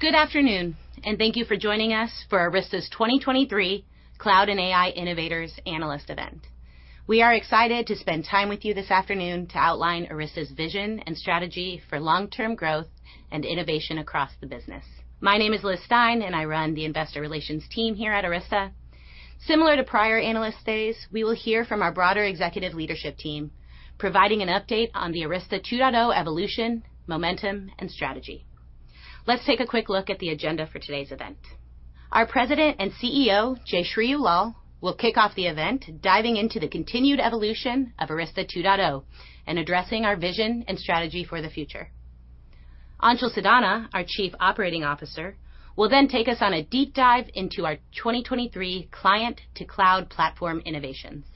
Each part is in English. Good afternoon, and thank you for joining us for Arista's 2023 Cloud and AI Innovators Analyst event. We are excited to spend time with you this afternoon to outline Arista's vision and strategy for long-term growth and innovation across the business. My name is Liz Stine, and I run the investor relations team here at Arista. Similar to prior Analyst Days, we will hear from our broader executive leadership team, providing an update on the Arista 2.0 evolution, momentum, and strategy. Let's take a quick look at the agenda for today's event. Our President and CEO, Jayshree Ullal, will kick off the event, diving into the continued evolution of Arista 2.0, and addressing our vision and strategy for the future. Anshul Sadana, our Chief Operating Officer, will then take us on a deep dive into our 2023 client to cloud platform innovations.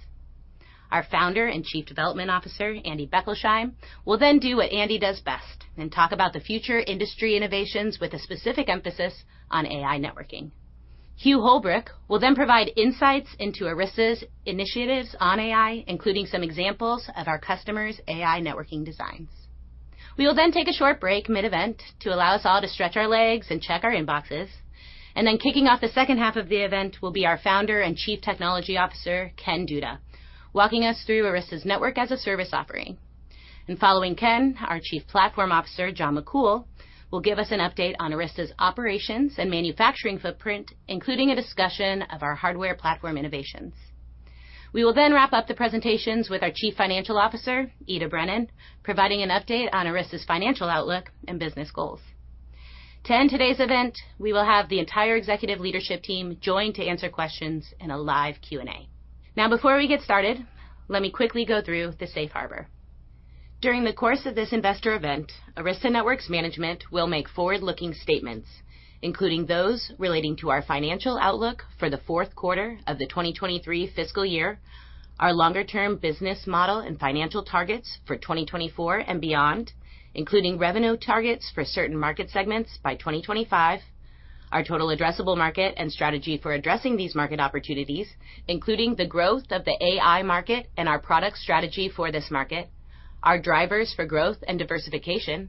Our Founder and Chief Development Officer, Andy Bechtolsheim, will then do what Andy does best and talk about the future industry innovations with a specific emphasis on AI networking. Hugh Holbrook will then provide insights into Arista's initiatives on AI, including some examples of our customers' AI networking designs. We will then take a short break mid-event to allow us all to stretch our legs and check our inboxes, and then kicking off the second half of the event will be our Founder and Chief Technology Officer, Ken Duda, walking us through Arista's network as a service offering. And following Ken, our Chief Platform Officer, John McCool, will give us an update on Arista's operations and manufacturing footprint, including a discussion of our hardware platform innovations. We will then wrap up the presentations with our Chief Financial Officer, Ita Brennan, providing an update on Arista's financial outlook and business goals. To end today's event, we will have the entire executive leadership team join to answer questions in a live Q&A. Now, before we get started, let me quickly go through the safe harbor. During the course of this investor event, Arista Networks management will make forward-looking statements, including those relating to our financial outlook for the fourth quarter of the 2023 fiscal year, our longer-term business model and financial targets for 2024 and beyond, including revenue targets for certain market segments by 2025. Our total addressable market and strategy for addressing these market opportunities, including the growth of the AI market and our product strategy for this market, our drivers for growth and diversification,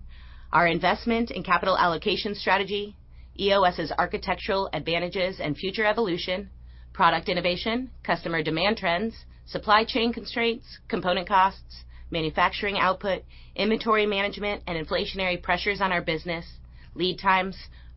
our investment and capital allocation strategy, EOS's architectural advantages and future evolution, product innovation, customer demand trends, supply chain constraints, component costs, manufacturing output, inventory management and inflationary pressures on our business, lead times,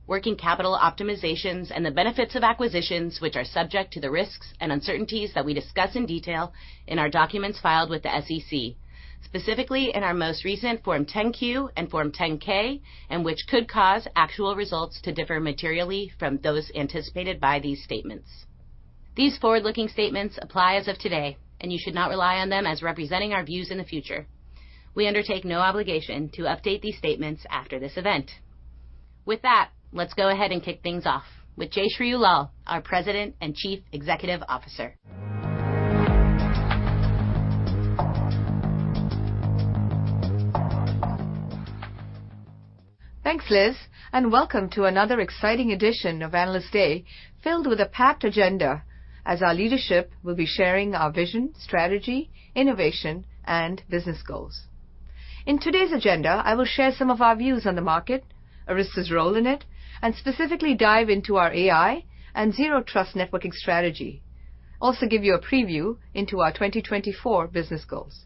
working capital optimizations, and the benefits of acquisitions, which are subject to the risks and uncertainties that we discuss in detail in our documents filed with the SEC, specifically in our most recent Form 10-Q and Form 10-K, and which could cause actual results to differ materially from those anticipated by these statements. These forward-looking statements apply as of today, and you should not rely on them as representing our views in the future. We undertake no obligation to update these statements after this event. With that, let's go ahead and kick things off with Jayshree Ullal, our President and Chief Executive Officer. Thanks, Liz, and welcome to another exciting edition of Analyst Day, filled with a packed agenda as our leadership will be sharing our vision, strategy, innovation, and business goals. In today's agenda, I will share some of our views on the market, Arista's role in it, and specifically dive into our AI and Zero Trust networking strategy. Also, give you a preview into our 2024 business goals.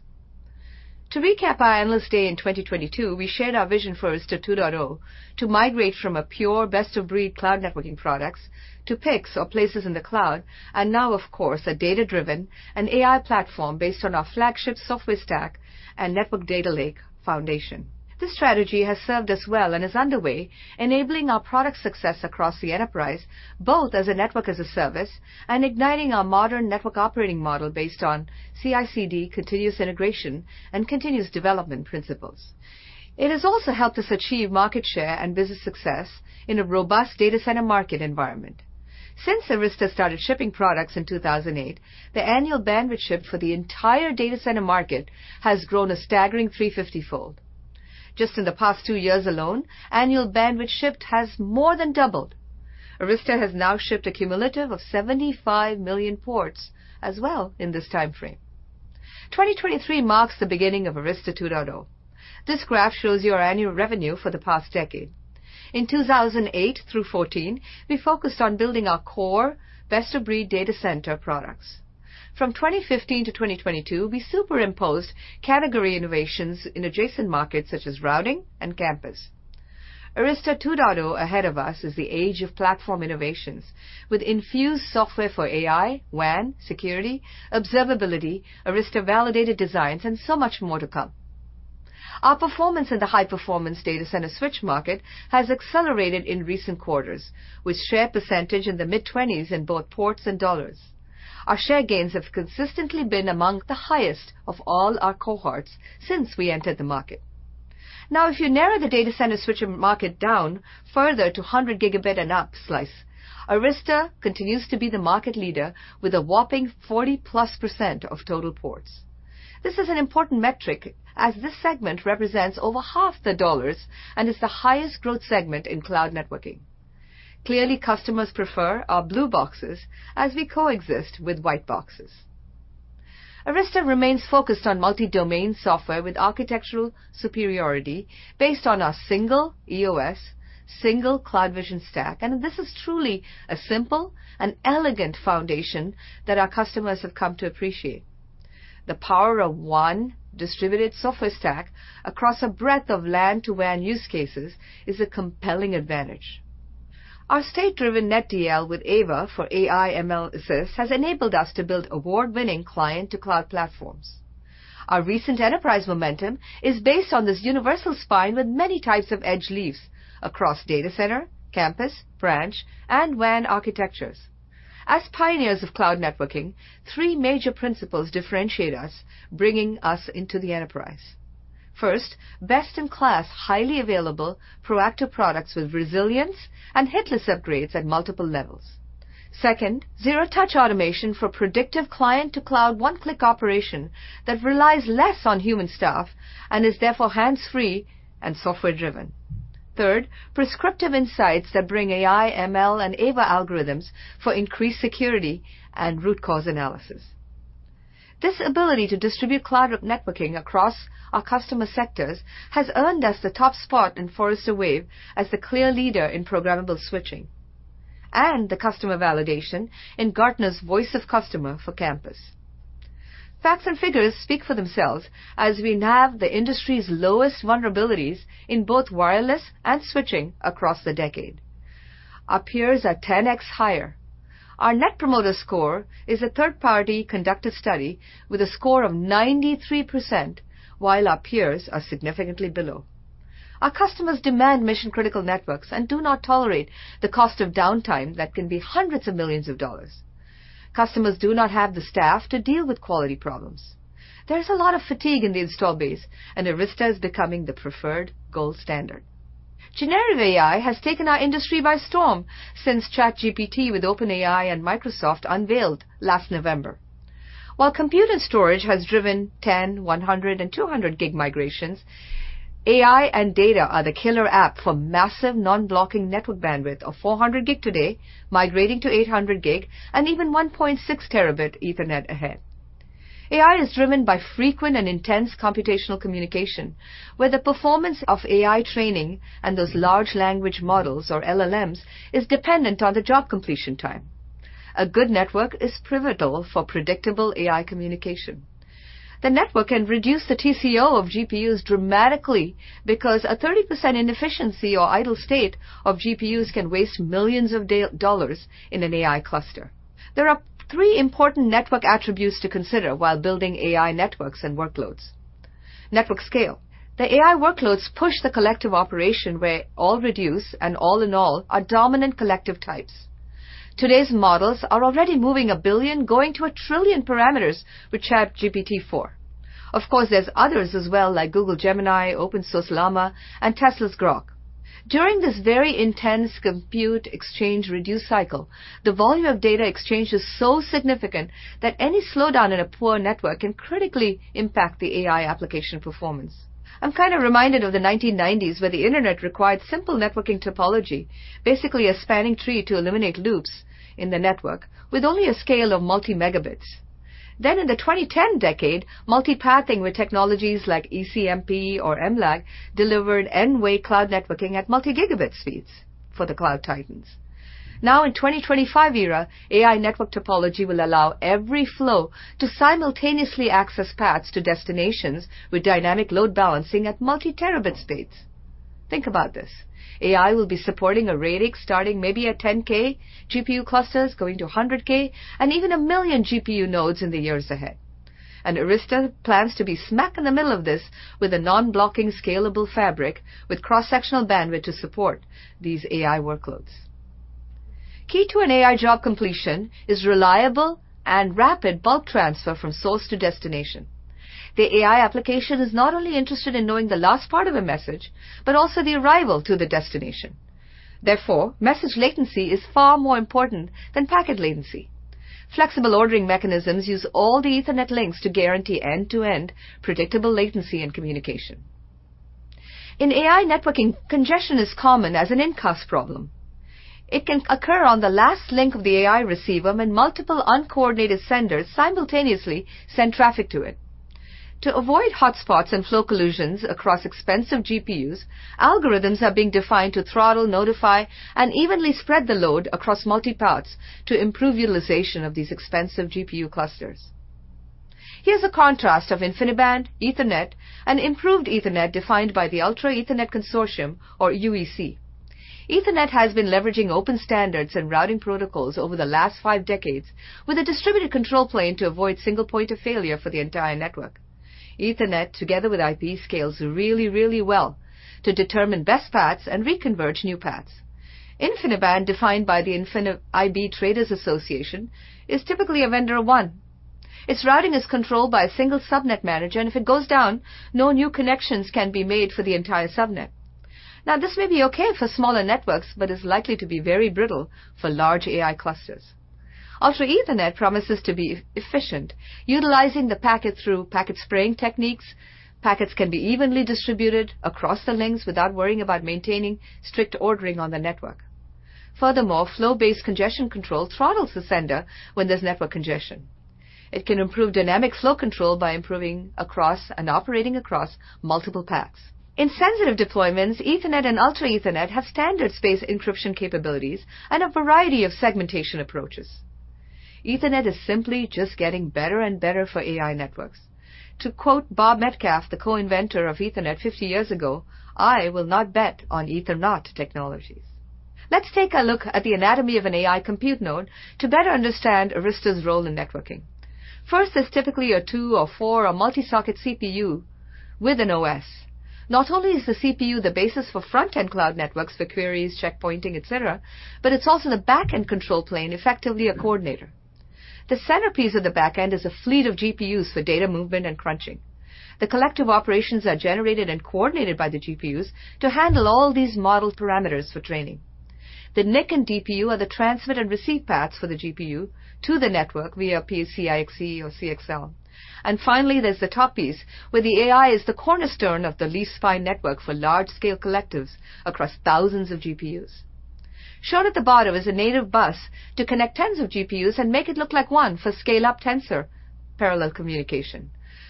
To recap our Analyst Day in 2022, we shared our vision for Arista 2.0 to migrate from a pure best-of-breed cloud networking products to PICs or places in the cloud, and now, of course, a data-driven and AI platform based on our flagship software stack and network data lake foundation. This strategy has served us well and is underway, enabling our product success across the enterprise, both as a network, as a service, and igniting our modern network operating model based on CI/CD, continuous integration and continuous development principles. It has also helped us achieve market share and business success in a robust data center market environment. Since Arista started shipping products in 2008, the annual bandwidth shipped for the entire data center market has grown a staggering 350-fold. Just in the past 2 years alone, annual bandwidth shipped has more than doubled. Arista has now shipped a cumulative of 75 million ports as well in this time frame. 2023 marks the beginning of Arista 2.0. This graph shows your annual revenue for the past decade. In 2008 through 2014, we focused on building our core best-of-breed data center products. From 2015 to 2022, we superimposed category innovations in adjacent markets such as routing and campus. Arista 2.0, ahead of us, is the age of platform innovations with infused software for AI, WAN, security, observability, Arista-validated designs, and so much more to come. Our performance in the high-performance data center switch market has accelerated in recent quarters, with share percentage in the mid-20s in both ports and dollars. Our share gains have consistently been among the highest of all our cohorts since we entered the market. Now, if you narrow the data center switching market down further to 100 gigabit and up slice, Arista continues to be the market leader with a whopping 40+% of total ports. This is an important metric as this segment represents over half the dollars and is the highest growth segment in cloud networking.... Clearly, customers prefer our blue boxes as we coexist with white boxes. Arista remains focused on multi-domain software with architectural superiority based on our single EOS, single CloudVision stack, and this is truly a simple and elegant foundation that our customers have come to appreciate. The power of one distributed software stack across a breadth of LAN to WAN use cases is a compelling advantage. Our state-driven NetDL with AVA for AI ML assist has enabled us to build award-winning client-to-cloud platforms. Our recent enterprise momentum is based on this universal spine with many types of edge leaves across data center, campus, branch, and WAN architectures. As pioneers of cloud networking, three major principles differentiate us, bringing us into the enterprise. First, best-in-class, highly available proactive products with resilience and hitless upgrades at multiple levels. Second, zero-touch automation for predictive client-to-cloud one-click operation that relies less on human staff and is therefore hands-free and software-driven. Third, prescriptive insights that bring AI, ML, and AVA algorithms for increased security and root cause analysis. This ability to distribute cloud networking across our customer sectors has earned us the top spot in Forrester Wave as the clear leader in programmable switching and the customer validation in Gartner's Voice of Customer for campus. Facts and figures speak for themselves as we have the industry's lowest vulnerabilities in both wireless and switching across the decade. Our peers are 10x higher. Our Net Promoter Score is a third-party conducted study with a score of 93%, while our peers are significantly below. Our customers demand mission-critical networks and do not tolerate the cost of downtime that can be $ hundreds of millions. Customers do not have the staff to deal with quality problems. There's a lot of fatigue in the installed base, and Arista is becoming the preferred gold standard. Generative AI has taken our industry by storm since ChatGPT with OpenAI and Microsoft unveiled last November. While compute and storage has driven 10 gig, 100 gig, and 200 gig migrations, AI and data are the killer app for massive non-blocking network bandwidth of 400 gig today, migrating to 800 gig and even 1.6 TB Ethernet ahead. AI is driven by frequent and intense computational communication, where the performance of AI training and those large language models, or LLMs, is dependent on the job completion time. A good network is pivotal for predictable AI communication. The network can reduce the TCO of GPUs dramatically because a 30% inefficiency or idle state of GPUs can waste $ millions in an AI cluster. There are three important network attributes to consider while building AI networks and workloads. Network scale. The AI workloads push the collective operation where all-reduce and all-to-all are dominant collective types. Today's models are already moving 1 billion, going to 1 trillion parameters with ChatGPT-4. Of course, there's others as well, like Google Gemini, open source Llama, and Tesla's Grok. During this very intense compute, exchange, reduce cycle, the volume of data exchanged is so significant that any slowdown in a poor network can critically impact the AI application performance. I'm kind of reminded of the 1990s, where the internet required simple networking topology, basically a spanning tree, to eliminate loops in the network with only a scale of multi-megabits. Then in the 2010s, multi-pathing with technologies like ECMP or MLAG delivered end-to-end cloud networking at multi-gigabit speeds for the cloud titans. Now, in 2025 era, AI network topology will allow every flow to simultaneously access paths to destinations with dynamic load balancing at multi-terabit speeds. Think about this: AI will be supporting a radix starting maybe at 10k GPU clusters, going to 100k and even 1 million GPU nodes in the years ahead. And Arista plans to be smack in the middle of this with a non-blocking, scalable fabric with cross-sectional bandwidth to support these AI workloads. Key to an AI job completion is reliable and rapid bulk transfer from source to destination. The AI application is not only interested in knowing the last part of the message, but also the arrival to the destination. Therefore, message latency is far more important than packet latency. Flexible ordering mechanisms use all the Ethernet links to guarantee end-to-end predictable latency and communication. In AI, networking congestion is common as an incast problem. It can occur on the last link of the AI receiver when multiple uncoordinated senders simultaneously send traffic to it. To avoid hotspots and flow collisions across expensive GPUs, algorithms are being defined to throttle, notify, and evenly spread the load across multi paths to improve utilization of these expensive GPU clusters. Here's a contrast of InfiniBand, Ethernet, and improved Ethernet, defined by the Ultra Ethernet Consortium, or UEC. Ethernet has been leveraging open standards and routing protocols over the last five decades, with a distributed control plane to avoid single point of failure for the entire network. Ethernet, together with IP, scales really, really well to determine best paths and reconverge new paths. InfiniBand, defined by the InfiniBand Trade Association, is typically a vendor of one. Its routing is controlled by a single subnet manager, and if it goes down, no new connections can be made for the entire subnet. Now, this may be okay for smaller networks, but is likely to be very brittle for large AI clusters. Ultra Ethernet promises to be efficient, utilizing packet-to-packet spraying techniques. Packets can be evenly distributed across the links without worrying about maintaining strict ordering on the network. Furthermore, flow-based congestion control throttles the sender when there's network congestion. It can improve dynamic flow control by improving across and operating across multiple paths. In sensitive deployments, Ethernet and Ultra Ethernet have standards-based encryption capabilities and a variety of segmentation approaches. Ethernet is simply just getting better and better for AI networks. To quote Bob Metcalfe, the co-inventor of Ethernet 50 years ago, "I will not bet on Ethernot technologies." Let's take a look at the anatomy of an AI compute node to better understand Arista's role in networking. First, there's typically a 2 or 4 or multi-socket CPU with an OS. Not only is the CPU the basis for front-end cloud networks for queries, checkpointing, et cetera, but it's also the back-end control plane, effectively a coordinator. The centerpiece of the back end is a fleet of GPUs for data movement and crunching. The collective operations are generated and coordinated by the GPUs to handle all these model parameters for training. The NIC and DPU are the transmit and receive paths for the GPU to the network via PCIe or CXL. Finally, there's the top piece, where the AI is the cornerstone of the leaf-spine network for large-scale collectives across thousands of GPUs. Shown at the bottom is a native bus to connect tens of GPUs and make it look like one for scale-up tensor parallel communication.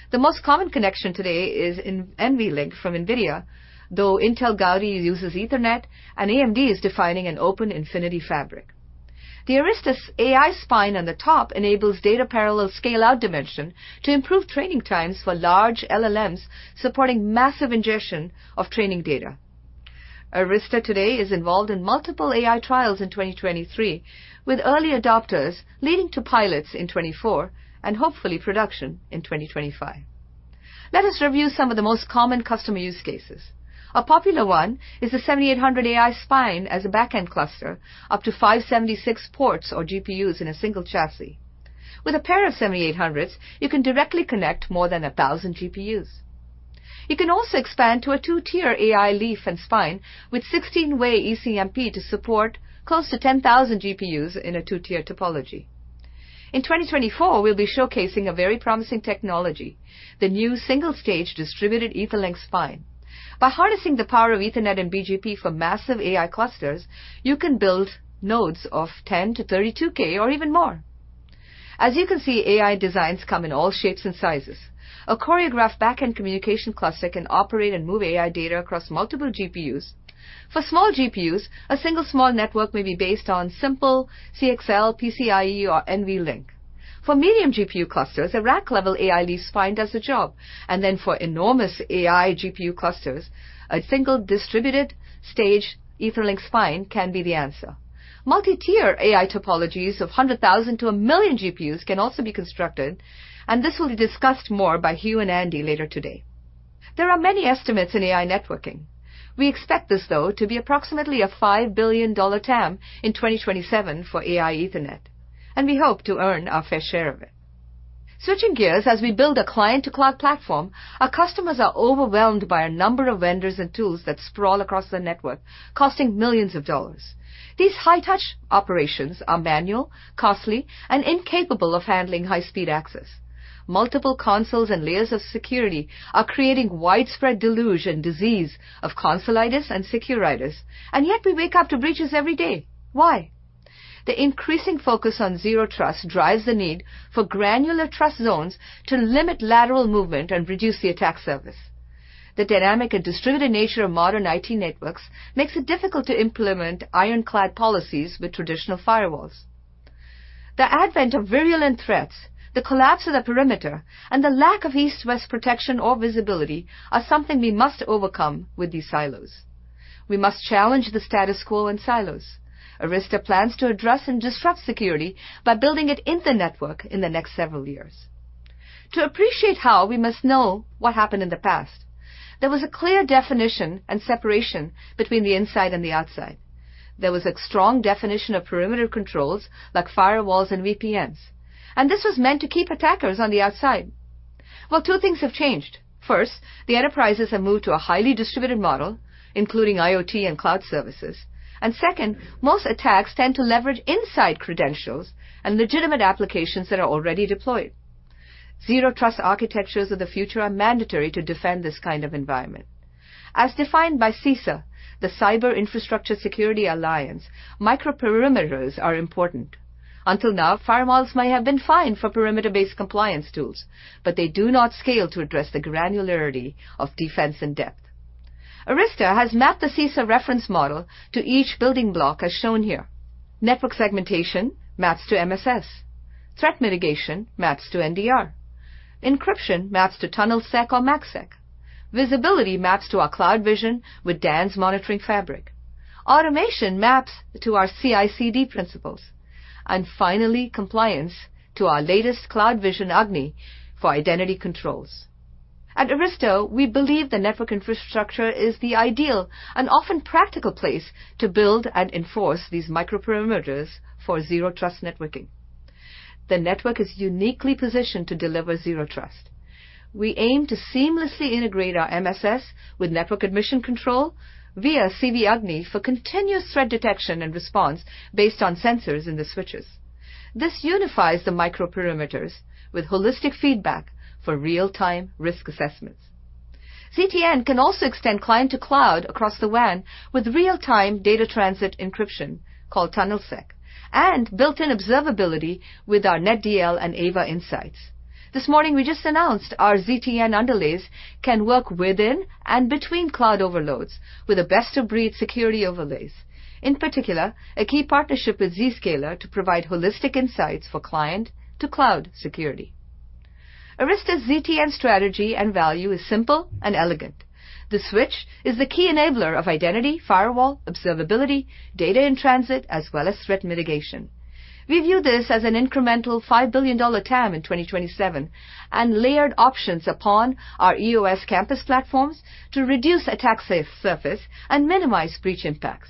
The most common connection today is in NVLink from NVIDIA, though Intel Gaudi uses Ethernet, and AMD is defining an open infinity fabric. Arista's AI spine on the top enables data parallel scale-out dimension to improve training times for large LLMs, supporting massive ingestion of training data. Arista today is involved in multiple AI trials in 2023, with early adopters leading to pilots in 2024 and hopefully production in 2025. Let us review some of the most common customer use cases. A popular one is the 7800 AI spine as a back-end cluster, up to 576 ports or GPUs in a single chassis. With a pair of 7800s, you can directly connect more than 1,000 GPUs. You can also expand to a two-tier AI leaf and spine with 16-way ECMP to support close to 10,000 GPUs in a two-tier topology. In 2024, we'll be showcasing a very promising technology, the new single-stage Distributed EtherLink Spine. By harnessing the power of Ethernet and BGP for massive AI clusters, you can build nodes of 10-32K or even more. As you can see, AI designs come in all shapes and sizes. A choreographed back-end communication cluster can operate and move AI data across multiple GPUs. For small GPUs, a single small network may be based on simple CXL, PCIe, or NVLink. For medium GPU clusters, a rack-level AI leaf spine does the job. Then for enormous AI GPU clusters, a single distributed stage EtherLink spine can be the answer. Multi-tier AI topologies of 100,000-1,000,000 GPUs can also be constructed, and this will be discussed more by Hugh and Andy later today. There are many estimates in AI networking. We expect this, though, to be approximately $5 billion TAM in 2027 for AI Ethernet, and we hope to earn our fair share of it. Switching gears, as we build a client-to-cloud platform, our customers are overwhelmed by a number of vendors and tools that sprawl across the network, costing $ millions. These high-touch operations are manual, costly, and incapable of handling high-speed access. Multiple consoles and layers of security are creating widespread delusion, disease of consolitis and securitis, and yet we wake up to breaches every day. Why? The increasing focus on zero trust drives the need for granular trust zones to limit lateral movement and reduce the attack service. The dynamic and distributed nature of modern IT networks makes it difficult to implement ironclad policies with traditional firewalls. The advent of virulent threats, the collapse of the perimeter, and the lack of east-west protection or visibility are something we must overcome with these silos. We must challenge the status quo and silos. Arista plans to address and disrupt security by building it in the network in the next several years. To appreciate how, we must know what happened in the past. There was a clear definition and separation between the inside and the outside. There was a strong definition of perimeter controls like firewalls and VPNs, and this was meant to keep attackers on the outside. Well, two things have changed. First, the enterprises have moved to a highly distributed model, including IoT and cloud services. Second, most attacks tend to leverage inside credentials and legitimate applications that are already deployed. Zero trust architectures of the future are mandatory to defend this kind of environment. As defined by CISA, the Cybersecurity and Infrastructure Security Agency, microperimeters are important. Until now, firewalls may have been fine for perimeter-based compliance tools, but they do not scale to address the granularity of defense in-depth. Arista has mapped the CISA reference model to each building block, as shown here. Network segmentation maps to MSS. Threat mitigation maps to NDR. Encryption maps to TunnelSec or MACsec. Visibility maps to our CloudVision with DANZ monitoring fabric. Automation maps to our CI/CD principles, and finally, compliance to our latest CloudVision AGNI for identity controls. At Arista, we believe the network infrastructure is the ideal and often practical place to build and enforce these microperimeters for zero trust networking.... The network is uniquely positioned to deliver zero trust. We aim to seamlessly integrate our MSS with network admission control via CloudVision AGNI for continuous threat detection and response based on sensors in the switches. This unifies the micro perimeters with holistic feedback for real-time risk assessments. ZTN can also extend client to cloud across the WAN with real-time data transit encryption, called TunnelSec, and built-in observability with our NetDL and AVA insights. This morning, we just announced our ZTN underlays can work within and between cloud overlays with the best-of-breed security overlays. In particular, a key partnership with Zscaler to provide holistic insights for client to cloud security. Arista's ZTN strategy and value is simple and elegant. The switch is the key enabler of identity, firewall, observability, data in transit, as well as threat mitigation. We view this as an incremental $5 billion TAM in 2027, and layered options upon our EOS campus platforms to reduce attack surface and minimize breach impacts.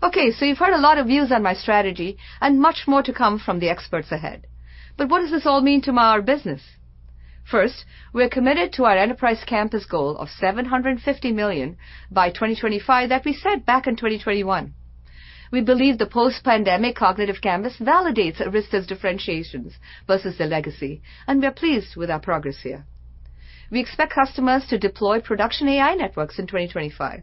Okay, so you've heard a lot of views on my strategy and much more to come from the experts ahead. But what does this all mean to our business? First, we are committed to our enterprise campus goal of $750 million by 2025 that we set back in 2021. We believe the post-pandemic cognitive canvas validates Arista's differentiations versus the legacy, and we are pleased with our progress here. We expect customers to deploy production AI networks in 2025.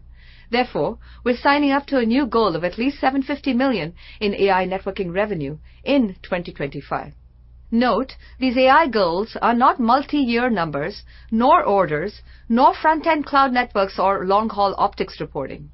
Therefore, we're signing up to a new goal of at least $750 million in AI networking revenue in 2025. Note, these AI goals are not multi-year numbers, nor orders, nor front-end cloud networks or long-haul optics reporting.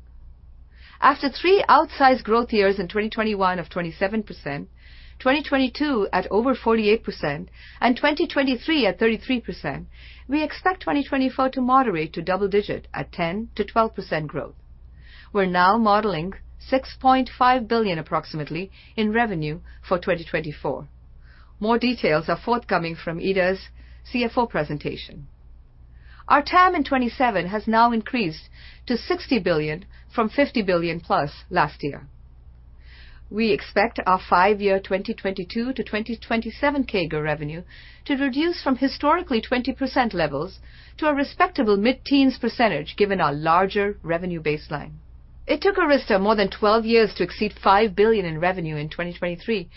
After three outsized growth years in 2021 of 27%, 2022 at over 48%, and 2023 at 33%, we expect 2024 to moderate to double-digit 10%-12% growth. We're now modeling approximately $6.5 billion in revenue for 2024. More details are forthcoming from Ita's CFO presentation. Our TAM in 2027 has now increased to $60 billion from $50 billion+ last year. We expect our 5-year, 2022 to 2027 CAGR revenue to reduce from historically 20% levels to a respectable mid-teens %, given our larger revenue baseline. It took Arista more than 12 years to exceed $5 billion in revenue in 2023,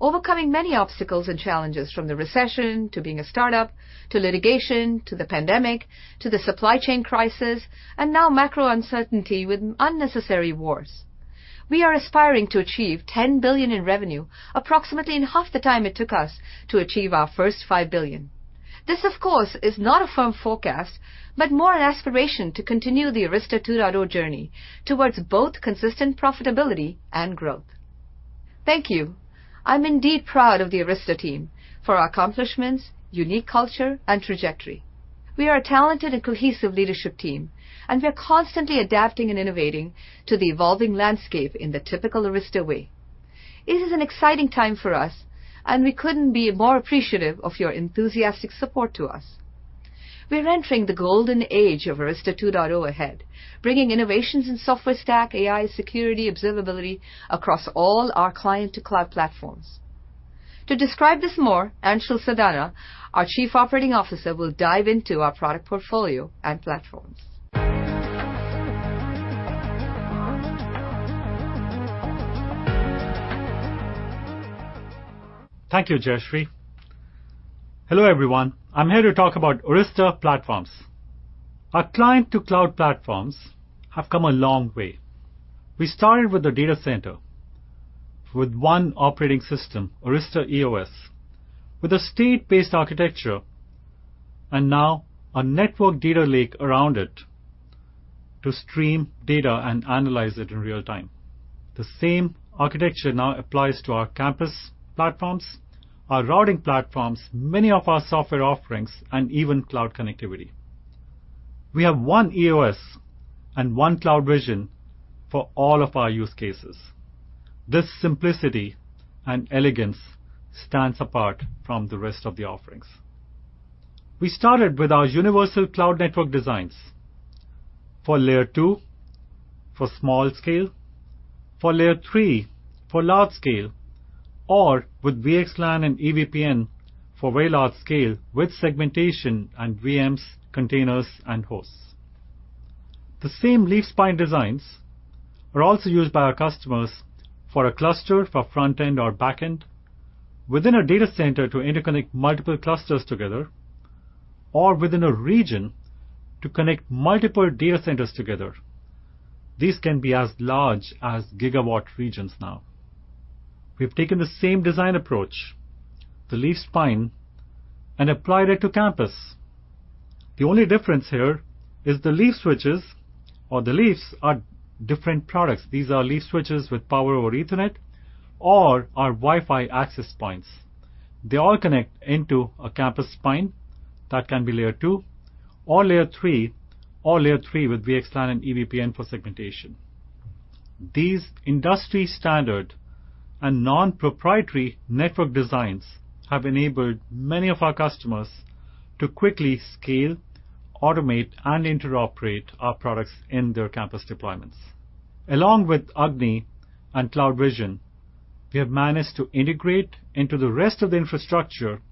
overcoming many obstacles and challenges from the recession to being a startup, to litigation, to the pandemic, to the supply chain crisis, and now macro uncertainty with unnecessary wars. We are aspiring to achieve $10 billion in revenue, approximately in half the time it took us to achieve our first $5 billion. This, of course, is not a firm forecast, but more an aspiration to continue the Arista 2.0 journey towards both consistent profitability and growth. Thank you. I'm indeed proud of the Arista team for our accomplishments, unique culture, and trajectory. We are a talented and cohesive leadership team, and we are constantly adapting and innovating to the evolving landscape in the typical Arista way. It is an exciting time for us, and we couldn't be more appreciative of your enthusiastic support to us. We are entering the golden age of Arista 2.0 ahead, bringing innovations in software stack, AI, security, observability across all our client to cloud platforms. To describe this more, Anshul Sadana, our Chief Operating Officer, will dive into our product portfolio and platforms. Thank you, Jayshree. Hello, everyone. I'm here to talk about Arista platforms. Our client to cloud platforms have come a long way. We started with the data center, with one operating system, Arista EOS, with a state-based architecture and now a network data lake around it to stream data and analyze it in real time. The same architecture now applies to our campus platforms, our routing platforms, many of our software offerings, and even cloud connectivity. We have one EOS and one CloudVision for all of our use cases. This simplicity and elegance stands apart from the rest of the offerings. We started with our universal cloud network designs for layer two, for small scale, for layer three, for large scale, or with VXLAN and EVPN for very large scale, with segmentation and VMs, containers, and hosts. The same leaf-spine designs are also used by our customers for a cluster, for front-end or back-end, within a data center to interconnect multiple clusters together, or within a region to connect multiple data centers together. These can be as large as gigawatt regions now. We've taken the same design approach, the leaf-spine, and applied it to campus. The only difference here is the leaf switches or the leaves are different products. These are leaf switches with power over Ethernet or our Wi-Fi access points. They all connect into a campus spine that can be layer two, or layer three, or layer three with VXLAN and EVPN for segmentation. These industry standard and non-proprietary network designs have enabled many of our customers to quickly scale, automate, and interoperate our products in their campus deployments... Along with AGNI and CloudVision, we have managed to integrate into the rest of the infrastructure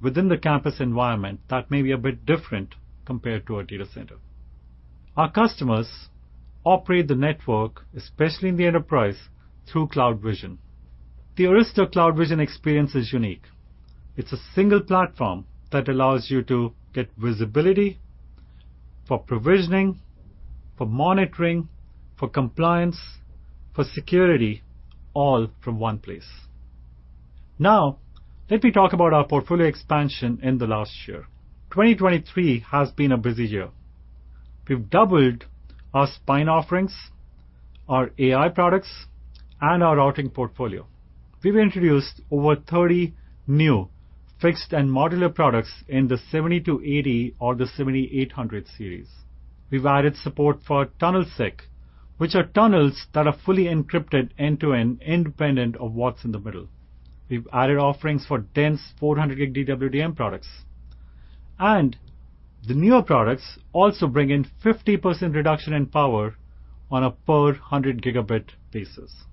within the campus environment that may be a bit different compared to a data center. Our customers operate the network, especially in the enterprise, through CloudVision. The Arista CloudVision experience is unique. It's a single platform that allows you to get visibility for provisioning, for monitoring, for compliance, for security, all from one place. Now, let me talk about our portfolio expansion in the last year. 2023 has been a busy year. We've doubled our spine offerings, our AI products, and our routing portfolio. We've introduced over 30 new fixed and modular products in the 70 to 80 or the 7800 series. We've added support for TunnelSec, which are tunnels that are fully encrypted end-to-end, independent of what's in the middle. We've added offerings for dense 400 gig DWDM products. And the newer products also bring in 50% reduction in power on a per 100 gigabit basis.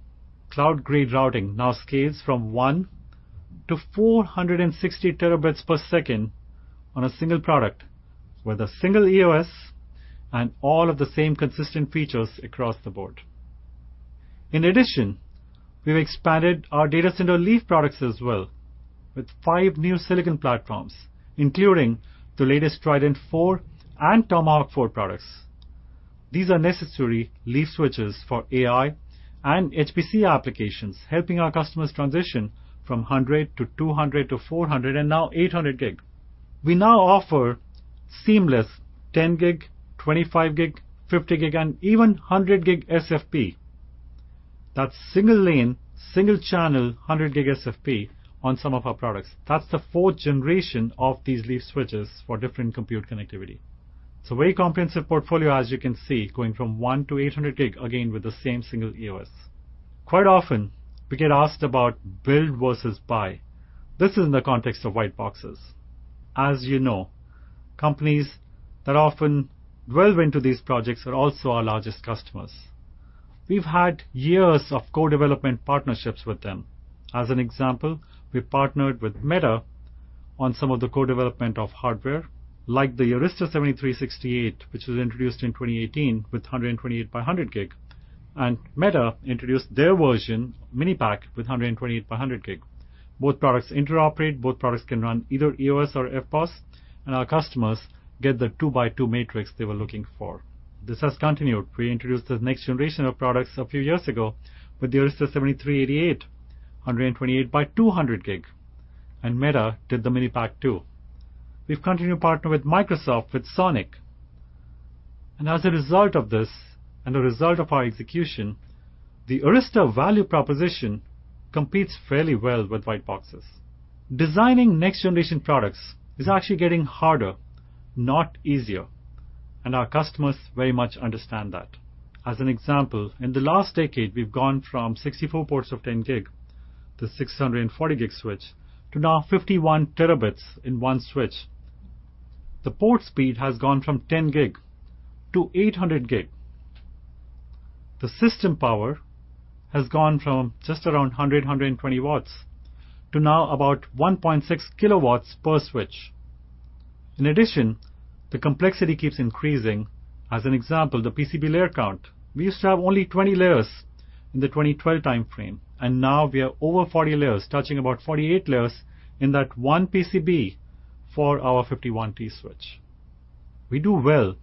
Cloud-grade routing now scales from 1 TB to 460 TB per second on a single product, with a single EOS and all of the same consistent features across the board. In addition, we've expanded our data center leaf products as well, with five new silicon platforms, including the latest Trident 4 and Tomahawk 4 products. These are necessary leaf switches for AI and HPC applications, helping our customers transition from 100 to 200 to 400, and now 800 gig. We now offer seamless 10 gig, 25 gig, 50 gig, and even 100 gig SFP. That's single lane, single channel, 100 gig SFP on some of our products. That's the 4th generation of these leaf switches for different compute connectivity. It's a very comprehensive portfolio, as you can see, going from 1 gig to 800 gig, again, with the same single EOS. Quite often, we get asked about build versus buy. This is in the context of white boxes. As you know, companies that often delve into these projects are also our largest customers. We've had years of co-development partnerships with them. As an example, we partnered with Meta on some of the co-development of hardware, like the Arista 7368, which was introduced in 2018 with 128 by 100 gig, and Meta introduced their version, Minipack, with 128 by 100 gig. Both products interoperate, both products can run either EOS or FBOSS, and our customers get the 2-by-2 matrix they were looking for. This has continued. We introduced the next generation of products a few years ago with the Arista 7388, 128 by 200G, and Meta did the Minipack 2. We've continued to partner with Microsoft, with SONiC. As a result of this, and a result of our execution, the Arista value proposition competes fairly well with white boxes. Designing next-generation products is actually getting harder, not easier, and our customers very much understand that. As an example, in the last decade, we've gone from 64 ports of 10G to 640G switch, to now 51 TB in one switch. The port speed has gone from 10G to 800G. The system power has gone from just around 100-120 W to now about 1.6 kW per switch. In addition, the complexity keeps increasing. As an example, the PCB layer count. We used to have only 20 layers in the 2012 timeframe, and now we are over 40 layers, touching about 48 layers in that one PCB for our 51 T switch. We do well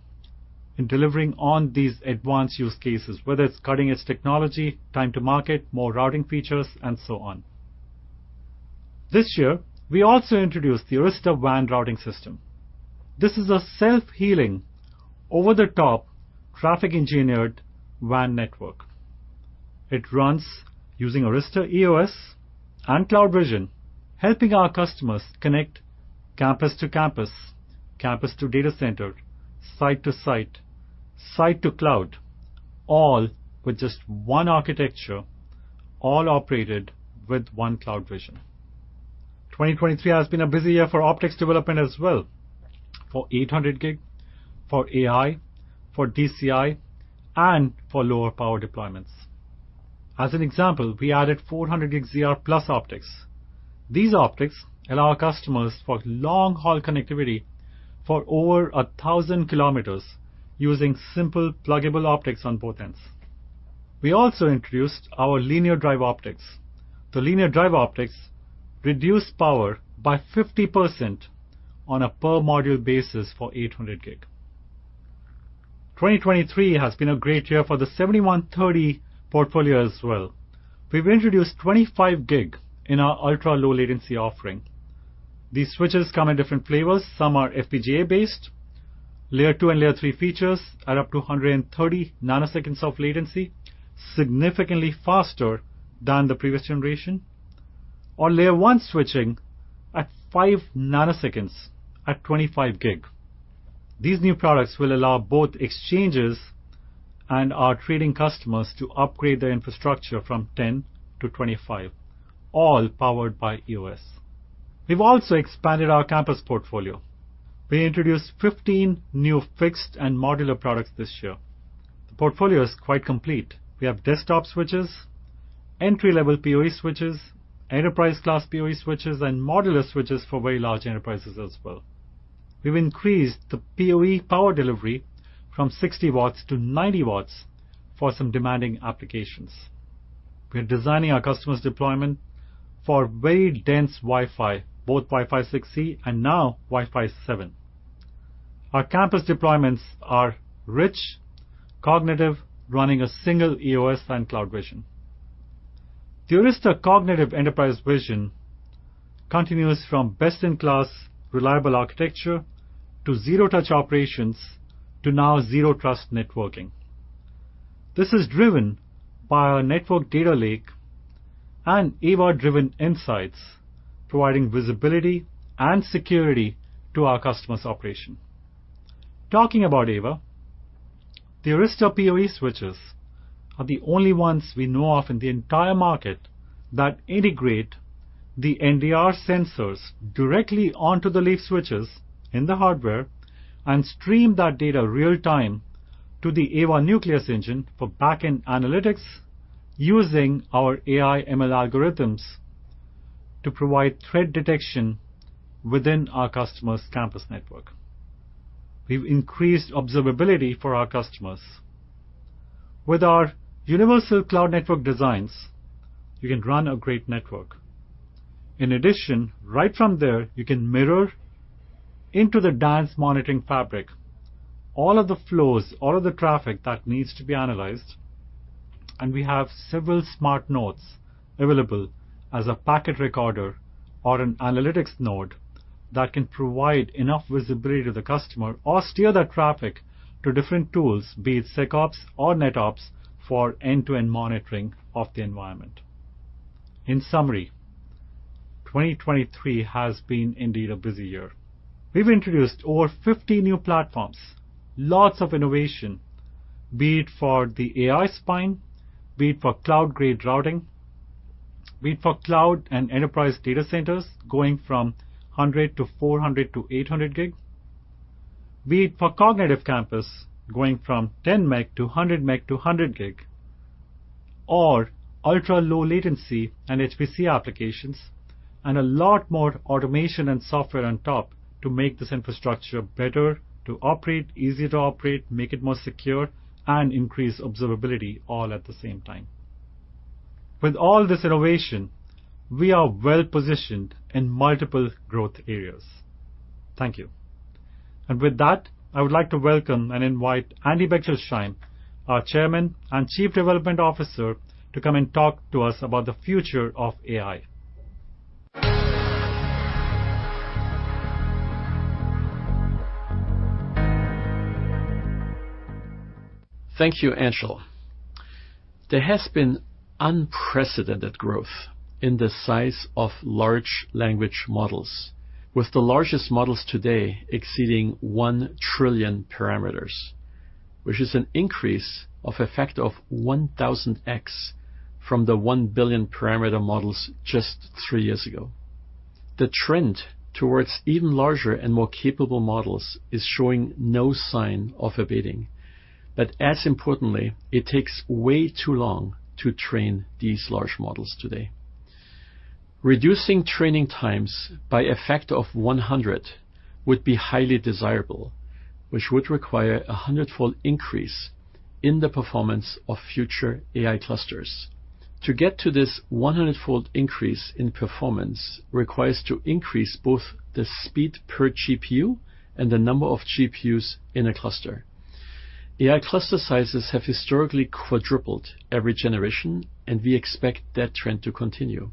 in delivering on these advanced use cases, whether it's cutting-edge technology, time to market, more routing features, and so on. This year, we also introduced the Arista WAN routing system. This is a self-healing over-the-top traffic engineered WAN network. It runs using Arista EOS and CloudVision, helping our customers connect campus to campus, campus to data center, site to site, site to cloud, all with just one architecture, all operated with one CloudVision. 2023 has been a busy year for optics development as well, for 800 gig, for AI, for DCI, and for lower power deployments. As an example, we added 400G ZR+ optics. These optics allow our customers for long-haul connectivity for over 1,000 kilometers using simple pluggable optics on both ends. We also introduced our linear pluggable optics. The linear pluggable optics reduce power by 50% on a per-module basis for 800G. 2023 has been a great year for the 7130 portfolio as well. We've introduced 25G in our ultra-low latency offering. These switches come in different flavors. Some are FPGA-based. Layer 2 and Layer 3 features are up to 130 nanoseconds of latency, significantly faster than the previous generation, or Layer 1 switching at 5 nanoseconds at 25G. These new products will allow both exchanges and our trading customers to upgrade their infrastructure from 10 to 25, all powered by EOS. We've also expanded our campus portfolio... We introduced 15 new fixed and modular products this year. The portfolio is quite complete. We have desktop switches, entry-level PoE switches, enterprise-class PoE switches, and modular switches for very large enterprises as well. We've increased the PoE power delivery from 60 watts to 90 watts for some demanding applications. We're designing our customers' deployment for very dense Wi-Fi, both Wi-Fi 6E and now Wi-Fi 7. Our campus deployments are rich, cognitive, running a single EOS and CloudVision. The Arista cognitive enterprise vision continues from best-in-class reliable architecture, to zero-touch operations, to now zero trust networking. This is driven by our Network Data Lake and AVA-driven insights, providing visibility and security to our customers' operation. Talking about AVA, the Arista PoE switches are the only ones we know of in the entire market that integrate the NDR sensors directly onto the leaf switches in the hardware and stream that data real time to the AVA nucleus engine for back-end analytics, using our AI ML algorithms to provide threat detection within our customer's campus network. We've increased observability for our customers. With our universal cloud network designs, you can run a great network. In addition, right from there, you can mirror into the DANZ monitoring fabric, all of the flows, all of the traffic that needs to be analyzed, and we have several smart nodes available as a packet recorder or an analytics node that can provide enough visibility to the customer or steer that traffic to different tools, be it SecOps or NetOps, for end-to-end monitoring of the environment. In summary, 2023 has been indeed a busy year. We've introduced over 50 new platforms, lots of innovation, be it for the AI spine, be it for cloud-grade routing, be it for cloud and enterprise data centers going from 100 to 400 to 800 gig, be it for cognitive campus, going from 10 meg to 100 meg to 100 gig, or ultra-low latency and HPC applications, and a lot more automation and software on top to make this infrastructure better, to operate, easier to operate, make it more secure, and increase observability all at the same time. With all this innovation, we are well positioned in multiple growth areas. Thank you. And with that, I would like to welcome and invite Andy Bechtolsheim, our Chairman and Chief Development Officer, to come and talk to us about the future of AI. Thank you, Anshul. There has been unprecedented growth in the size of large language models, with the largest models today exceeding 1 trillion parameters, which is an increase of a factor of 1,000x from the 1 billion parameter models just 3 years ago. The trend towards even larger and more capable models is showing no sign of abating, but as importantly, it takes way too long to train these large models today. Reducing training times by a factor of 100 would be highly desirable, which would require a 100-fold increase in the performance of future AI clusters. To get to this 100-fold increase in performance requires to increase both the speed per GPU and the number of GPUs in a cluster. AI cluster sizes have historically quadrupled every generation, and we expect that trend to continue.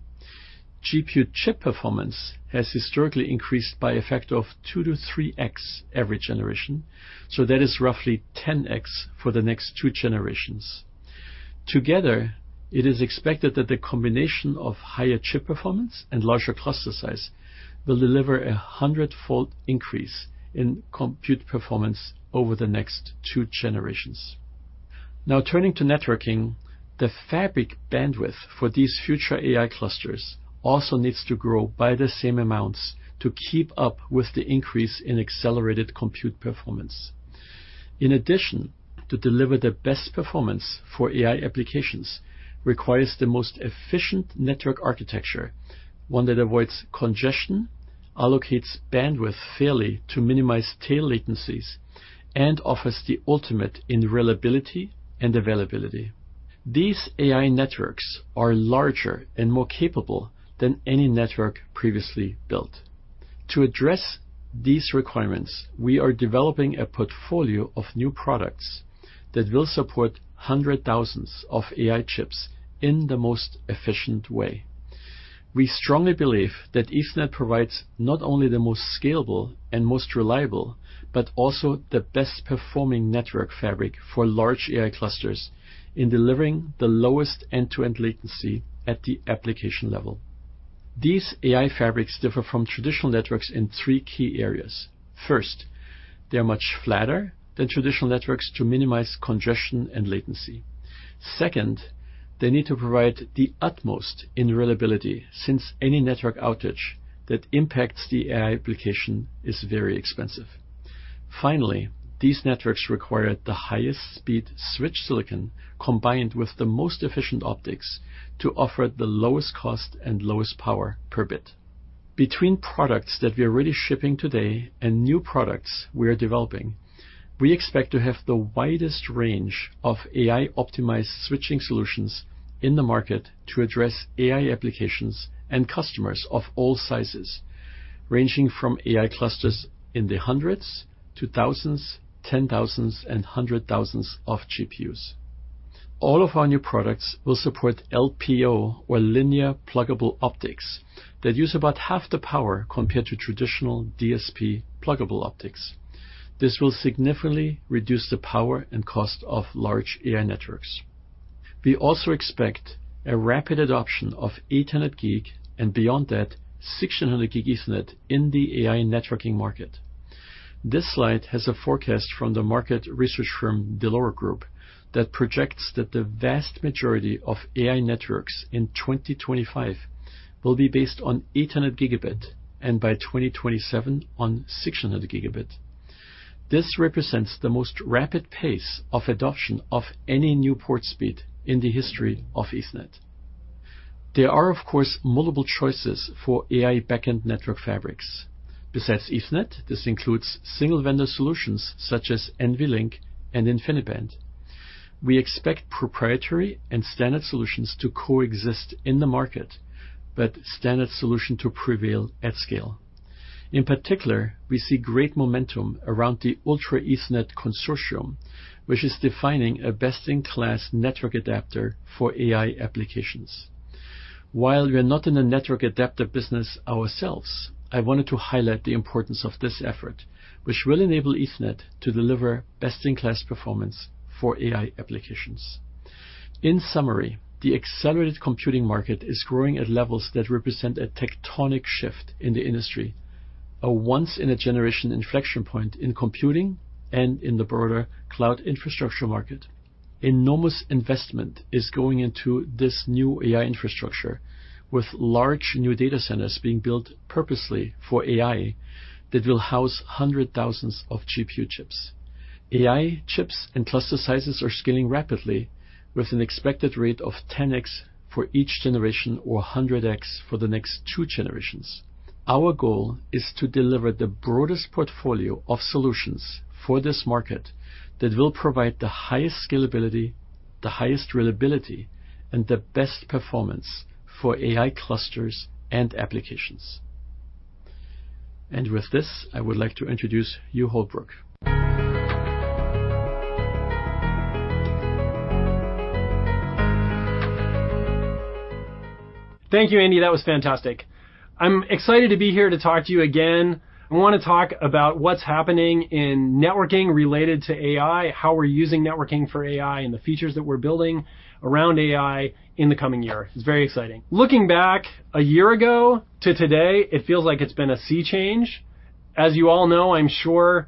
GPU chip performance has historically increased by a factor of 2x-3x every generation, so that is roughly 10x for the next two generations. Together, it is expected that the combination of higher chip performance and larger cluster size will deliver a 100-fold increase in compute performance over the next two generations. Now, turning to networking, the fabric bandwidth for these future AI clusters also needs to grow by the same amounts to keep up with the increase in accelerated compute performance. In addition, to deliver the best performance for AI applications requires the most efficient network architecture, one that avoids congestion, allocates bandwidth fairly to minimize tail latencies, and offers the ultimate in reliability and availability. These AI networks are larger and more capable than any network previously built. To address these requirements, we are developing a portfolio of new products that will support hundreds of thousands of AI chips in the most efficient way. We strongly believe that Ethernet provides not only the most scalable and most reliable, but also the best performing network fabric for large AI clusters in delivering the lowest end-to-end latency at the application level. These AI fabrics differ from traditional networks in three key areas. First, they're much flatter than traditional networks to minimize congestion and latency. Second, they need to provide the utmost in reliability, since any network outage that impacts the AI application is very expensive. Finally, these networks require the highest speed switch silicon, combined with the most efficient optics, to offer the lowest cost and lowest power per bit. Between products that we are already shipping today and new products we are developing, we expect to have the widest range of AI-optimized switching solutions in the market to address AI applications and customers of all sizes, ranging from AI clusters in the hundreds to thousands, 10,000s, and 100,000s of GPUs. All of our new products will support LPO, or linear pluggable optics, that use about half the power compared to traditional DSP pluggable optics. This will significantly reduce the power and cost of large AI networks. We also expect a rapid adoption of Ethernet 400 gig, and beyond that, 1,600 gig Ethernet in the AI networking market. This slide has a forecast from the market research firm, Dell'Oro Group, that projects that the vast majority of AI networks in 2025 will be based on Ethernet 400 GB, and by 2027, on 1,600 GB. This represents the most rapid pace of adoption of any new port speed in the history of Ethernet. There are, of course, multiple choices for AI backend network fabrics. Besides Ethernet, this includes single-vendor solutions such as NVLink and InfiniBand. We expect proprietary and standard solutions to coexist in the market, but standard solution to prevail at scale. In particular, we see great momentum around the Ultra Ethernet Consortium, which is defining a best-in-class network adapter for AI applications. While we are not in the network adapter business ourselves, I wanted to highlight the importance of this effort, which will enable Ethernet to deliver best-in-class performance for AI applications. In summary, the accelerated computing market is growing at levels that represent a tectonic shift in the industry, a once-in-a-generation inflection point in computing and in the broader cloud infrastructure market. Enormous investment is going into this new AI infrastructure, with large new data centers being built purposely for AI, that will house hundreds of thousands of GPU chips. AI chips and cluster sizes are scaling rapidly with an expected rate of 10x for each generation or 100x for the next two generations. Our goal is to deliver the broadest portfolio of solutions for this market that will provide the highest scalability, the highest reliability, and the best performance for AI clusters and applications. And with this, I would like to introduce Hugh Holbrook. Thank you, Andy. That was fantastic. I'm excited to be here to talk to you again. I want to talk about what's happening in networking related to AI, how we're using networking for AI, and the features that we're building around AI in the coming year. It's very exciting. Looking back a year ago to today, it feels like it's been a sea change. As you all know, I'm sure,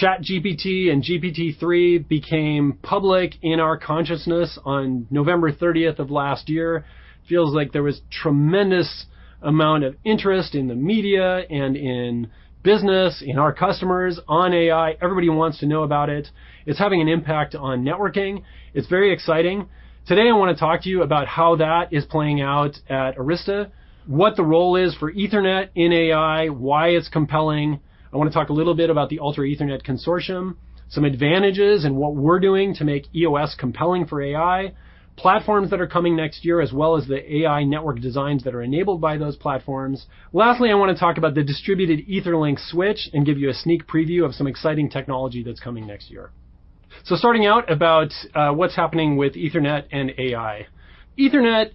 ChatGPT and GPT-3 became public in our consciousness on November 30 of last year. Feels like there was tremendous amount of interest in the media and in business, in our customers on AI. Everybody wants to know about it. It's having an impact on networking. It's very exciting. Today, I want to talk to you about how that is playing out at Arista, what the role is for Ethernet in AI, why it's compelling. I want to talk a little bit about the Ultra Ethernet Consortium, some advantages and what we're doing to make EOS compelling for AI, platforms that are coming next year, as well as the AI network designs that are enabled by those platforms. Lastly, I want to talk about the distributed Ethernet link switch and give you a sneak preview of some exciting technology that's coming next year. So starting out about what's happening with Ethernet and AI. Ethernet,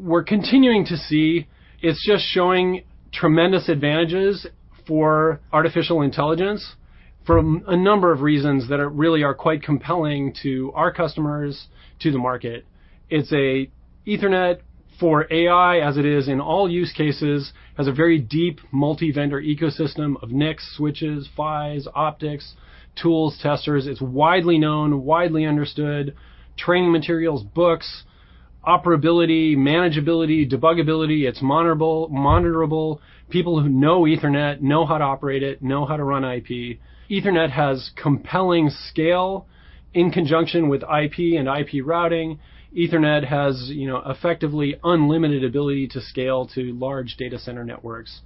we're continuing to see, it's just showing tremendous advantages for artificial intelligence, from a number of reasons that are really quite compelling to our customers, to the market. It's an Ethernet for AI, as it is in all use cases, has a very deep multi-vendor ecosystem of NIC switches, PHYs, optics, tools, testers. It's widely known, widely understood, training materials, books, operability, manageability, debuggability, it's monitorable, monitorable. People who know Ethernet know how to operate it, know how to run IP. Ethernet has compelling scale in conjunction with IP and IP routing. Ethernet has, you know, effectively unlimited ability to scale to large data center networks.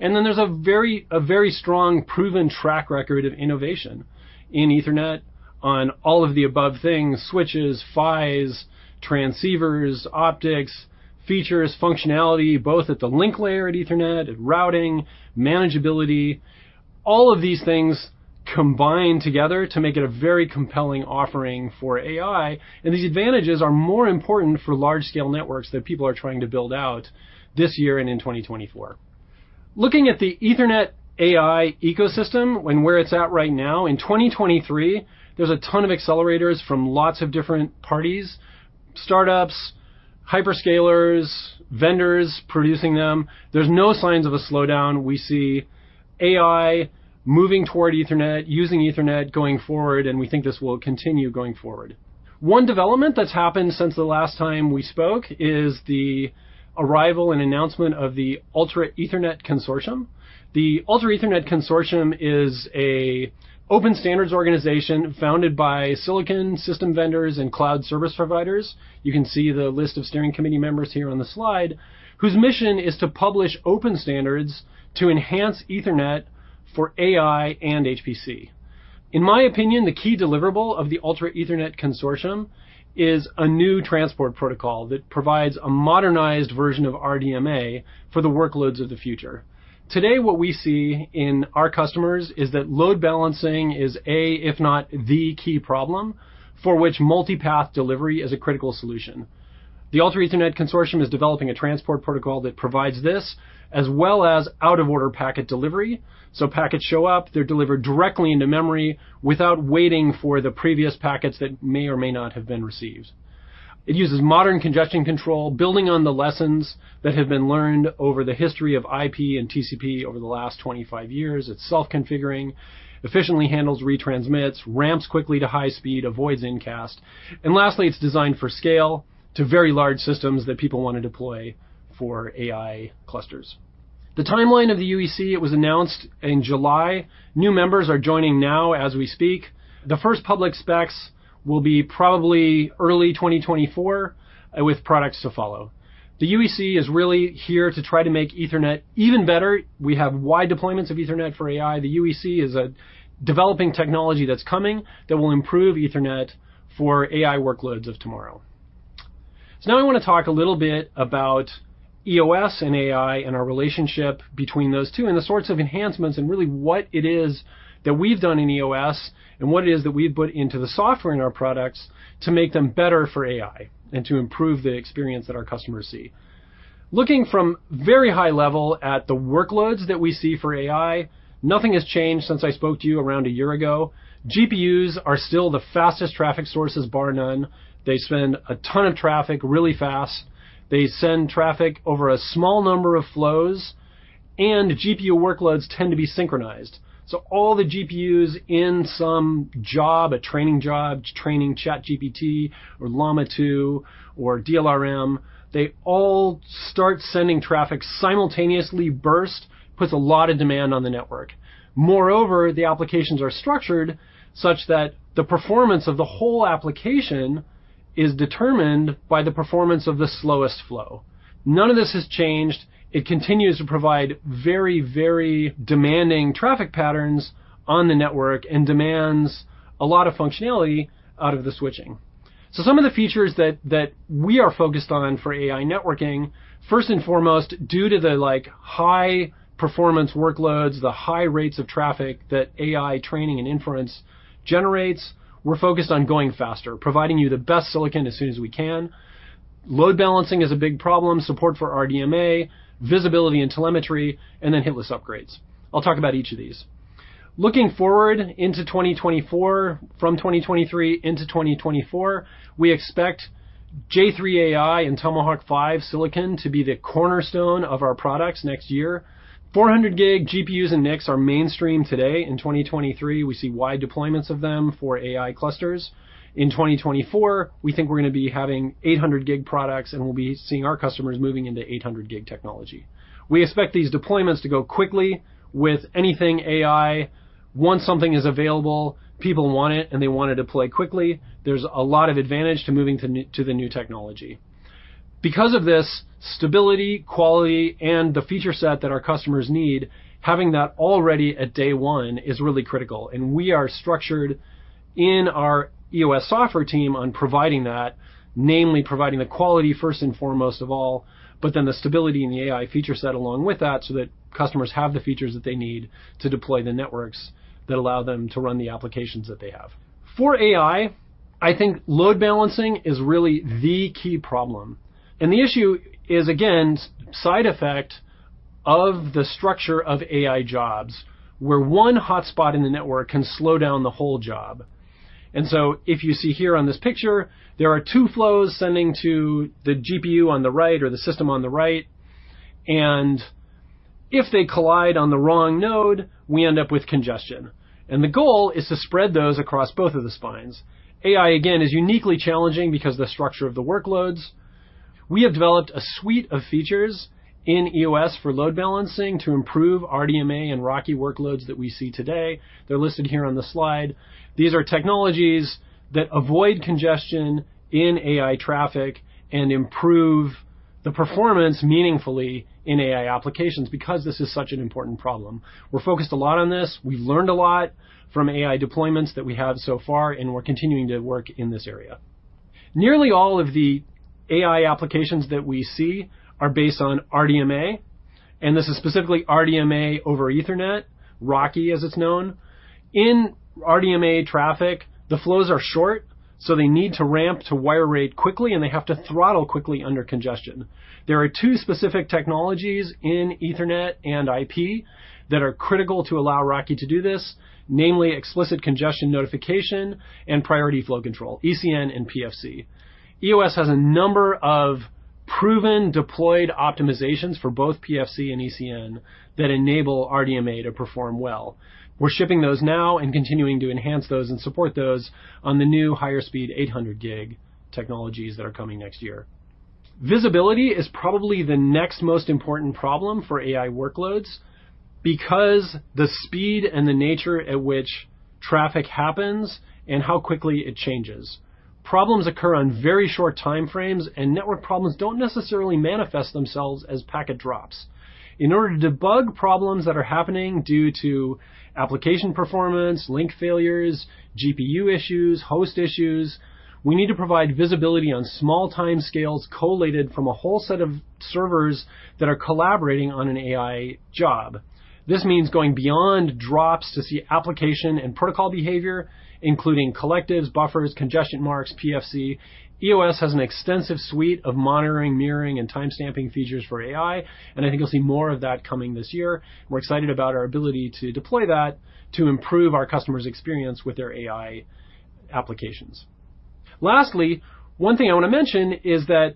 And then there's a very, a very strong, proven track record of innovation in Ethernet on all of the above things, switches, PHYs, transceivers, optics, features, functionality, both at the link layer at Ethernet, at routing, manageability. All of these things combine together to make it a very compelling offering for AI, and these advantages are more important for large scale networks that people are trying to build out this year and in 2024. Looking at the Ethernet AI ecosystem and where it's at right now, in 2023, there's a ton of accelerators from lots of different parties... startups, hyperscalers, vendors producing them, there's no signs of a slowdown. We see AI moving toward Ethernet, using Ethernet going forward, and we think this will continue going forward. One development that's happened since the last time we spoke is the arrival and announcement of the Ultra Ethernet Consortium. The Ultra Ethernet Consortium is an open standards organization founded by silicon system vendors and cloud service providers. You can see the list of steering committee members here on the slide, whose mission is to publish open standards to enhance Ethernet for AI and HPC. In my opinion, the key deliverable of the Ultra Ethernet Consortium is a new transport protocol that provides a modernized version of RDMA for the workloads of the future. Today, what we see in our customers is that load balancing is a, if not the, key problem for which multipath delivery is a critical solution. The Ultra Ethernet Consortium is developing a transport protocol that provides this, as well as out-of-order packet delivery. So packets show up, they're delivered directly into memory without waiting for the previous packets that may or may not have been received. It uses modern congestion control, building on the lessons that have been learned over the history of IP and TCP over the last 25 years. It's self-configuring, efficiently handles retransmits, ramps quickly to high speed, avoids incast, and lastly, it's designed for scale to very large systems that people want to deploy for AI clusters. The timeline of the UEC, it was announced in July. New members are joining now as we speak. The first public specs will be probably early 2024, with products to follow. The UEC is really here to try to make Ethernet even better. We have wide deployments of Ethernet for AI. The UEC is a developing technology that's coming that will improve Ethernet for AI workloads of tomorrow. So now I want to talk a little bit about EOS and AI and our relationship between those two, and the sorts of enhancements, and really what it is that we've done in EOS, and what it is that we've put into the software in our products to make them better for AI and to improve the experience that our customers see. Looking from very high level at the workloads that we see for AI, nothing has changed since I spoke to you around a year ago. GPUs are still the fastest traffic sources, bar none. They send a ton of traffic really fast. They send traffic over a small number of flows, and GPU workloads tend to be synchronized. So all the GPUs in some job, a training job, training ChatGPT, or Llama Two, or DLRM, they all start sending traffic simultaneously burst, puts a lot of demand on the network. Moreover, the applications are structured such that the performance of the whole application is determined by the performance of the slowest flow. None of this has changed. It continues to provide very, very demanding traffic patterns on the network and demands a lot of functionality out of the switching. So some of the features that, that we are focused on for AI networking, first and foremost, due to the, like, high-performance workloads, the high rates of traffic that AI training and inference generates, we're focused on going faster, providing you the best silicon as soon as we can. Load balancing is a big problem, support for RDMA, visibility and telemetry, and then hitless upgrades. I'll talk about each of these. Looking forward into 2024, from 2023 into 2024, we expect J3 AI and Tomahawk 5 silicon to be the cornerstone of our products next year. 400 gig GPUs and NICs are mainstream today. In 2023, we see wide deployments of them for AI clusters. In 2024, we think we're gonna be having 800 gig products, and we'll be seeing our customers moving into 800 gig technology. We expect these deployments to go quickly. With anything AI, once something is available, people want it, and they want to deploy quickly. There's a lot of advantage to moving to the new technology. Because of this, stability, quality, and the feature set that our customers need, having that all ready at day one is really critical, and we are structured in our EOS software team on providing that, namely providing the quality first and foremost of all, but then the stability in the AI feature set along with that, so that customers have the features that they need to deploy the networks that allow them to run the applications that they have. For AI, I think load balancing is really the key problem, and the issue is, again, side effect of the structure of AI jobs, where one hotspot in the network can slow down the whole job. And so if you see here on this picture, there are two flows sending to the GPU on the right, or the system on the right, and if they collide on the wrong node, we end up with congestion, and the goal is to spread those across both of the spines. AI, again, is uniquely challenging because the structure of the workloads. We have developed a suite of features in EOS for load balancing to improve RDMA and RoCE workloads that we see today. They're listed here on the slide. These are technologies that avoid congestion in AI traffic and improve the performance meaningfully in AI applications. Because this is such an important problem, we're focused a lot on this. We've learned a lot from AI deployments that we have so far, and we're continuing to work in this area. Nearly all of the AI applications that we see are based on RDMA, and this is specifically RDMA over Ethernet, RoCE, as it's known. In RDMA traffic, the flows are short, so they need to ramp to wire rate quickly, and they have to throttle quickly under congestion. There are two specific technologies in Ethernet and IP that are critical to allow RoCE to do this, namely explicit congestion notification and priority flow control, ECN and PFC. EOS has a number of proven, deployed optimizations for both PFC and ECN that enable RDMA to perform well. We're shipping those now and continuing to enhance those and support those on the new higher speed 800 gig technologies that are coming next year. Visibility is probably the next most important problem for AI workloads because the speed and the nature at which traffic happens and how quickly it changes. Problems occur on very short time frames, and network problems don't necessarily manifest themselves as packet drops. In order to debug problems that are happening due to application performance, link failures, GPU issues, host issues, we need to provide visibility on small timescales collated from a whole set of servers that are collaborating on an AI job. This means going beyond drops to see application and protocol behavior, including collectives, buffers, congestion marks, PFC. EOS has an extensive suite of monitoring, mirroring, and timestamping features for AI, and I think you'll see more of that coming this year. We're excited about our ability to deploy that to improve our customer's experience with their AI applications. Lastly, one thing I wanna mention is that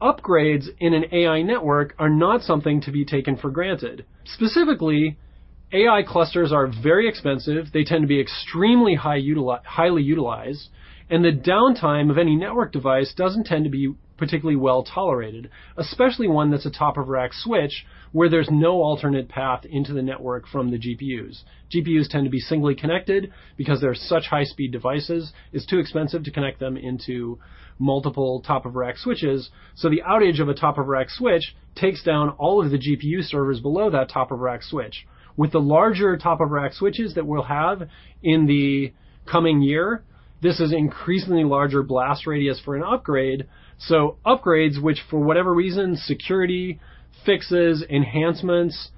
upgrades in an AI network are not something to be taken for granted. Specifically, AI clusters are very expensive. They tend to be extremely highly utilized, and the downtime of any network device doesn't tend to be particularly well-tolerated, especially one that's a top-of-rack switch, where there's no alternate path into the network from the GPUs. GPUs tend to be singly connected because they're such high-speed devices. It's too expensive to connect them into multiple top-of-rack switches, so the outage of a top-of-rack switch takes down all of the GPU servers below that top-of-rack switch. With the larger top-of-rack switches that we'll have in the coming year, this is increasingly larger blast radius for an upgrade. So upgrades, which for whatever reason, security, fixes, enhancements,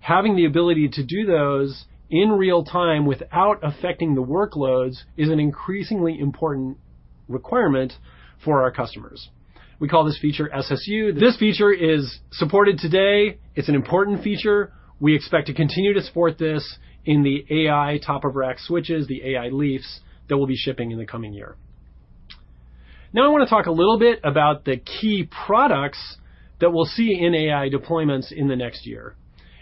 having the ability to do those in real-time without affecting the workloads, is an increasingly important requirement for our customers. We call this feature SSU. This feature is supported today. It's an important feature. We expect to continue to support this in the AI top-of-rack switches, the AI leafs, that will be shipping in the coming year. Now, I wanna talk a little bit about the key products that we'll see in AI deployments in the next year,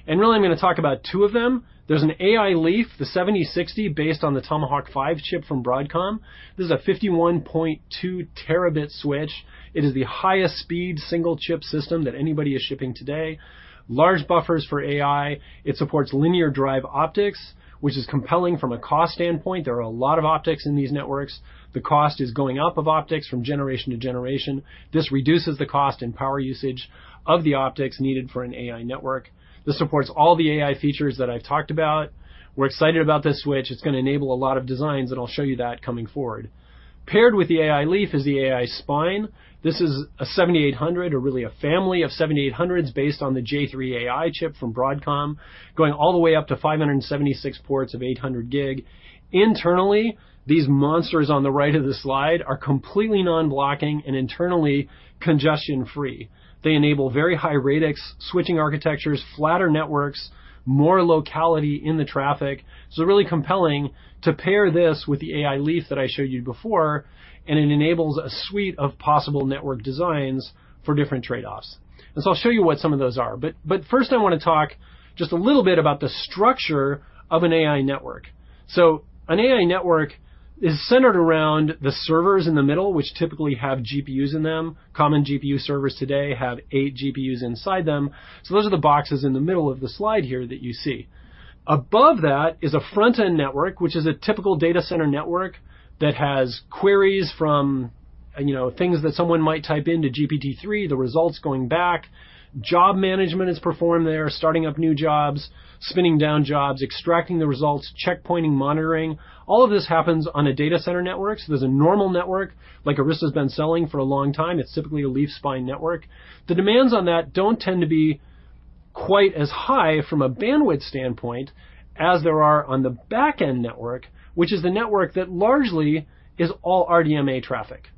and really, I'm gonna talk about two of them. There's an AI leaf, the 7760, based on the Tomahawk 5 chip from Broadcom. This is a 51.2 terabit switch. It is the highest speed single-chip system that anybody is shipping today. Large buffers for AI. It supports linear pluggable optics, which is compelling from a cost standpoint. There are a lot of optics in these networks. The cost is going up of optics from generation to generation. This reduces the cost and power usage of the optics needed for an AI network. This supports all the AI features that I've talked about. We're excited about this switch. It's gonna enable a lot of designs, and I'll show you that coming forward. Paired with the AI leaf is the AI spine. This is a 7800 or really a family of 7800s, based on the J3 AI chip from Broadcom, going all the way up to 576 ports of 800 gig. Internally, these monsters on the right of the slide are completely non-blocking and internally congestion-free. They enable very high radix switching architectures, flatter networks, more locality in the traffic. So really compelling to pair this with the AI leaf that I showed you before, and it enables a suite of possible network designs for different trade-offs. And so I'll show you what some of those are, but first I wanna talk just a little bit about the structure of an AI network. So an AI network is centered around the servers in the middle, which typically have GPUs in them. Common GPU servers today have 8 GPUs inside them, so those are the boxes in the middle of the slide here that you see. Above that is a front-end network, which is a typical data center network that has queries from, you know, things that someone might type into GPT-3, the results going back. Job management is performed there, starting up new jobs, spinning down jobs, extracting the results, checkpointing, monitoring. All of this happens on a data center network, so there's a normal network like Arista has been selling for a long time. It's typically a leaf-spine network. The demands on that don't tend to be quite as high from a bandwidth standpoint as there are on the back-end network, which is the network that largely is all RDMA traffic.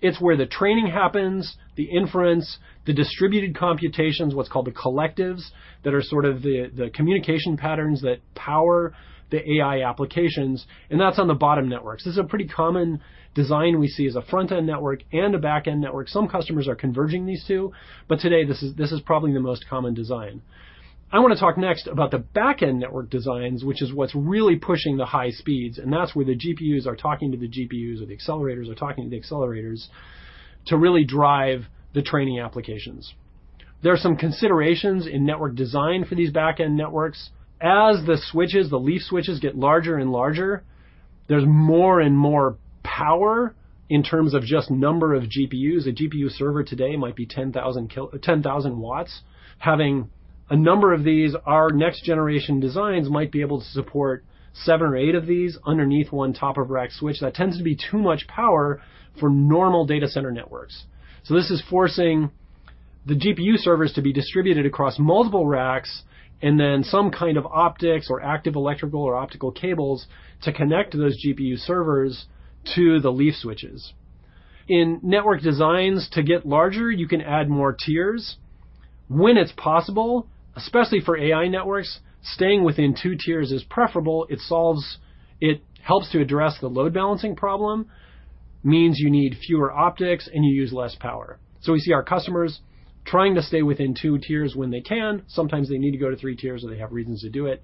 It's where the training happens, the inference, the distributed computations, what's called the collectives, that are sort of the, the communication patterns that power the AI applications, and that's on the bottom networks. This is a pretty common design we see as a front-end network and a back-end network. Some customers are converging these two, but today, this is, this is probably the most common design. I wanna talk next about the back-end network designs, which is what's really pushing the high speeds, and that's where the GPUs are talking to the GPUs, or the accelerators are talking to the accelerators, to really drive the training applications. There are some considerations in network design for these back-end networks. As the switches, the leaf switches, get larger and larger, there's more and more power in terms of just number of GPUs. A GPU server today might be 10,000 W. Having a number of these, our next-generation designs might be able to support 7 or 8 of these underneath one top-of-rack switch. That tends to be too much power for normal data center networks. So this is forcing the GPU servers to be distributed across multiple racks and then some kind of optics or active electrical or optical cables to connect those GPU servers to the leaf switches. In network designs, to get larger, you can add more tiers. When it's possible, especially for AI networks, staying within 2 tiers is preferable. It helps to address the load balancing problem, means you need fewer optics, and you use less power. So we see our customers trying to stay within 2 tiers when they can. Sometimes they need to go to three tiers, or they have reasons to do it.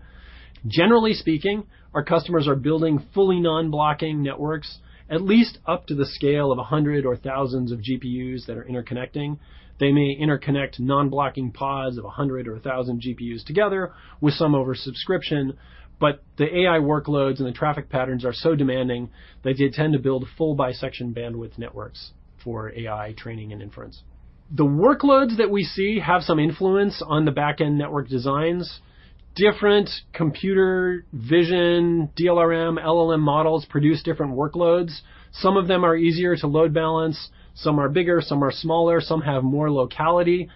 Generally speaking, our customers are building fully non-blocking networks, at least up to the scale of 100 or thousands of GPUs that are interconnecting. They may interconnect non-blocking pods of 100 or 1,000 GPUs together with some oversubscription, but the AI workloads and the traffic patterns are so demanding that they tend to build full bisection bandwidth networks for AI training and inference. The workloads that we see have some influence on the back-end network designs. Different computer vision, DLRM, LLM models produce different workloads. Some of them are easier to load balance, some are bigger, some are smaller, some have more locality.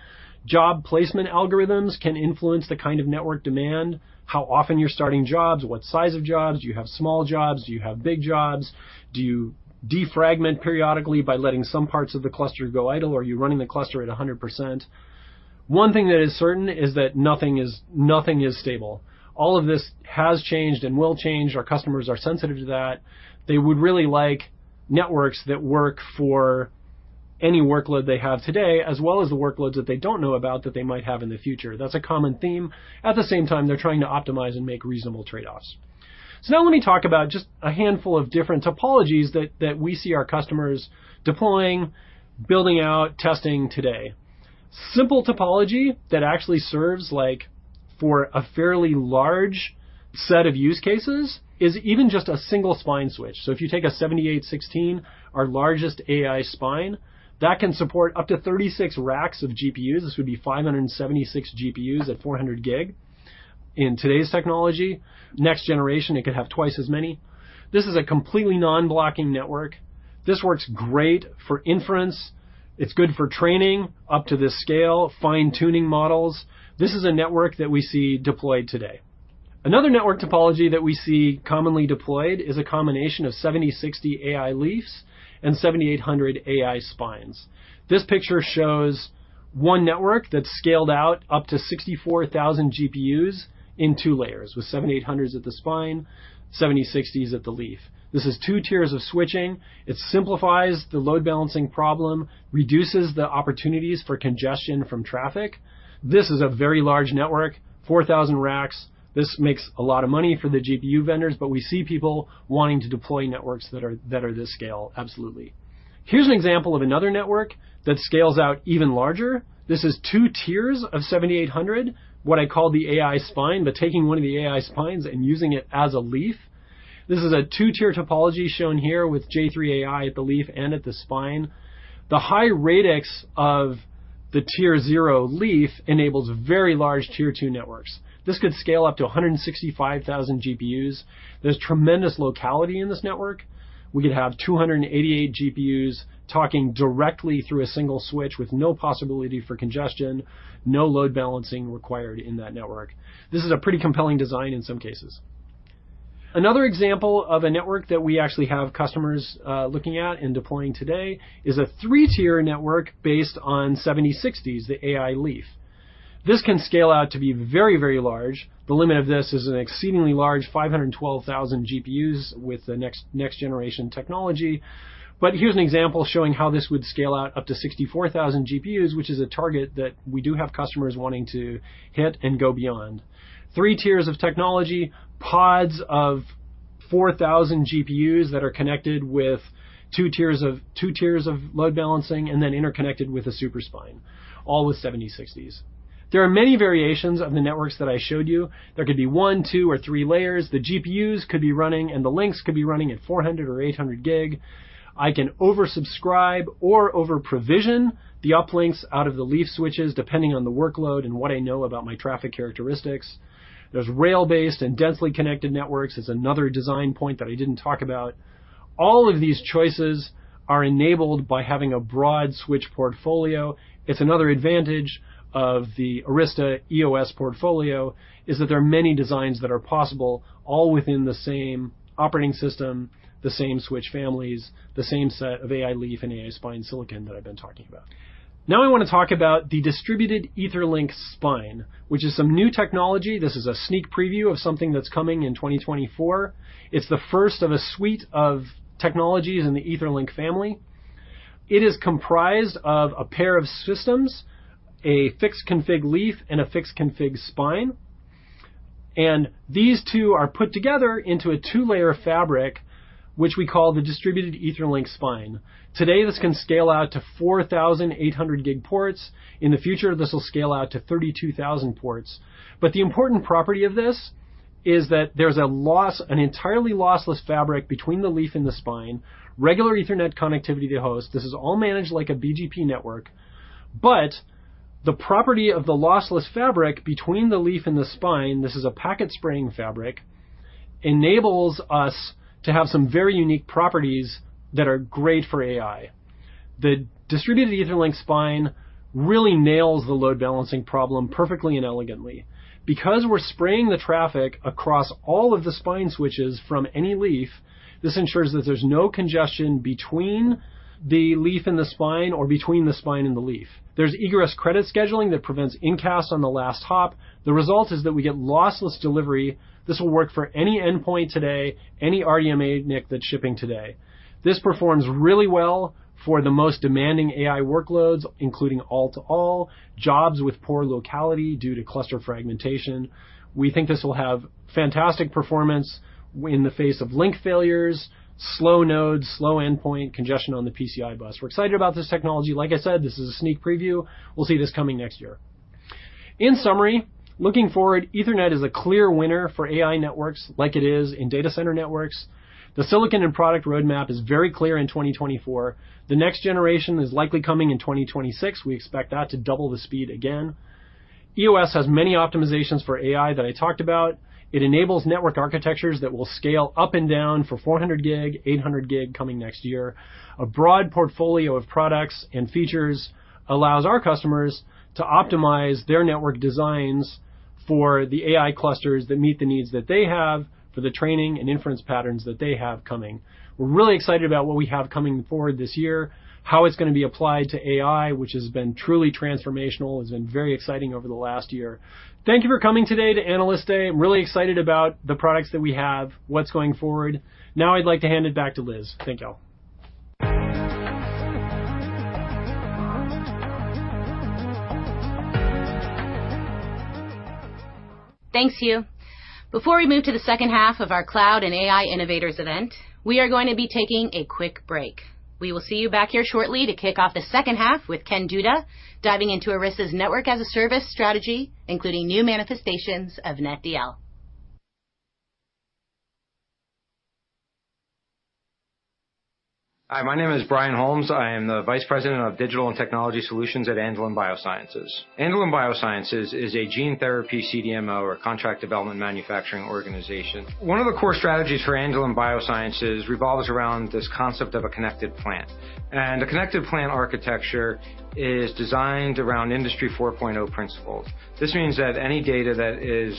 Job placement algorithms can influence the kind of network demand, how often you're starting jobs, what size of jobs. Do you have small jobs? Do you have big jobs? Do you defragment periodically by letting some parts of the cluster go idle, or are you running the cluster at 100%? One thing that is certain is that nothing is, nothing is stable. All of this has changed and will change. Our customers are sensitive to that. They would really like networks that work for any workload they have today, as well as the workloads that they don't know about that they might have in the future. That's a common theme. At the same time, they're trying to optimize and make reasonable trade-offs. So now let me talk about just a handful of different topologies that we see our customers deploying, building out, testing today. Simple topology that actually serves, like, for a fairly large set of use cases is even just a single spine switch. So if you take a 7816, our largest AI spine, that can support up to 36 racks of GPUs. This would be 576 GPUs at 400 gig. In today's technology, next generation, it could have twice as many. This is a completely non-blocking network. This works great for inference. It's good for training up to this scale, fine-tuning models. This is a network that we see deployed today. Another network topology that we see commonly deployed is a combination of 7760 AI leafs and 7800 AI spines. This picture shows one network that's scaled out up to 64,000 GPUs in two layers, with 7800s at the spine, 7760s at the leaf. This is two tiers of switching. It simplifies the load balancing problem, reduces the opportunities for congestion from traffic. This is a very large network, 4,000 racks. This makes a lot of money for the GPU vendors, but we see people wanting to deploy networks that are, that are this scale, absolutely. Here's an example of another network that scales out even larger. This is 2 tiers of 7800, what I call the AI Spine, but taking one of the AI Spines and using it as a leaf. This is a 2-tier topology shown here with J3 AI at the leaf and at the spine. The high radix of the Tier 0 leaf enables very large Tier 2 networks. This could scale up to 165,000 GPUs. There's tremendous locality in this network. We could have 288 GPUs talking directly through a single switch with no possibility for congestion, no load balancing required in that network. This is a pretty compelling design in some cases. Another example of a network that we actually have customers looking at and deploying today is a three-tier network based on 7760s, the AI Leaf. This can scale out to be very, very large. The limit of this is an exceedingly large 512,000 GPUs with the next, next-generation technology. But here's an example showing how this would scale out up to 64,000 GPUs, which is a target that we do have customers wanting to hit and go beyond. Three tiers of technology, pods of 4,000 GPUs that are connected with two tiers of, two tiers of load balancing, and then interconnected with a super spine, all with 7760s. There are many variations of the networks that I showed you. There could be one, two, or three layers. The GPUs could be running, and the links could be running at 400 or 800 gig. I can oversubscribe or overprovision the uplinks out of the leaf switches, depending on the workload and what I know about my traffic characteristics. There's rail-based and densely connected networks is another design point that I didn't talk about. All of these choices are enabled by having a broad switch portfolio. It's another advantage of the Arista EOS portfolio is that there are many designs that are possible, all within the same operating system, the same switch families, the same set of AI Leaf and AI Spine silicon that I've been talking about. Now I want to talk about the Distributed EtherLink Spine, which is some new technology. This is a sneak preview of something that's coming in 2024. It's the first of a suite of technologies in the EtherLink family. It is comprised of a pair of systems, a fixed config leaf and a fixed config spine, and these two are put together into a two-layer fabric, which we call the Distributed EtherLink Spine. Today, this can scale out to 4,800 gig ports. In the future, this will scale out to 32,000 ports. But the important property of this is that there's an entirely lossless fabric between the leaf and the spine, regular Ethernet connectivity to host. This is all managed like a BGP network, but the property of the lossless fabric between the leaf and the spine, this is a packet-spraying fabric, enables us to have some very unique properties that are great for AI. The Distributed EtherLink Spine really nails the load balancing problem perfectly and elegantly. Because we're spraying the traffic across all of the spine switches from any leaf, this ensures that there's no congestion between the leaf and the spine or between the spine and the leaf. There's egress credit scheduling that prevents in-cast on the last hop. The result is that we get lossless delivery. This will work for any endpoint today, any RDMA NIC that's shipping today. This performs really well for the most demanding AI workloads, including all-to-all, jobs with poor locality due to cluster fragmentation. We think this will have fantastic performance in the face of link failures, slow nodes, slow endpoint, congestion on the PCI bus. We're excited about this technology. Like I said, this is a sneak preview. We'll see this coming next year. In summary, looking forward, Ethernet is a clear winner for AI networks, like it is in data center networks. The silicon and product roadmap is very clear in 2024. The next generation is likely coming in 2026. We expect that to double the speed again. EOS has many optimizations for AI that I talked about. It enables network architectures that will scale up and down for 400 gig, 800 gig coming next year. A broad portfolio of products and features allows our customers to optimize their network designs for the AI clusters that meet the needs that they have, for the training and inference patterns that they have coming. We're really excited about what we have coming forward this year, how it's going to be applied to AI, which has been truly transformational, has been very exciting over the last year. Thank you for coming today to Analyst Day. I'm really excited about the products that we have, what's going forward. Now I'd like to hand it back to Liz. Thank you all. Thanks, Hugh. Before we move to the second half of our Cloud and AI Innovators event, we are going to be taking a quick break. We will see you back here shortly to kick off the second half with Ken Duda, diving into Arista's Network as a Service strategy, including new manifestations of NetDL. Hi, my name is Brian Holmes. I am the Vice President of Digital and Technology Solutions at Andelyn Biosciences. Andelyn Biosciences is a gene therapy CDMO, or contract development manufacturing organization. One of the core strategies for Andelyn Biosciences revolves around this concept of a connected plant, and a connected plant architecture is designed around Industry 4.0 principles. This means that any data that is,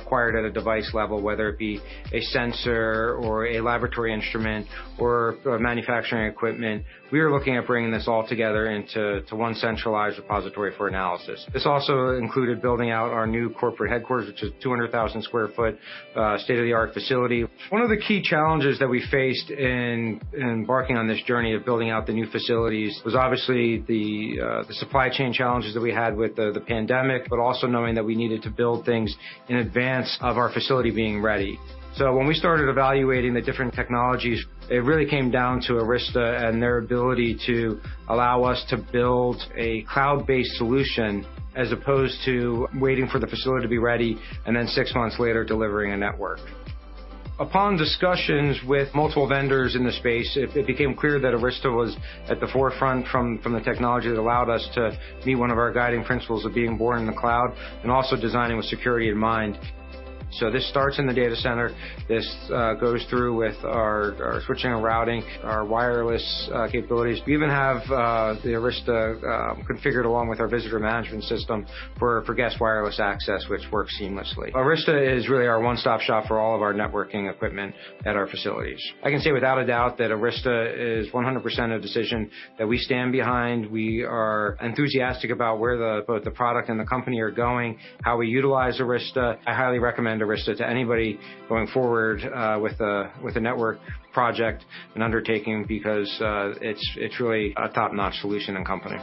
acquired at a device level, whether it be a sensor or a laboratory instrument or manufacturing equipment, we are looking at bringing this all together into one centralized repository for analysis. This also included building out our new corporate headquarters, which is 200,000 sq ft state-of-the-art facility. One of the key challenges that we faced in embarking on this journey of building out the new facilities was obviously the supply chain challenges that we had with the pandemic, but also knowing that we needed to build things in advance of our facility being ready. So when we started evaluating the different technologies, it really came down to Arista and their ability to allow us to build a cloud-based solution, as opposed to waiting for the facility to be ready, and then six months later, delivering a network. Upon discussions with multiple vendors in the space, it became clear that Arista was at the forefront from the technology that allowed us to meet one of our guiding principles of being born in the cloud and also designing with security in mind. So this starts in the data center. This goes through with our, our switching and routing, our wireless capabilities. We even have the Arista configured along with our visitor management system for, for guest wireless access, which works seamlessly. Arista is really our one-stop shop for all of our networking equipment at our facilities. I can say without a doubt that Arista is 100% a decision that we stand behind. We are enthusiastic about where the... both the product and the company are going, how we utilize Arista. I highly recommend Arista to anybody going forward with a network project and undertaking because it's really a top-notch solution and company.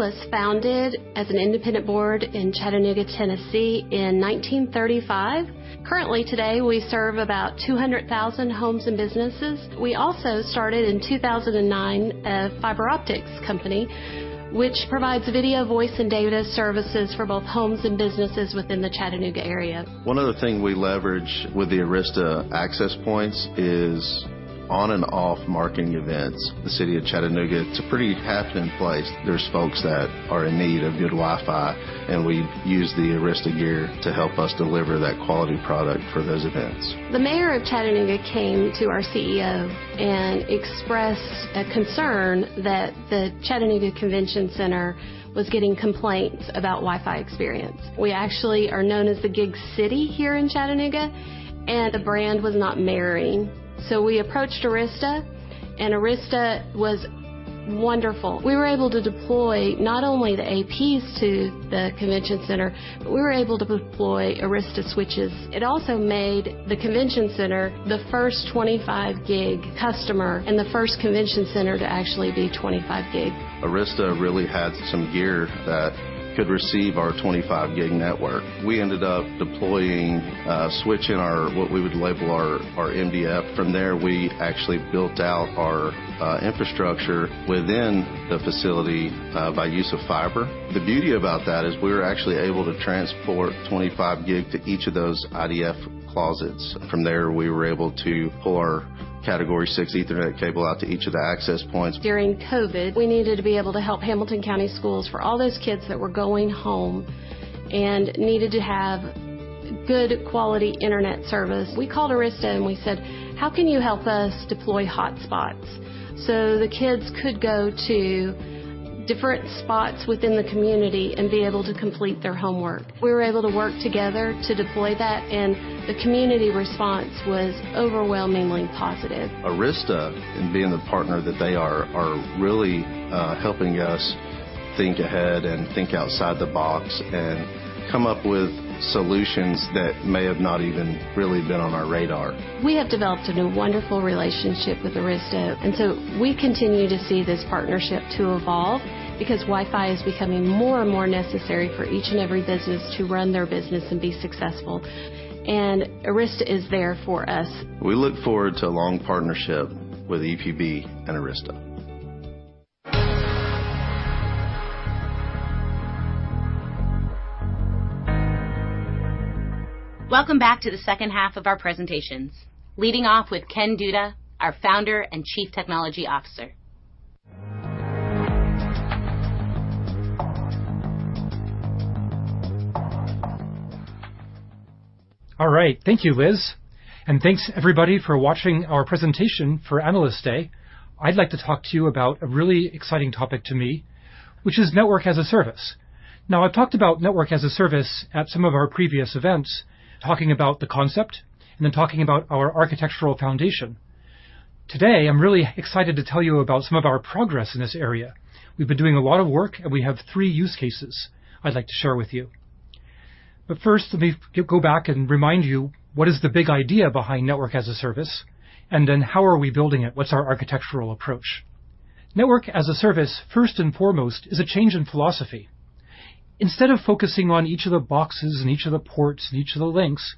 EPB was founded as an independent board in Chattanooga, Tennessee, in 1935. Currently, today, we serve about 200,000 homes and businesses. We also started, in 2009, a fiber optics company, which provides video, voice, and data services for both homes and businesses within the Chattanooga area. One of the things we leverage with the Arista access points is on-and-off marketing events. The city of Chattanooga, it's a pretty happening place. There's folks that are in need of good Wi-Fi, and we use the Arista gear to help us deliver that quality product for those events. The mayor of Chattanooga came to our CEO and expressed a concern that the Chattanooga Convention Center was getting complaints about Wi-Fi experience. We actually are known as the Gig City here in Chattanooga, and the brand was not marrying. So we approached Arista, and Arista was wonderful. We were able to deploy not only the APs to the convention center, but we were able to deploy Arista switches. It also made the convention center the first 25 gig customer and the first convention center to actually be 25 gig. Arista really had some gear that could receive our 25 gig network. We ended up deploying a switch in our what we would label our MDF. From there, we actually built out our infrastructure within the facility by use of fiber. The beauty about that is we were actually able to transport 25 gig to each of those IDF closets. From there, we were able to pull our Category 6 Ethernet cable out to each of the access points. During COVID, we needed to be able to help Hamilton County Schools for all those kids that were going home and needed to have good quality internet service. We called Arista and we said, "How can you help us deploy hotspots so the kids could go to different spots within the community and be able to complete their homework?" We were able to work together to deploy that, and the community response was overwhelmingly positive. Arista, in being the partner that they are, are really helping us think ahead and think outside the box and come up with solutions that may have not even really been on our radar. We have developed a new, wonderful relationship with Arista, and so we continue to see this partnership to evolve because Wi-Fi is becoming more and more necessary for each and every business to run their business and be successful. And Arista is there for us. We look forward to a long partnership with EPB and Arista. Welcome back to the second half of our presentations, leading off with Ken Duda, our founder and Chief Technology Officer. All right, thank you, Liz, and thanks everybody for watching our presentation for Analyst Day. I'd like to talk to you about a really exciting topic to me, which is Network as a Service. Now, I've talked about Network as a Service at some of our previous events, talking about the concept and then talking about our architectural foundation. Today, I'm really excited to tell you about some of our progress in this area. We've been doing a lot of work, and we have three use cases I'd like to share with you. But first, let me go back and remind you, what is the big idea behind Network as a Service, and then how are we building it? What's our architectural approach? Network as a Service, first and foremost, is a change in philosophy. Instead of focusing on each of the boxes and each of the ports and each of the links,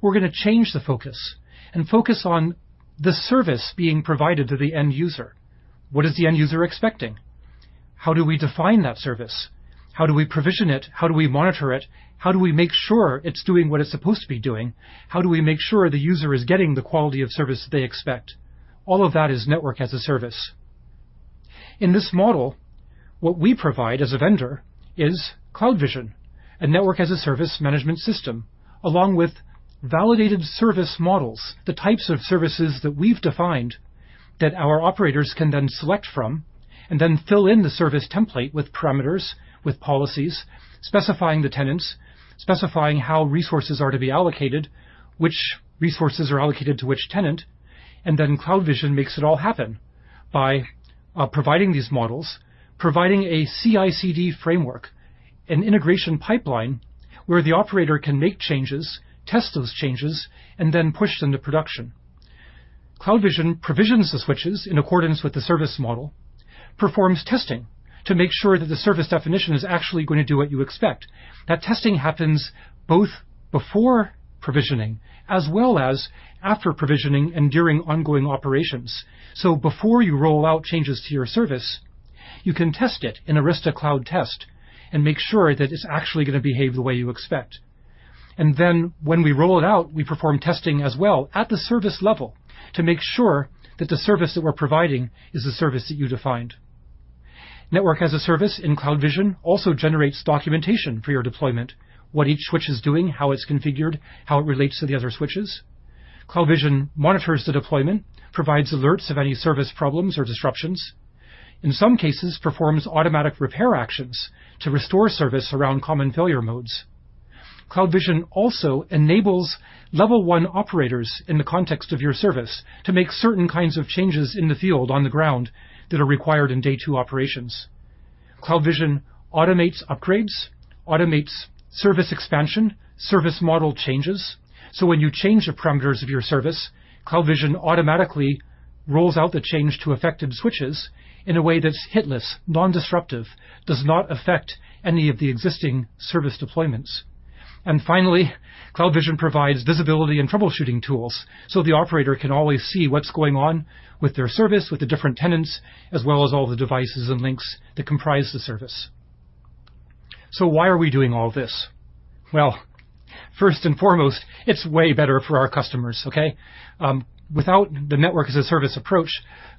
we're going to change the focus and focus on the service being provided to the end user. What is the end user expecting? How do we define that service? How do we provision it? How do we monitor it? How do we make sure it's doing what it's supposed to be doing? How do we make sure the user is getting the quality of service they expect? All of that is Network as a Service. In this model, what we provide as a vendor is CloudVision, a Network as a Service management system, along with validated service models, the types of services that we've defined that our operators can then select from, and then fill in the service template with parameters, with policies, specifying the tenants, specifying how resources are to be allocated, which resources are allocated to which tenant, and then CloudVision makes it all happen by providing these models, providing a CI/CD framework, an integration pipeline where the operator can make changes, test those changes, and then push them to production. CloudVision provisions the switches in accordance with the service model, performs testing to make sure that the service definition is actually going to do what you expect. That testing happens both before provisioning as well as after provisioning and during ongoing operations. Before you roll out changes to your service, you can test it in Arista Cloud Test and make sure that it's actually going to behave the way you expect. Then when we roll it out, we perform testing as well at the service level to make sure that the service that we're providing is the service that you defined. Network as a Service in CloudVision also generates documentation for your deployment, what each switch is doing, how it's configured, how it relates to the other switches. CloudVision monitors the deployment, provides alerts of any service problems or disruptions, in some cases, performs automatic repair actions to restore service around common failure modes. CloudVision also enables level one operators in the context of your service to make certain kinds of changes in the field on the ground that are required in day two operations. CloudVision automates upgrades, automates service expansion, service model changes, so when you change the parameters of your service, CloudVision automatically rolls out the change to effective switches in a way that's hitless, non-disruptive, does not affect any of the existing service deployments. And finally, CloudVision provides visibility and troubleshooting tools, so the operator can always see what's going on with their service, with the different tenants, as well as all the devices and links that comprise the service. So why are we doing all this? Well, first and foremost, it's way better for our customers, okay? Without the Network as a Service approach,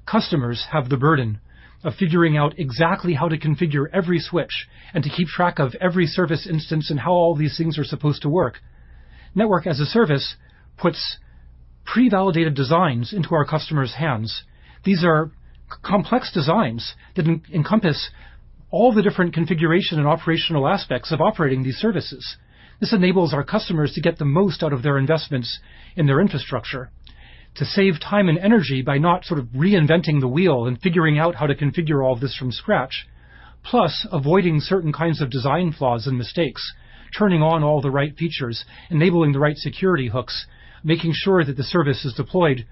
customers have the burden of figuring out exactly how to configure every switch and to keep track of every service instance and how all these things are supposed to work. Network as a Service puts pre-validated designs into our customers' hands. These are complex designs that encompass all the different configuration and operational aspects of operating these services. This enables our customers to get the most out of their investments in their infrastructure, to save time and energy by not sort of reinventing the wheel and figuring out how to configure all this from scratch, plus avoiding certain kinds of design flaws and mistakes, turning on all the right features, enabling the right security hooks, making sure that the service is deployed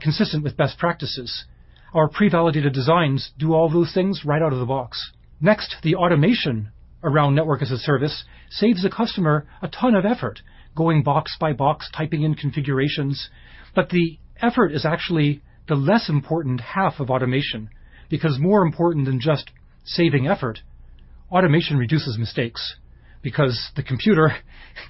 consistent with best practices. Our pre-validated designs do all those things right out of the box. Next, the automation around Network as a Service saves the customer a ton of effort, going box by box, typing in configurations. But the effort is actually the less important half of automation, because more important than just saving effort, automation reduces mistakes, because the computer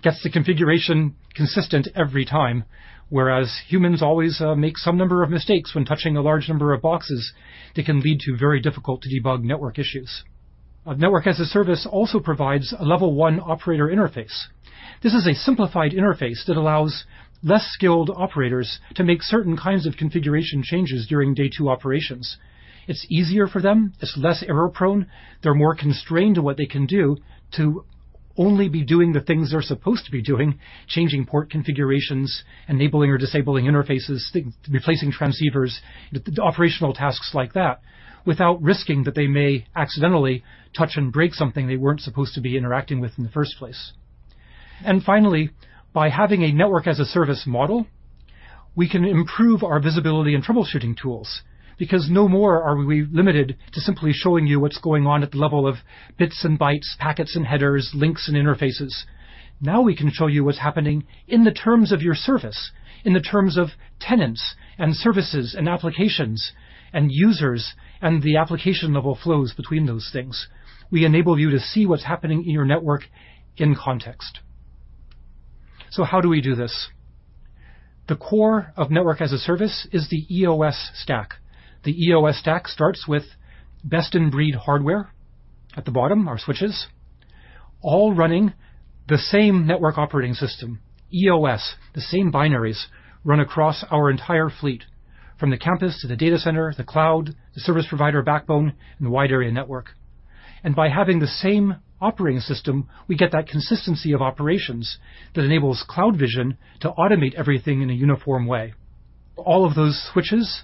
gets the configuration consistent every time, whereas humans always make some number of mistakes when touching a large number of boxes that can lead to very difficult-to-debug network issues. Network as a Service also provides a level one operator interface. This is a simplified interface that allows less skilled operators to make certain kinds of configuration changes during day two operations. It's easier for them. It's less error-prone. They're more constrained to what they can do to only be doing the things they're supposed to be doing, changing port configurations, enabling or disabling interfaces, replacing transceivers, the operational tasks like that, without risking that they may accidentally touch and break something they weren't supposed to be interacting with in the first place. And finally, by having a Network as a Service model, we can improve our visibility and troubleshooting tools, because no more are we limited to simply showing you what's going on at the level of bits and bytes, packets and headers, links and interfaces. Now, we can show you what's happening in the terms of your service, in the terms of tenants and services and applications and users, and the application-level flows between those things. We enable you to see what's happening in your network in context... So how do we do this? The core of Network as a Service is the EOS stack. The EOS stack starts with best-in-breed hardware. At the bottom, our switches, all running the same network operating system, EOS. The same binaries run across our entire fleet, from the campus to the data center, the cloud, the service provider backbone, and the wide area network. By having the same operating system, we get that consistency of operations that enables CloudVision to automate everything in a uniform way. All of those switches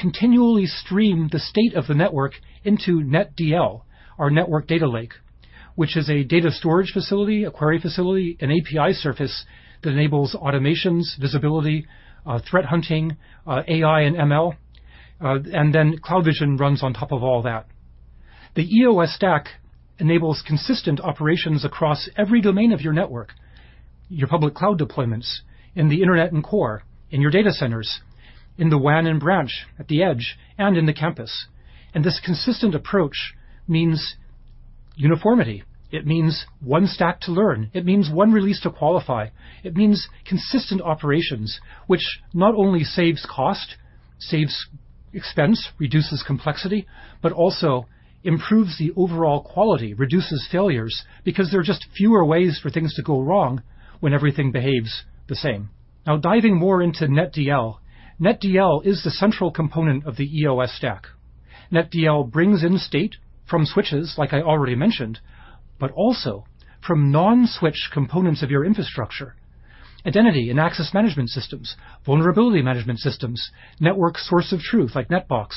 continually stream the state of the network into NetDL, our network data lake, which is a data storage facility, a query facility, an API surface that enables automations, visibility, threat hunting, AI and ML, and then CloudVision runs on top of all that. The EOS stack enables consistent operations across every domain of your network, your public cloud deployments, in the internet and core, in your data centers, in the WAN and branch, at the edge, and in the campus. This consistent approach means uniformity. It means one stack to learn. It means one release to qualify. It means consistent operations, which not only saves cost, saves expense, reduces complexity, but also improves the overall quality, reduces failures, because there are just fewer ways for things to go wrong when everything behaves the same. Now, diving more into NetDL. NetDL is the central component of the EOS stack. NetDL brings in state from switches, like I already mentioned, but also from non-switch components of your infrastructure, identity and access management systems, vulnerability management systems, network source of truth, like NetBox,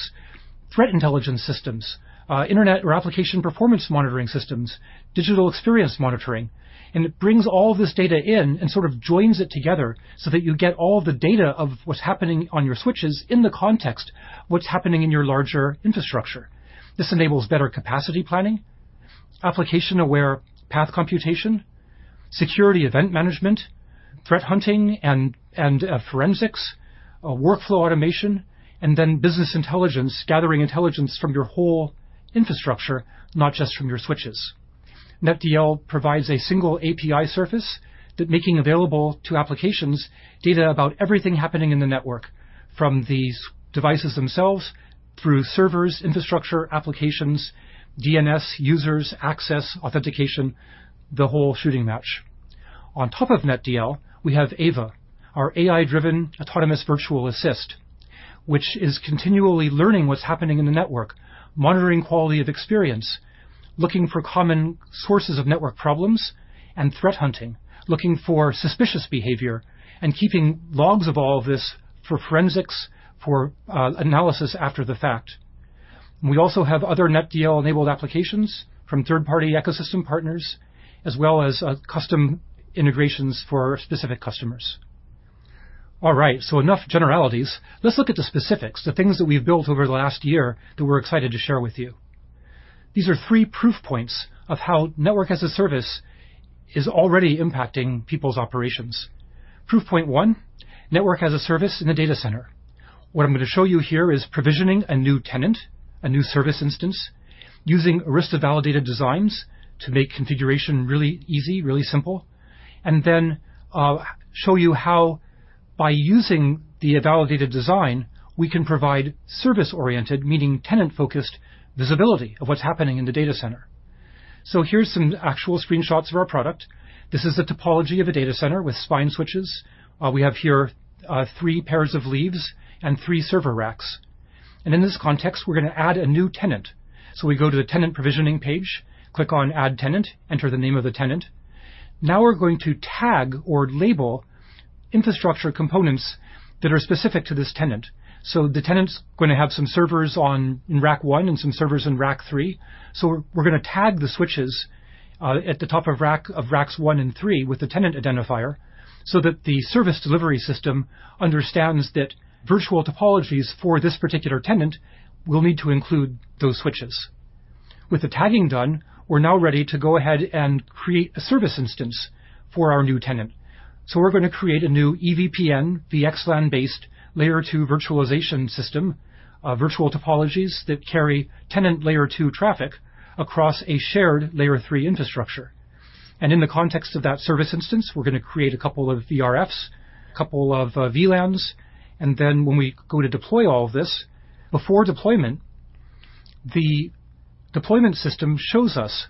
threat intelligence systems, internet or application performance monitoring systems, digital experience monitoring. And it brings all this data in and sort of joins it together so that you get all the data of what's happening on your switches in the context of what's happening in your larger infrastructure. This enables better capacity planning, application-aware path computation, security event management, threat hunting and forensics, workflow automation, and then business intelligence, gathering intelligence from your whole infrastructure, not just from your switches. NetDL provides a single API surface that making available to applications data about everything happening in the network, from these devices themselves through servers, infrastructure, applications, DNS, users, access, authentication, the whole shooting match. On top of NetDL, we have AVA, our AI-driven autonomous virtual assist, which is continually learning what's happening in the network, monitoring quality of experience, looking for common sources of network problems and threat hunting, looking for suspicious behavior and keeping logs of all of this for forensics, for analysis after the fact. We also have other NetDL-enabled applications from third-party ecosystem partners, as well as custom integrations for specific customers. All right, so enough generalities. Let's look at the specifics, the things that we've built over the last year that we're excited to share with you. These are three proof points of how Network as a Service is already impacting people's operations. Proof point one, Network as a Service in the data center. What I'm gonna show you here is provisioning a new tenant, a new service instance, using Arista validated designs to make configuration really easy, really simple, and then, I'll show you how by using the validated design, we can provide service-oriented, meaning tenant-focused, visibility of what's happening in the data center. So here's some actual screenshots of our product. This is a topology of a data center with spine switches. We have here three pairs of leaves and three server racks. And in this context, we're gonna add a new tenant. So we go to the tenant provisioning page, click on Add Tenant, enter the name of the tenant. Now we're going to tag or label infrastructure components that are specific to this tenant. So the tenant's gonna have some servers in rack one and some servers in rack three. So we're gonna tag the switches at the top of racks one and three with the tenant identifier, so that the service delivery system understands that virtual topologies for this particular tenant will need to include those switches. With the tagging done, we're now ready to go ahead and create a service instance for our new tenant. So we're gonna create a new EVPN, VXLAN-based layer two virtualization system, virtual topologies that carry tenant layer two traffic across a shared layer three infrastructure. In the context of that service instance, we're gonna create a couple of VRFs, a couple of VLANs, and then when we go to deploy all of this, before deployment, the deployment system shows us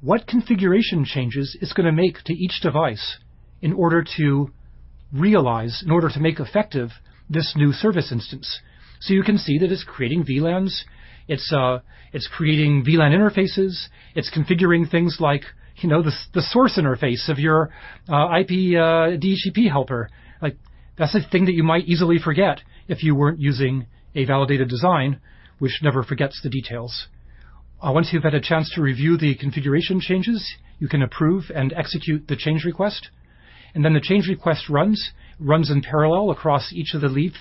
what configuration changes it's gonna make to each device in order to realize, in order to make effective this new service instance. You can see that it's creating VLANs. It's creating VLAN interfaces. It's configuring things like, you know, the source interface of your IP DHCP helper. Like, that's a thing that you might easily forget if you weren't using a validated design, which never forgets the details. Once you've had a chance to review the configuration changes, you can approve and execute the change request, and then the change request runs in parallel across each of the leaf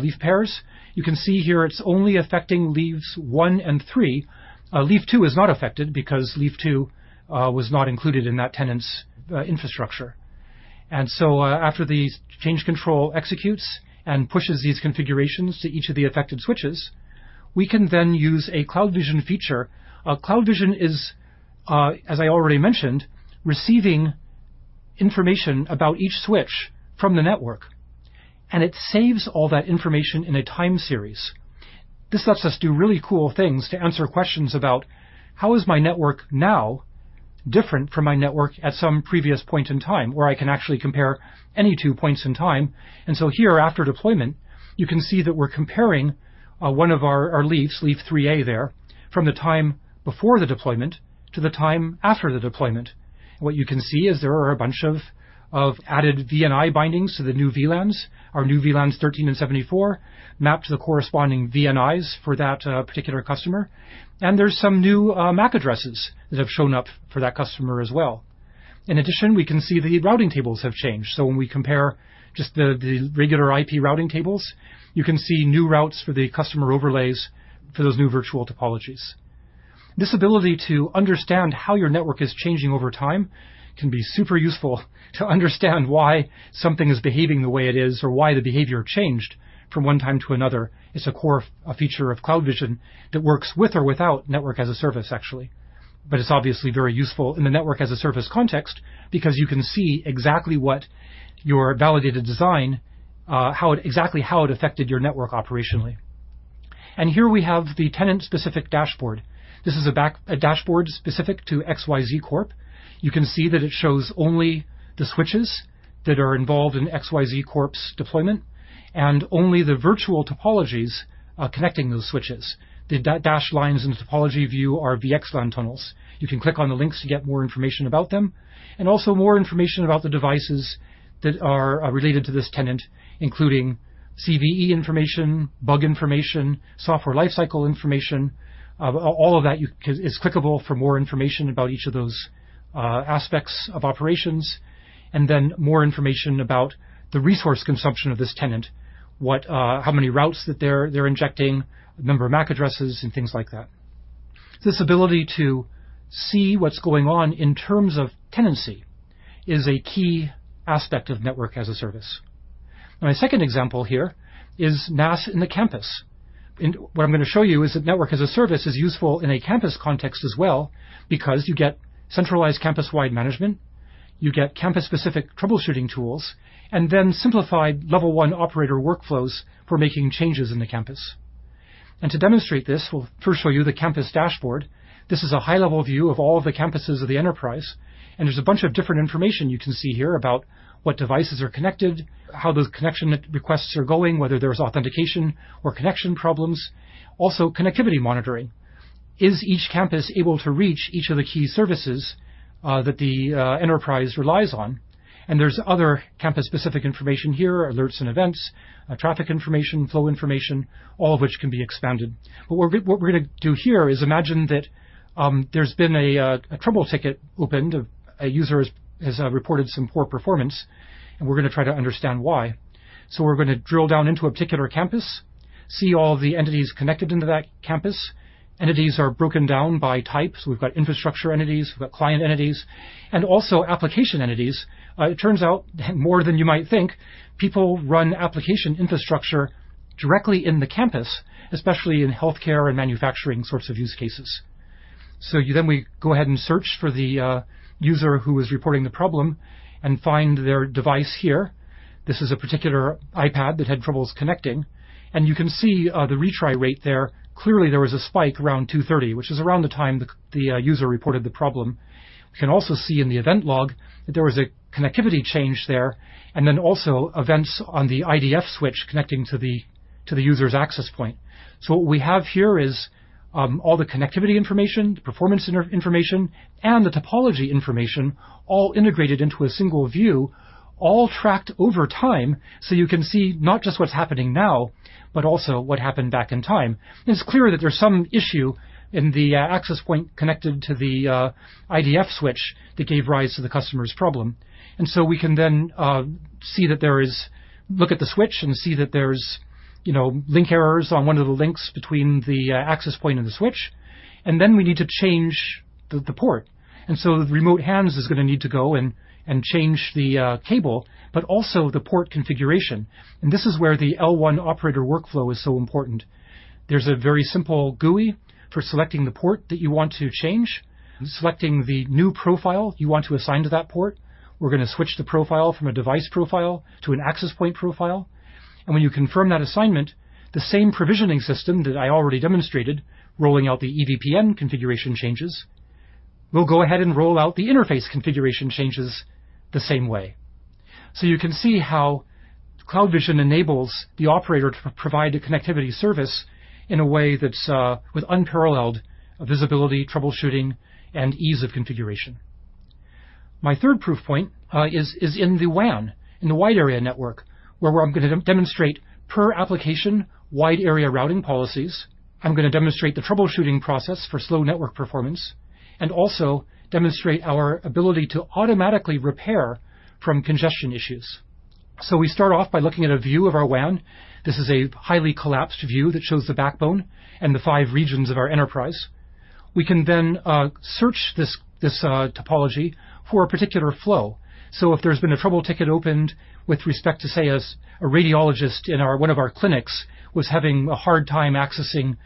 leaf pairs. You can see here it's only affecting leaves one and three. Leaf two is not affected because leaf two was not included in that tenant's infrastructure. And so, after the change control executes and pushes these configurations to each of the affected switches, we can then use a CloudVision feature. CloudVision is, as I already mentioned, receiving information about each switch from the network, and it saves all that information in a time series. This lets us do really cool things to answer questions about: How is my network now different from my network at some previous point in time? Where I can actually compare any two points in time. And so here, after deployment, you can see that we're comparing one of our leafs, Leaf three A there, from the time before the deployment to the time after the deployment. What you can see is there are a bunch of added VNI bindings to the new VLANs. Our new VLANs, 13 and 74, mapped to the corresponding VNIs for that particular customer. And there's some new MAC addresses that have shown up for that customer as well. In addition, we can see the routing tables have changed. So when we compare just the regular IP routing tables, you can see new routes for the customer overlays for those new virtual topologies. This ability to understand how your network is changing over time can be super useful to understand why something is behaving the way it is, or why the behavior changed from one time to another. It's a core feature of CloudVision that works with or without Network as a Service, actually. But it's obviously very useful in the Network as a Service context because you can see exactly what your validated design, exactly how it affected your network operationally. And here we have the tenant-specific dashboard. This is a dashboard specific to XYZ Corp. You can see that it shows only the switches that are involved in XYZ Corp's deployment, and only the virtual topologies connecting those switches. The dashed lines in the topology view are VXLAN tunnels. You can click on the links to get more information about them, and also more information about the devices that are related to this tenant, including CVE information, bug information, software lifecycle information. All of that is clickable for more information about each of those aspects of operations, and then more information about the resource consumption of this tenant. How many routes that they're injecting, the number of MAC addresses, and things like that. This ability to see what's going on in terms of tenancy is a key aspect of Network as a Service. My second example here is NaaS in the campus. And what I'm gonna show you is that Network as a Service is useful in a campus context as well, because you get centralized campus-wide management, you get campus-specific troubleshooting tools, and then simplified level one operator workflows for making changes in the campus. And to demonstrate this, we'll first show you the campus dashboard. This is a high-level view of all of the campuses of the enterprise, and there's a bunch of different information you can see here about what devices are connected, how those connection requests are going, whether there's authentication or connection problems. Also, connectivity monitoring. Is each campus able to reach each of the key services that the enterprise relies on? There's other campus-specific information here, alerts and events, traffic information, flow information, all of which can be expanded. But what we're gonna do here is imagine that there's been a trouble ticket opened. A user has reported some poor performance, and we're gonna try to understand why. So we're gonna drill down into a particular campus, see all the entities connected into that campus. Entities are broken down by types. We've got infrastructure entities, we've got client entities, and also application entities. It turns out, more than you might think, people run application infrastructure directly in the campus, especially in healthcare and manufacturing sorts of use cases. So we go ahead and search for the user who is reporting the problem and find their device here. This is a particular iPad that had troubles connecting, and you can see the retry rate there. Clearly, there was a spike around 2:30, which is around the time the user reported the problem. You can also see in the event log that there was a connectivity change there, and then also events on the IDF switch connecting to the user's access point. So what we have here is all the connectivity information, the performance information, and the topology information all integrated into a single view, all tracked over time, so you can see not just what's happening now, but also what happened back in time. It's clear that there's some issue in the access point connected to the IDF switch that gave rise to the customer's problem. We can then see that there is. Look at the switch and see that there's, you know, link errors on one of the links between the access point and the switch, and then we need to change the port. Remote hands is gonna need to go and change the cable, but also the port configuration. This is where the L1 operator workflow is so important. There's a very simple GUI for selecting the port that you want to change, selecting the new profile you want to assign to that port. We're gonna switch the profile from a device profile to an access point profile. When you confirm that assignment, the same provisioning system that I already demonstrated, rolling out the EVPN configuration changes, will go ahead and roll out the interface configuration changes the same way. So you can see how CloudVision enables the operator to provide a connectivity service in a way that's with unparalleled visibility, troubleshooting, and ease of configuration. My third proof point is in the WAN, in the wide area network, where I'm gonna demonstrate per application, wide-area routing policies. I'm gonna demonstrate the troubleshooting process for slow network performance, and also demonstrate our ability to automatically repair from congestion issues. So we start off by looking at a view of our WAN. This is a highly collapsed view that shows the backbone and the five regions of our enterprise. We can then search this topology for a particular flow. So if there's been a trouble ticket opened with respect to, say, as a radiologist in one of our clinics was having a hard time accessing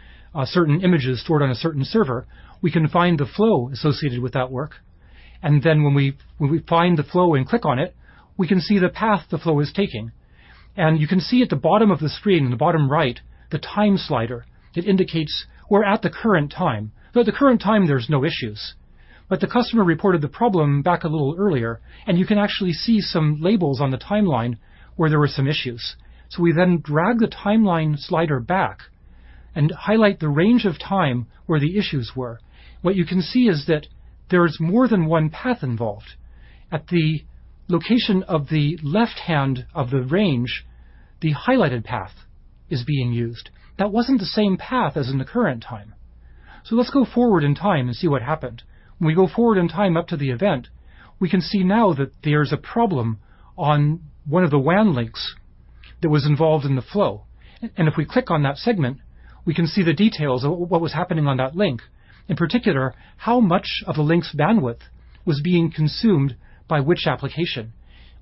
certain images stored on a certain server, we can find the flow associated with that work. And then when we find the flow and click on it, we can see the path the flow is taking. And you can see at the bottom of the screen, in the bottom right, the time slider that indicates we're at the current time. Though at the current time, there's no issues, but the customer reported the problem back a little earlier, and you can actually see some labels on the timeline where there were some issues. So we then drag the timeline slider back and highlight the range of time where the issues were. What you can see is that there is more than one path involved. At the location of the left hand of the range, the highlighted path is being used. That wasn't the same path as in the current time. So let's go forward in time and see what happened. When we go forward in time up to the event, we can see now that there's a problem on one of the WAN links that was involved in the flow. If we click on that segment, we can see the details of what was happening on that link. In particular, how much of the link's bandwidth was being consumed by which application.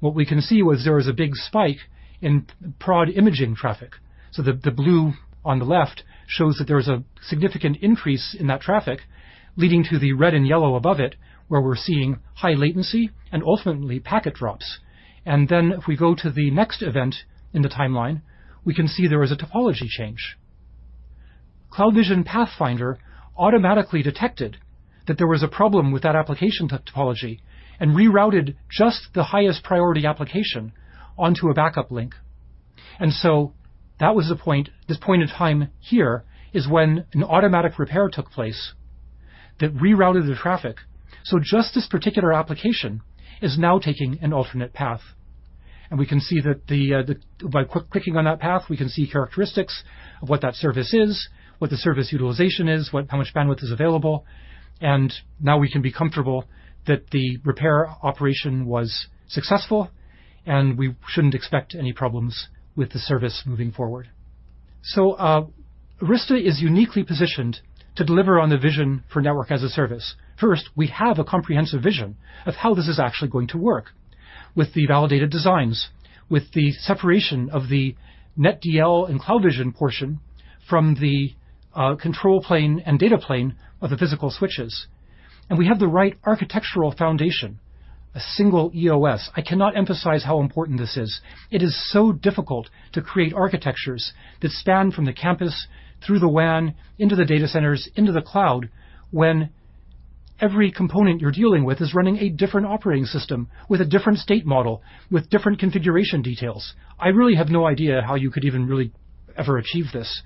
What we can see was there was a big spike in prod imaging traffic, so the blue on the left shows that there was a significant increase in that traffic, leading to the red and yellow above it, where we're seeing high latency and ultimately packet drops. And then if we go to the next event in the timeline, we can see there was a topology change. CloudVision Pathfinder automatically detected that there was a problem with that application topology and rerouted just the highest priority application onto a backup link. And so that was the point. This point in time here is when an automatic repair took place that rerouted the traffic. So just this particular application is now taking an alternate path, and we can see that the, the... By quick-clicking on that path, we can see characteristics of what that service is, what the service utilization is, what, how much bandwidth is available, and now we can be comfortable that the repair operation was successful, and we shouldn't expect any problems with the service moving forward. Arista is uniquely positioned to deliver on the vision for Network as a Service. First, we have a comprehensive vision of how this is actually going to work with the validated designs, with the separation of the NetDL and CloudVision portion from the control plane and data plane of the physical switches. We have the right architectural foundation, a single EOS. I cannot emphasize how important this is. It is so difficult to create architectures that span from the campus through the WAN, into the data centers, into the cloud, when every component you're dealing with is running a different operating system, with a different state model, with different configuration details. I really have no idea how you could even really ever achieve this.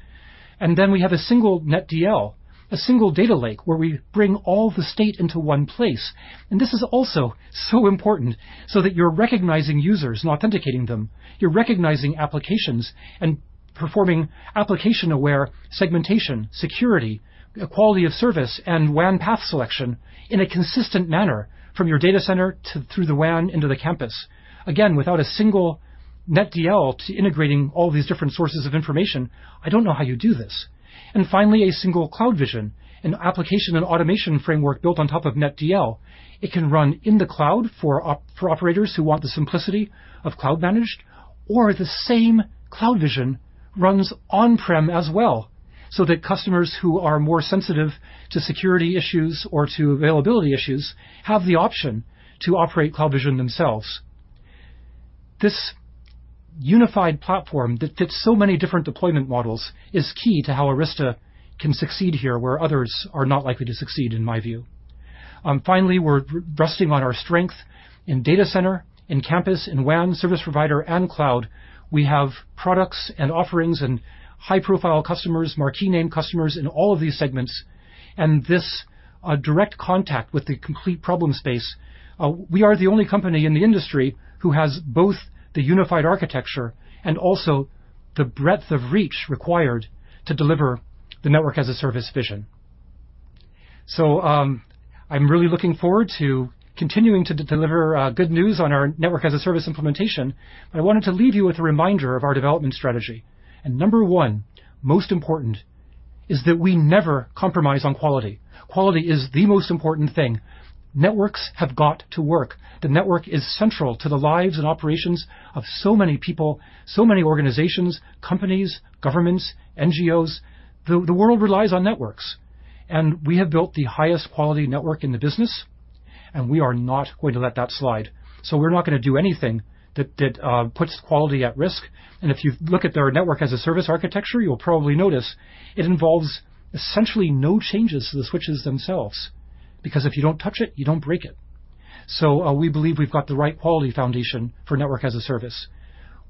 And then we have a single NetDL, a single data lake, where we bring all the state into one place, and this is also so important, so that you're recognizing users and authenticating them. You're recognizing applications and performing application-aware segmentation, security, quality of service, and WAN path selection in a consistent manner from your data center to through the WAN into the campus. Again, without a single NetDL to integrating all these different sources of information, I don't know how you do this. And finally, a single CloudVision, an application and automation framework built on top of NetDL. It can run in the cloud for op, for operators who want the simplicity of cloud-managed, or the same CloudVision runs on-prem as well, so that customers who are more sensitive to security issues or to availability issues have the option to operate CloudVision themselves. This unified platform that fits so many different deployment models is key to how Arista can succeed here, where others are not likely to succeed, in my view. Finally, we're resting on our strength in data center, in campus, in WAN, service provider, and cloud. We have products and offerings and high-profile customers, marquee name customers in all of these segments, and this, direct contact with the complete problem space. We are the only company in the industry who has both the unified architecture and also the breadth of reach required to deliver the Network as a Service vision. So, I'm really looking forward to continuing to deliver good news on our Network as a Service implementation, but I wanted to leave you with a reminder of our development strategy. And number one, most important, is that we never compromise on quality. Quality is the most important thing. Networks have got to work. The network is central to the lives and operations of so many people, so many organizations, companies, governments, NGOs. The world relies on networks, and we have built the highest quality network in the business, and we are not going to let that slide. So we're not gonna do anything that puts quality at risk. If you look at their Network as a Service architecture, you'll probably notice it involves essentially no changes to the switches themselves, because if you don't touch it, you don't break it. So, we believe we've got the right quality foundation for Network as a Service.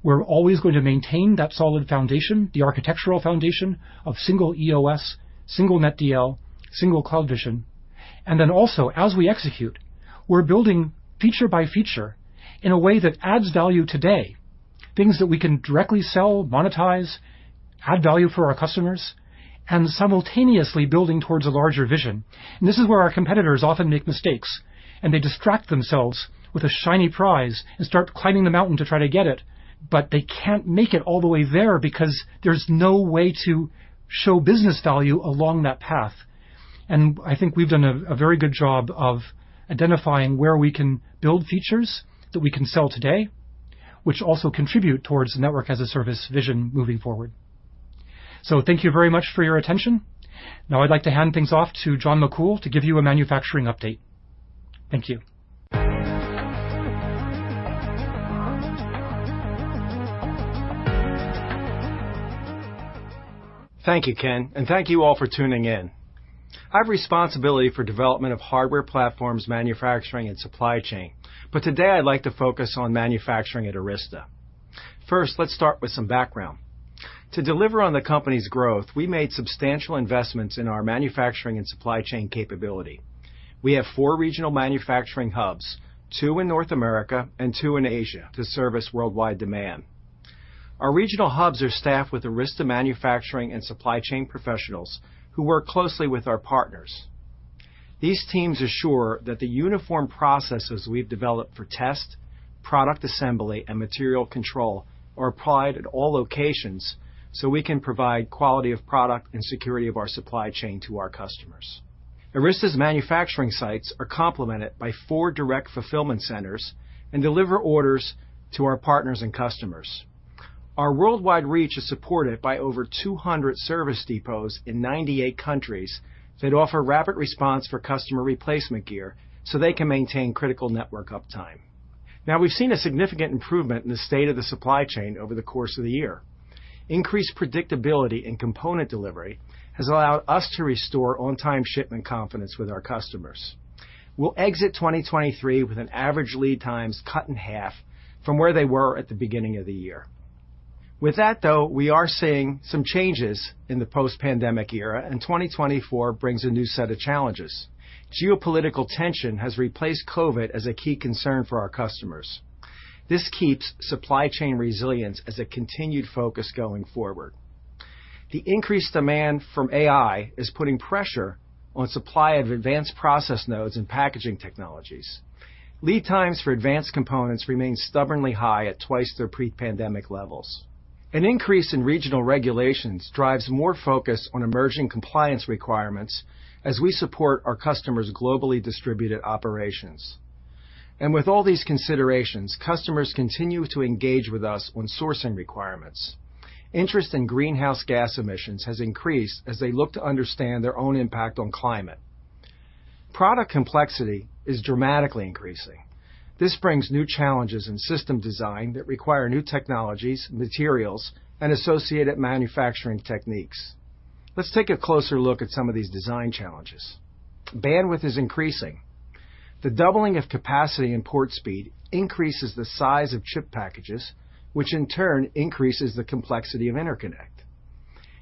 We're always going to maintain that solid foundation, the architectural foundation of single EOS, single NetDL, single CloudVision, and then also, as we execute, we're building feature by feature in a way that adds value today, things that we can directly sell, monetize, add value for our customers, and simultaneously building towards a larger vision. This is where our competitors often make mistakes, and they distract themselves with a shiny prize and start climbing the mountain to try to get it, but they can't make it all the way there because there's no way to show business value along that path. I think we've done a very good job of identifying where we can build features that we can sell today, which also contribute towards the Network as a Service vision moving forward. So thank you very much for your attention. Now I'd like to hand things off to John McCool to give you a manufacturing update. Thank you. Thank you, Ken, and thank you all for tuning in. I have responsibility for development of hardware platforms, manufacturing, and supply chain, but today I'd like to focus on manufacturing at Arista. First, let's start with some background. To deliver on the company's growth, we made substantial investments in our manufacturing and supply chain capability. We have four regional manufacturing hubs, two in North America and two in Asia, to service worldwide demand. Our regional hubs are staffed with Arista manufacturing and supply chain professionals, who work closely with our partners. These teams assure that the uniform processes we've developed for test, product assembly, and material control are applied at all locations, so we can provide quality of product and security of our supply chain to our customers. Arista's manufacturing sites are complemented by four direct fulfillment centers and deliver orders to our partners and customers. Our worldwide reach is supported by over 200 service depots in 98 countries that offer rapid response for customer replacement gear so they can maintain critical network uptime. Now, we've seen a significant improvement in the state of the supply chain over the course of the year. Increased predictability in component delivery has allowed us to restore on-time shipment confidence with our customers. We'll exit 2023 with an average lead times cut in half from where they were at the beginning of the year. With that, though, we are seeing some changes in the post-pandemic era, and 2024 brings a new set of challenges. Geopolitical tension has replaced COVID as a key concern for our customers. This keeps supply chain resilience as a continued focus going forward. The increased demand from AI is putting pressure on supply of advanced process nodes and packaging technologies. Lead times for advanced components remain stubbornly high at twice their pre-pandemic levels. An increase in regional regulations drives more focus on emerging compliance requirements as we support our customers' globally distributed operations. With all these considerations, customers continue to engage with us on sourcing requirements. Interest in greenhouse gas emissions has increased as they look to understand their own impact on climate. Product complexity is dramatically increasing. This brings new challenges in system design that require new technologies, materials, and associated manufacturing techniques. Let's take a closer look at some of these design challenges. Bandwidth is increasing. The doubling of capacity and port speed increases the size of chip packages, which in turn increases the complexity of interconnect.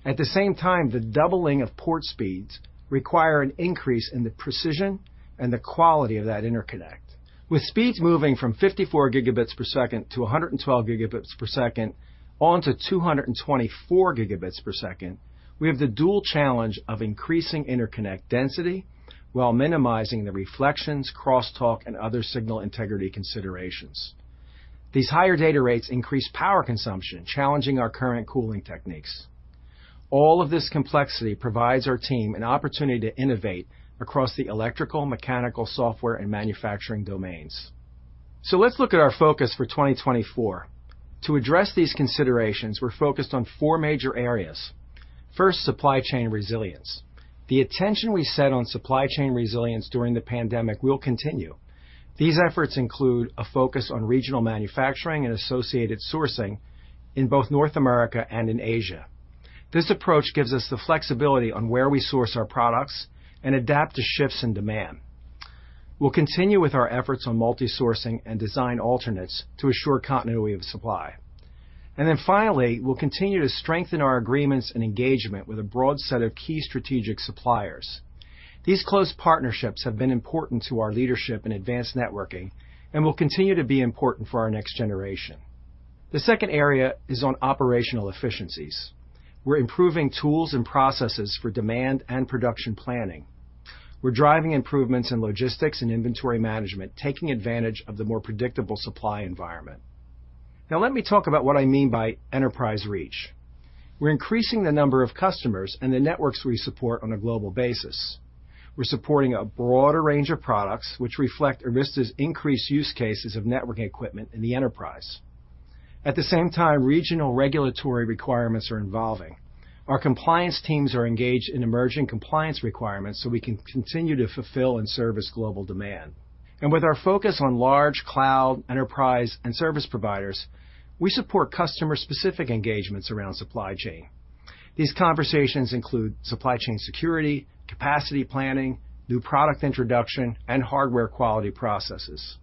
At the same time, the doubling of port speeds require an increase in the precision and the quality of that interconnect. With speeds moving from 54 Gbps to 112 Gbps on to 224 Gbps, we have the dual challenge of increasing interconnect density while minimizing the reflections, crosstalk, and other signal integrity considerations. These higher data rates increase power consumption, challenging our current cooling techniques. All of this complexity provides our team an opportunity to innovate across the electrical, mechanical, software, and manufacturing domains. So let's look at our focus for 2024. To address these considerations, we're focused on four major areas. First, supply chain resilience. The attention we set on supply chain resilience during the pandemic will continue. These efforts include a focus on regional manufacturing and associated sourcing in both North America and in Asia. This approach gives us the flexibility on where we source our products and adapt to shifts in demand. We'll continue with our efforts on multi-sourcing and design alternates to assure continuity of supply. Then finally, we'll continue to strengthen our agreements and engagement with a broad set of key strategic suppliers. These close partnerships have been important to our leadership in advanced networking and will continue to be important for our next generation. The second area is on operational efficiencies. We're improving tools and processes for demand and production planning. We're driving improvements in logistics and inventory management, taking advantage of the more predictable supply environment. Now, let me talk about what I mean by enterprise reach. We're increasing the number of customers and the networks we support on a global basis. We're supporting a broader range of products, which reflect Arista's increased use cases of networking equipment in the enterprise. At the same time, regional regulatory requirements are involving. Our compliance teams are engaged in emerging compliance requirements so we can continue to fulfill and service global demand. With our focus on large cloud, enterprise, and service providers, we support customer-specific engagements around supply chain. These conversations include supply chain security, capacity planning, new product introduction, and hardware quality processes.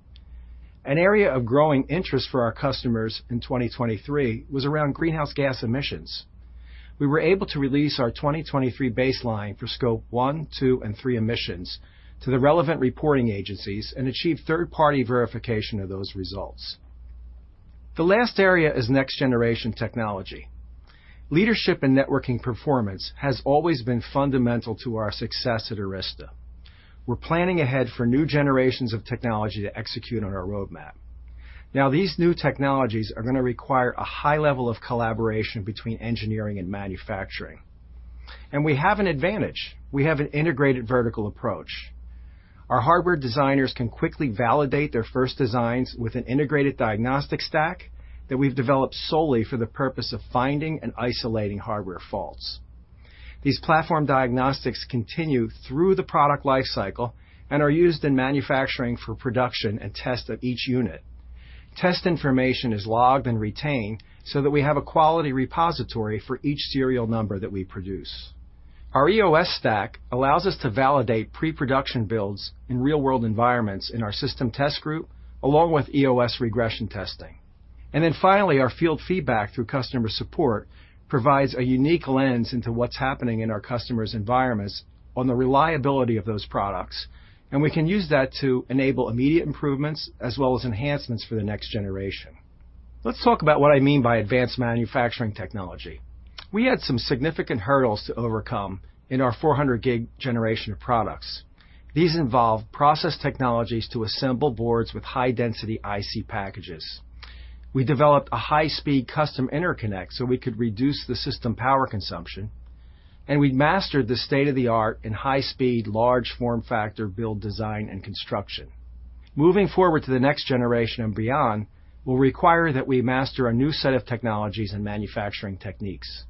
An area of growing interest for our customers in 2023 was around greenhouse gas emissions. We were able to release our 2023 baseline for scope 1, 2, and 3 emissions to the relevant reporting agencies and achieve third-party verification of those results. The last area is next-generation technology. Leadership and networking performance has always been fundamental to our success at Arista. We're planning ahead for new generations of technology to execute on our roadmap. Now, these new technologies are going to require a high level of collaboration between engineering and manufacturing... And we have an advantage. We have an integrated vertical approach. Our hardware designers can quickly validate their first designs with an integrated diagnostic stack that we've developed solely for the purpose of finding and isolating hardware faults. These platform diagnostics continue through the product lifecycle and are used in manufacturing for production and test of each unit. Test information is logged and retained so that we have a quality repository for each serial number that we produce. Our EOS stack allows us to validate pre-production builds in real-world environments in our system test group, along with EOS regression testing. And then finally, our field feedback through customer support provides a unique lens into what's happening in our customers' environments on the reliability of those products, and we can use that to enable immediate improvements as well as enhancements for the next generation. Let's talk about what I mean by advanced manufacturing technology. We had some significant hurdles to overcome in our 400G generation of products. These involved process technologies to assemble boards with high-density IC packages. We developed a high-speed custom interconnect so we could reduce the system power consumption, and we mastered the state-of-the-art in high-speed, large form factor build, design, and construction. Moving forward to the next generation and beyond will require that we master a new set of technologies and manufacturing techniques.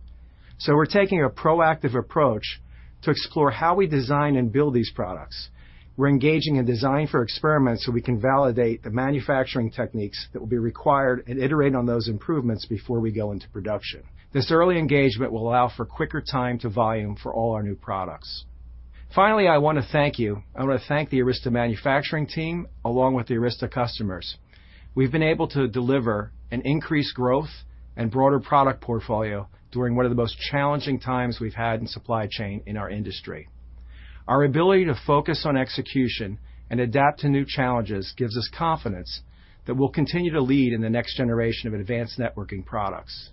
So we're taking a proactive approach to explore how we design and build these products. We're engaging in design for experiments, so we can validate the manufacturing techniques that will be required and iterate on those improvements before we go into production. This early engagement will allow for quicker time to volume for all our new products. Finally, I want to thank you. I want to thank the Arista manufacturing team, along with the Arista customers. We've been able to deliver an increased growth and broader product portfolio during one of the most challenging times we've had in supply chain in our industry. Our ability to focus on execution and adapt to new challenges gives us confidence that we'll continue to lead in the next generation of advanced networking products.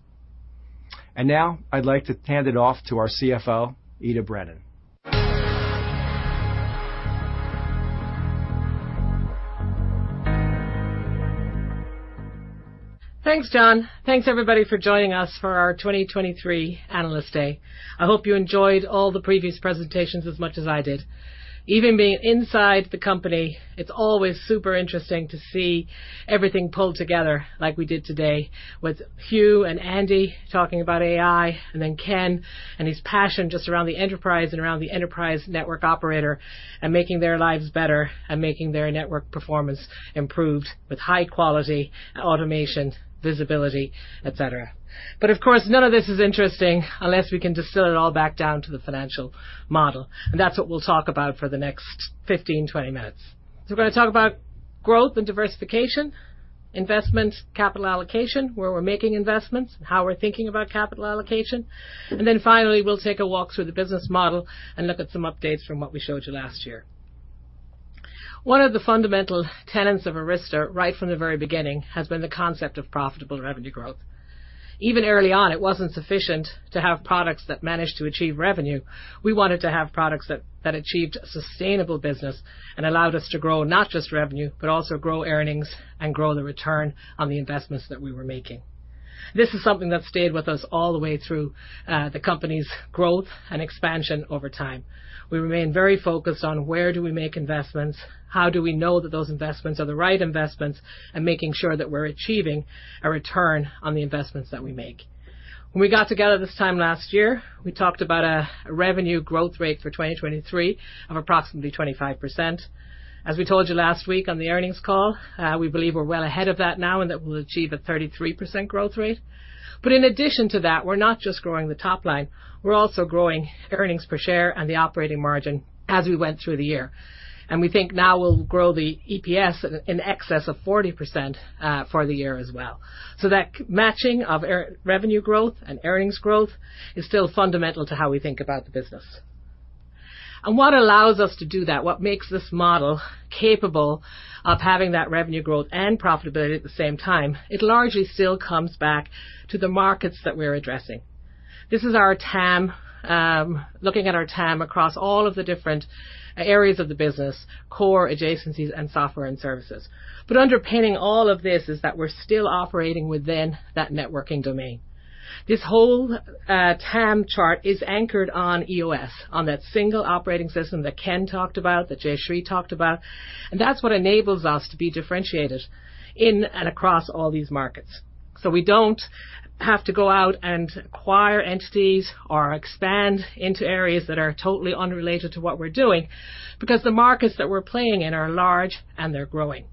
Now I'd like to hand it off to our CFO, Ita Brennan. Thanks, John. Thanks, everybody, for joining us for our 2023 Analyst Day. I hope you enjoyed all the previous presentations as much as I did. Even being inside the company, it's always super interesting to see everything pulled together like we did today with Hugh and Andy talking about AI, and then Ken and his passion just around the enterprise and around the enterprise network operator, and making their lives better and making their network performance improved with high quality, automation, visibility, et cetera. But of course, none of this is interesting unless we can distill it all back down to the financial model, and that's what we'll talk about for the next 15 minutes-20 minutes. So we're going to talk about growth and diversification, investment, capital allocation, where we're making investments, and how we're thinking about capital allocation. And then finally, we'll take a walk through the business model and look at some updates from what we showed you last year. One of the fundamental tenets of Arista, right from the very beginning, has been the concept of profitable revenue growth. Even early on, it wasn't sufficient to have products that managed to achieve revenue. We wanted to have products that achieved sustainable business and allowed us to grow not just revenue, but also grow earnings and grow the return on the investments that we were making. This is something that stayed with us all the way through the company's growth and expansion over time. We remain very focused on where do we make investments, how do we know that those investments are the right investments, and making sure that we're achieving a return on the investments that we make. When we got together this time last year, we talked about a revenue growth rate for 2023 of approximately 25%. As we told you last week on the earnings call, we believe we're well ahead of that now and that we'll achieve a 33% growth rate. But in addition to that, we're not just growing the top line, we're also growing earnings per share and the operating margin as we went through the year. And we think now we'll grow the EPS in excess of 40% for the year as well. So that matching of revenue growth and earnings growth is still fundamental to how we think about the business. What allows us to do that, what makes this model capable of having that revenue growth and profitability at the same time, it largely still comes back to the markets that we're addressing. This is our TAM. Looking at our TAM across all of the different areas of the business, core adjacencies and software and services. But underpinning all of this is that we're still operating within that networking domain. This whole TAM chart is anchored on EOS, on that single operating system that Ken talked about, that Jayshree talked about, and that's what enables us to be differentiated in and across all these markets. So we don't have to go out and acquire entities or expand into areas that are totally unrelated to what we're doing, because the markets that we're playing in are large and they're growing.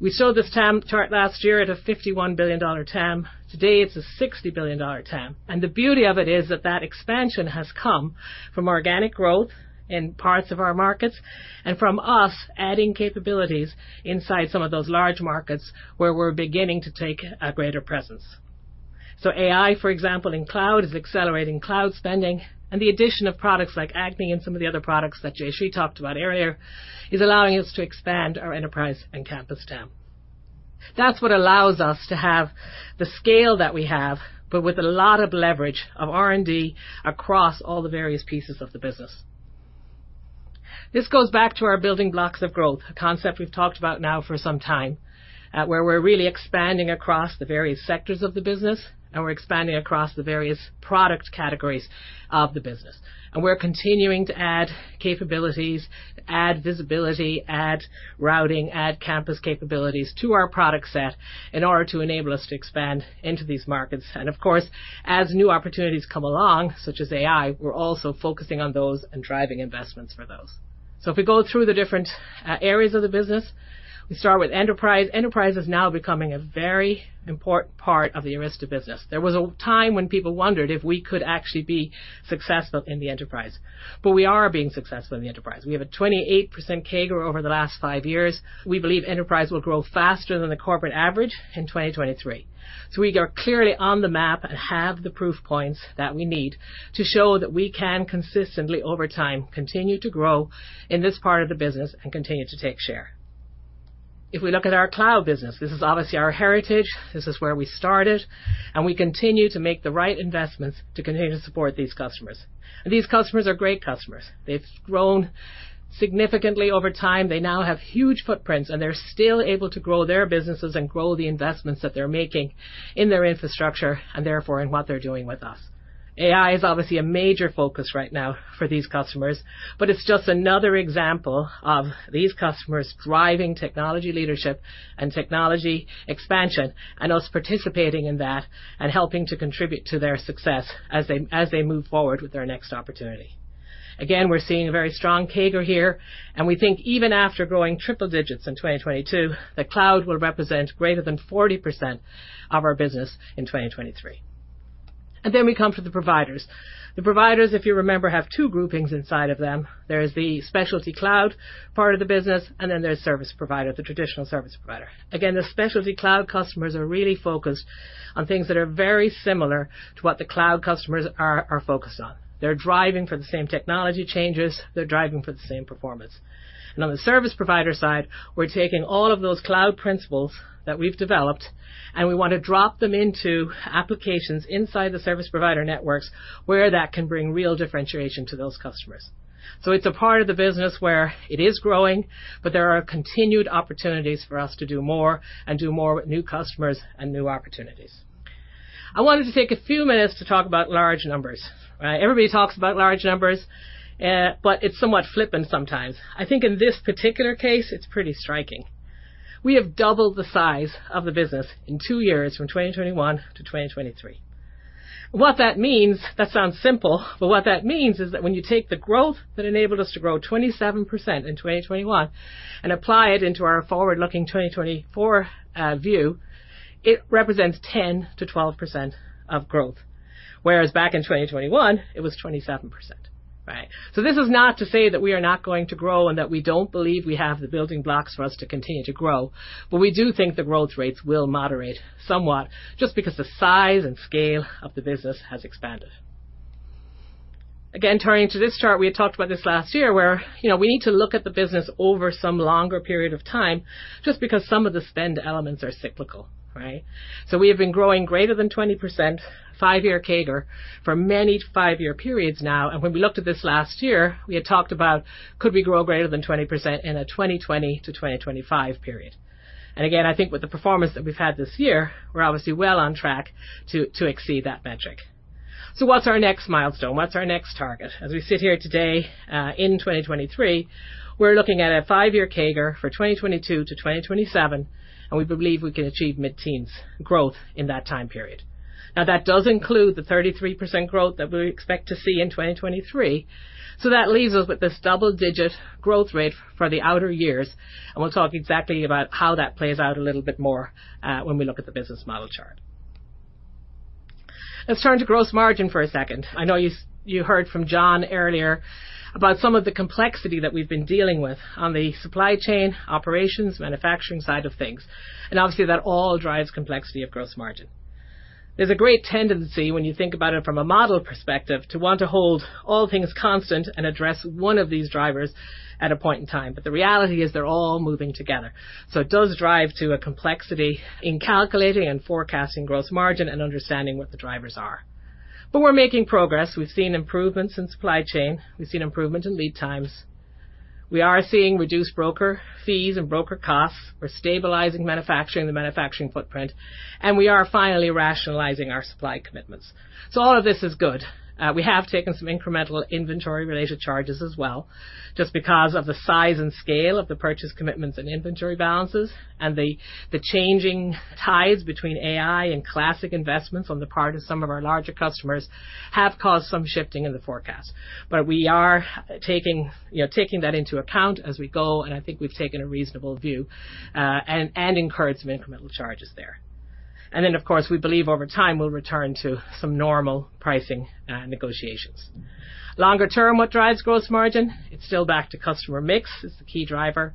We showed this TAM chart last year at a $51 billion TAM. Today, it's a $60 billion TAM, and the beauty of it is that that expansion has come from organic growth in parts of our markets and from us adding capabilities inside some of those large markets where we're beginning to take a greater presence. So AI, for example, in cloud, is accelerating cloud spending, and the addition of products like AGNI and some of the other products that Jayshree talked about earlier, is allowing us to expand our enterprise and campus TAM. That's what allows us to have the scale that we have, but with a lot of leverage of R&D across all the various pieces of the business.... This goes back to our building blocks of growth, a concept we've talked about now for some time, where we're really expanding across the various sectors of the business, and we're expanding across the various product categories of the business. We're continuing to add capabilities, add visibility, add routing, add campus capabilities to our product set in order to enable us to expand into these markets. Of course, as new opportunities come along, such as AI, we're also focusing on those and driving investments for those. If we go through the different areas of the business, we start with enterprise. Enterprise is now becoming a very important part of the Arista business. There was a time when people wondered if we could actually be successful in the enterprise, but we are being successful in the enterprise. We have a 28% CAGR over the last 5 years. We believe enterprise will grow faster than the corporate average in 2023. So we are clearly on the map and have the proof points that we need to show that we can consistently, over time, continue to grow in this part of the business and continue to take share. If we look at our cloud business, this is obviously our heritage, this is where we started, and we continue to make the right investments to continue to support these customers. And these customers are great customers. They've grown significantly over time. They now have huge footprints, and they're still able to grow their businesses and grow the investments that they're making in their infrastructure, and therefore, in what they're doing with us. AI is obviously a major focus right now for these customers, but it's just another example of these customers driving technology leadership and technology expansion, and us participating in that and helping to contribute to their success as they, as they move forward with their next opportunity. Again, we're seeing a very strong CAGR here, and we think even after growing triple digits in 2022, the cloud will represent greater than 40% of our business in 2023. Then we come to the providers. The providers, if you remember, have two groupings inside of them. There's the specialty cloud part of the business, and then there's service provider, the traditional service provider. Again, the specialty cloud customers are really focused on things that are very similar to what the cloud customers are, are focused on. They're driving for the same technology changes, they're driving for the same performance. And on the service provider side, we're taking all of those cloud principles that we've developed, and we want to drop them into applications inside the service provider networks, where that can bring real differentiation to those customers. So it's a part of the business where it is growing, but there are continued opportunities for us to do more and do more with new customers and new opportunities. I wanted to take a few minutes to talk about large numbers. Everybody talks about large numbers, but it's somewhat flippant sometimes. I think in this particular case, it's pretty striking. We have doubled the size of the business in two years, from 2021 to 2023. What that means. That sounds simple, but what that means is that when you take the growth that enabled us to grow 27% in 2021 and apply it into our forward-looking 2024 view, it represents 10%-12% of growth, whereas back in 2021, it was 27%, right? So this is not to say that we are not going to grow and that we don't believe we have the building blocks for us to continue to grow, but we do think the growth rates will moderate somewhat just because the size and scale of the business has expanded. Again, turning to this chart, we had talked about this last year, where, you know, we need to look at the business over some longer period of time just because some of the spend elements are cyclical, right? So we have been growing greater than 20%, five-year CAGR for many five-year periods now, and when we looked at this last year, we had talked about, could we grow greater than 20% in a 2020 to 2025 period? And again, I think with the performance that we've had this year, we're obviously well on track to exceed that metric. So what's our next milestone? What's our next target? As we sit here today, in 2023, we're looking at a five-year CAGR for 2022 to 2027, and we believe we can achieve mid-teens growth in that time period. Now, that does include the 33% growth that we expect to see in 2023, so that leaves us with this double-digit growth rate for the outer years, and we'll talk exactly about how that plays out a little bit more, when we look at the business model chart. Let's turn to gross margin for a second. I know you heard from John earlier about some of the complexity that we've been dealing with on the supply chain, operations, manufacturing side of things, and obviously, that all drives complexity of gross margin. There's a great tendency, when you think about it from a model perspective, to want to hold all things constant and address one of these drivers at a point in time. But the reality is they're all moving together. So it does drive to a complexity in calculating and forecasting gross margin and understanding what the drivers are. But we're making progress. We've seen improvements in supply chain. We've seen improvement in lead times. We are seeing reduced broker fees and broker costs. We're stabilizing manufacturing, the manufacturing footprint, and we are finally rationalizing our supply commitments. So all of this is good. We have taken some incremental inventory-related charges as well, just because of the size and scale of the purchase commitments and inventory balances, and the changing tides between AI and classic investments on the part of some of our larger customers have caused some shifting in the forecast. But we are taking, you know, taking that into account as we go, and I think we've taken a reasonable view, and incurred some incremental charges there. And then, of course, we believe over time, we'll return to some normal pricing, negotiations. Longer term, what drives gross margin? It's still back to customer mix, is the key driver.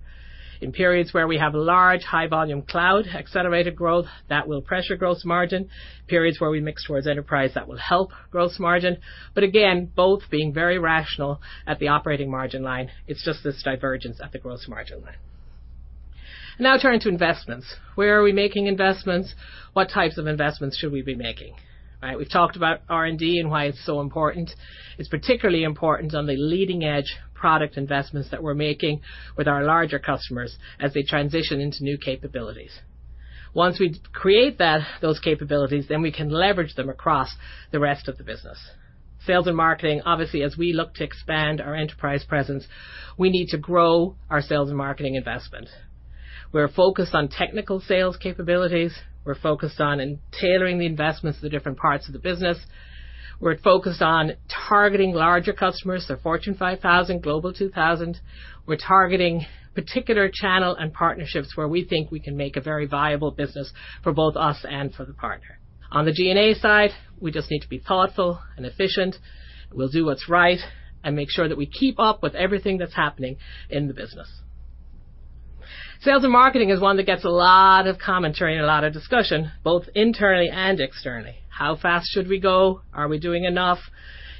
In periods where we have large, high-volume cloud, accelerated growth, that will pressure gross margin. Periods where we mix towards enterprise, that will help gross margin. But again, both being very rational at the operating margin line, it's just this divergence at the gross margin line... Now turning to investments. Where are we making investments? What types of investments should we be making, right? We've talked about R&D and why it's so important. It's particularly important on the leading-edge product investments that we're making with our larger customers as they transition into new capabilities. Once we create that, those capabilities, then we can leverage them across the rest of the business. Sales and marketing, obviously, as we look to expand our enterprise presence, we need to grow our sales and marketing investment. We're focused on technical sales capabilities. We're focused on tailoring the investments to the different parts of the business. We're focused on targeting larger customers, the Fortune 5,000, Global 2,000. We're targeting particular channel and partnerships where we think we can make a very viable business for both us and for the partner. On the G&A side, we just need to be thoughtful and efficient. We'll do what's right and make sure that we keep up with everything that's happening in the business. Sales and marketing is one that gets a lot of commentary and a lot of discussion, both internally and externally. How fast should we go? Are we doing enough?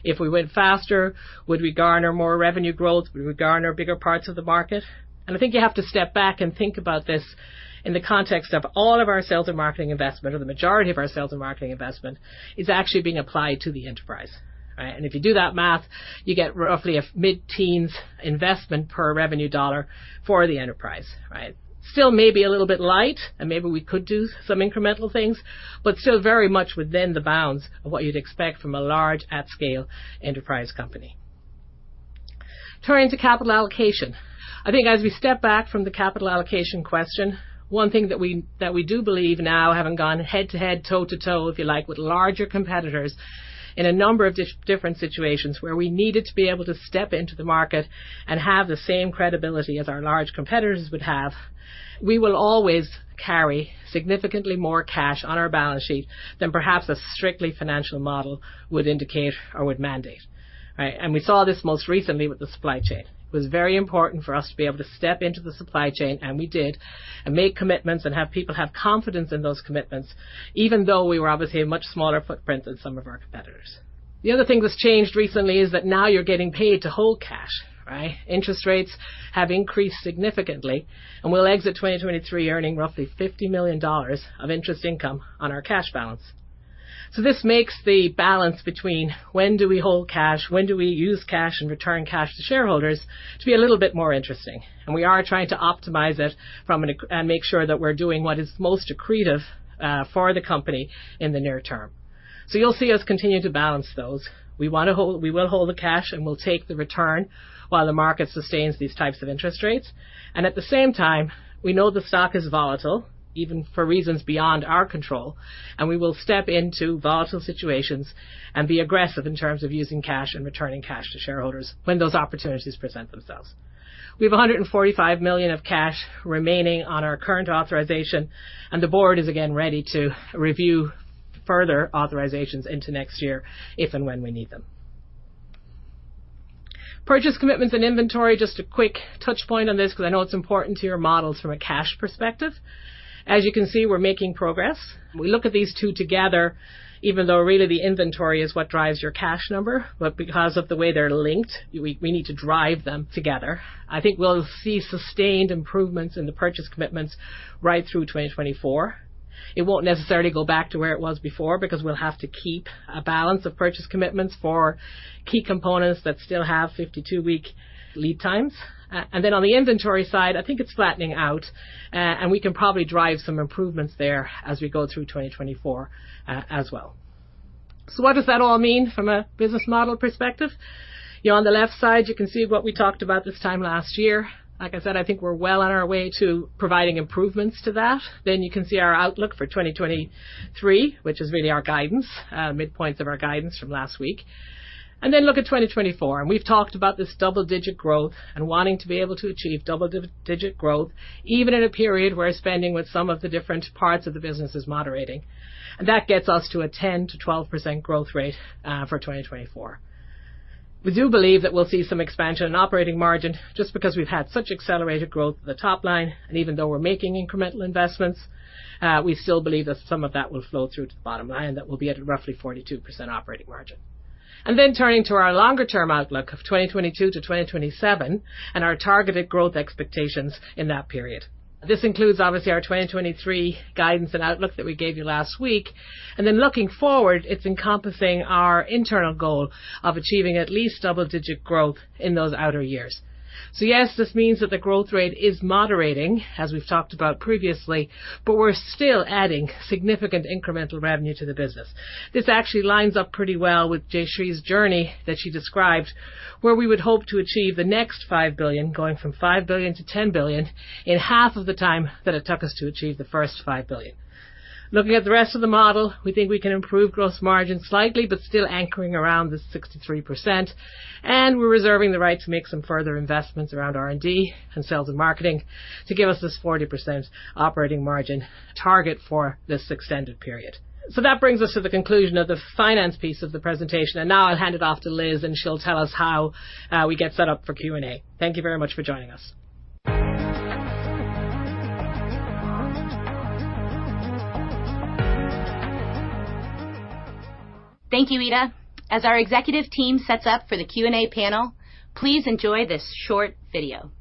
If we went faster, would we garner more revenue growth? Would we garner bigger parts of the market? And I think you have to step back and think about this in the context of all of our sales and marketing investment, or the majority of our sales and marketing investment, is actually being applied to the enterprise, right? And if you do that math, you get roughly a mid-teens investment per revenue dollar for the enterprise, right? Still may be a little bit light, and maybe we could do some incremental things, but still very much within the bounds of what you'd expect from a large, at-scale enterprise company. Turning to capital allocation. I think as we step back from the capital allocation question, one thing that we, that we do believe now, having gone head to head, toe to toe, if you like, with larger competitors in a number of different situations where we needed to be able to step into the market and have the same credibility as our large competitors would have, we will always carry significantly more cash on our balance sheet than perhaps a strictly financial model would indicate or would mandate, right? We saw this most recently with the supply chain. It was very important for us to be able to step into the supply chain, and we did, and make commitments and have people have confidence in those commitments, even though we were obviously a much smaller footprint than some of our competitors. The other thing that's changed recently is that now you're getting paid to hold cash, right? Interest rates have increased significantly, and we'll exit 2023 earning roughly $50 million of interest income on our cash balance. So this makes the balance between when do we hold cash, when do we use cash and return cash to shareholders to be a little bit more interesting, and we are trying to optimize it and make sure that we're doing what is most accretive for the company in the near term. So you'll see us continue to balance those. We wanna hold. We will hold the cash, and we'll take the return while the market sustains these types of interest rates. And at the same time, we know the stock is volatile, even for reasons beyond our control, and we will step into volatile situations and be aggressive in terms of using cash and returning cash to shareholders when those opportunities present themselves. We have $145 million of cash remaining on our current authorization, and the board is again ready to review further authorizations into next year if and when we need them. Purchase commitments and inventory, just a quick touch point on this, because I know it's important to your models from a cash perspective. As you can see, we're making progress. We look at these two together, even though really the inventory is what drives your cash number, but because of the way they're linked, we need to drive them together. I think we'll see sustained improvements in the purchase commitments right through 2024. It won't necessarily go back to where it was before, because we'll have to keep a balance of purchase commitments for key components that still have 52-week lead times. And then on the inventory side, I think it's flattening out, and we can probably drive some improvements there as we go through 2024, as well. So what does that all mean from a business model perspective? On the left side, you can see what we talked about this time last year. Like I said, I think we're well on our way to providing improvements to that. Then you can see our outlook for 2023, which is really our guidance, midpoints of our guidance from last week. And then look at 2024. We've talked about this double-digit growth and wanting to be able to achieve double-digit growth, even in a period where spending with some of the different parts of the business is moderating. That gets us to a 10%-12% growth rate for 2024. We do believe that we'll see some expansion in operating margin just because we've had such accelerated growth at the top line, and even though we're making incremental investments, we still believe that some of that will flow through to the bottom line, that we'll be at a roughly 42% operating margin. Then turning to our longer-term outlook of 2022-2027 and our targeted growth expectations in that period. This includes, obviously, our 2023 guidance and outlook that we gave you last week. Looking forward, it's encompassing our internal goal of achieving at least double-digit growth in those outer years. So yes, this means that the growth rate is moderating, as we've talked about previously, but we're still adding significant incremental revenue to the business. This actually lines up pretty well with Jayshree's journey that she described, where we would hope to achieve the next $5 billion, going from $5 billion to $10 billion, in half of the time that it took us to achieve the first $5 billion. Looking at the rest of the model, we think we can improve gross margin slightly, but still anchoring around the 63%, and we're reserving the right to make some further investments around R&D and sales and marketing to give us this 40% operating margin target for this extended period. That brings us to the conclusion of the finance piece of the presentation, and now I'll hand it off to Liz, and she'll tell us how we get set up for Q&A. Thank you very much for joining us. ... Thank you, Ida. As our executive team sets up for the Q&A panel, please enjoy this short video.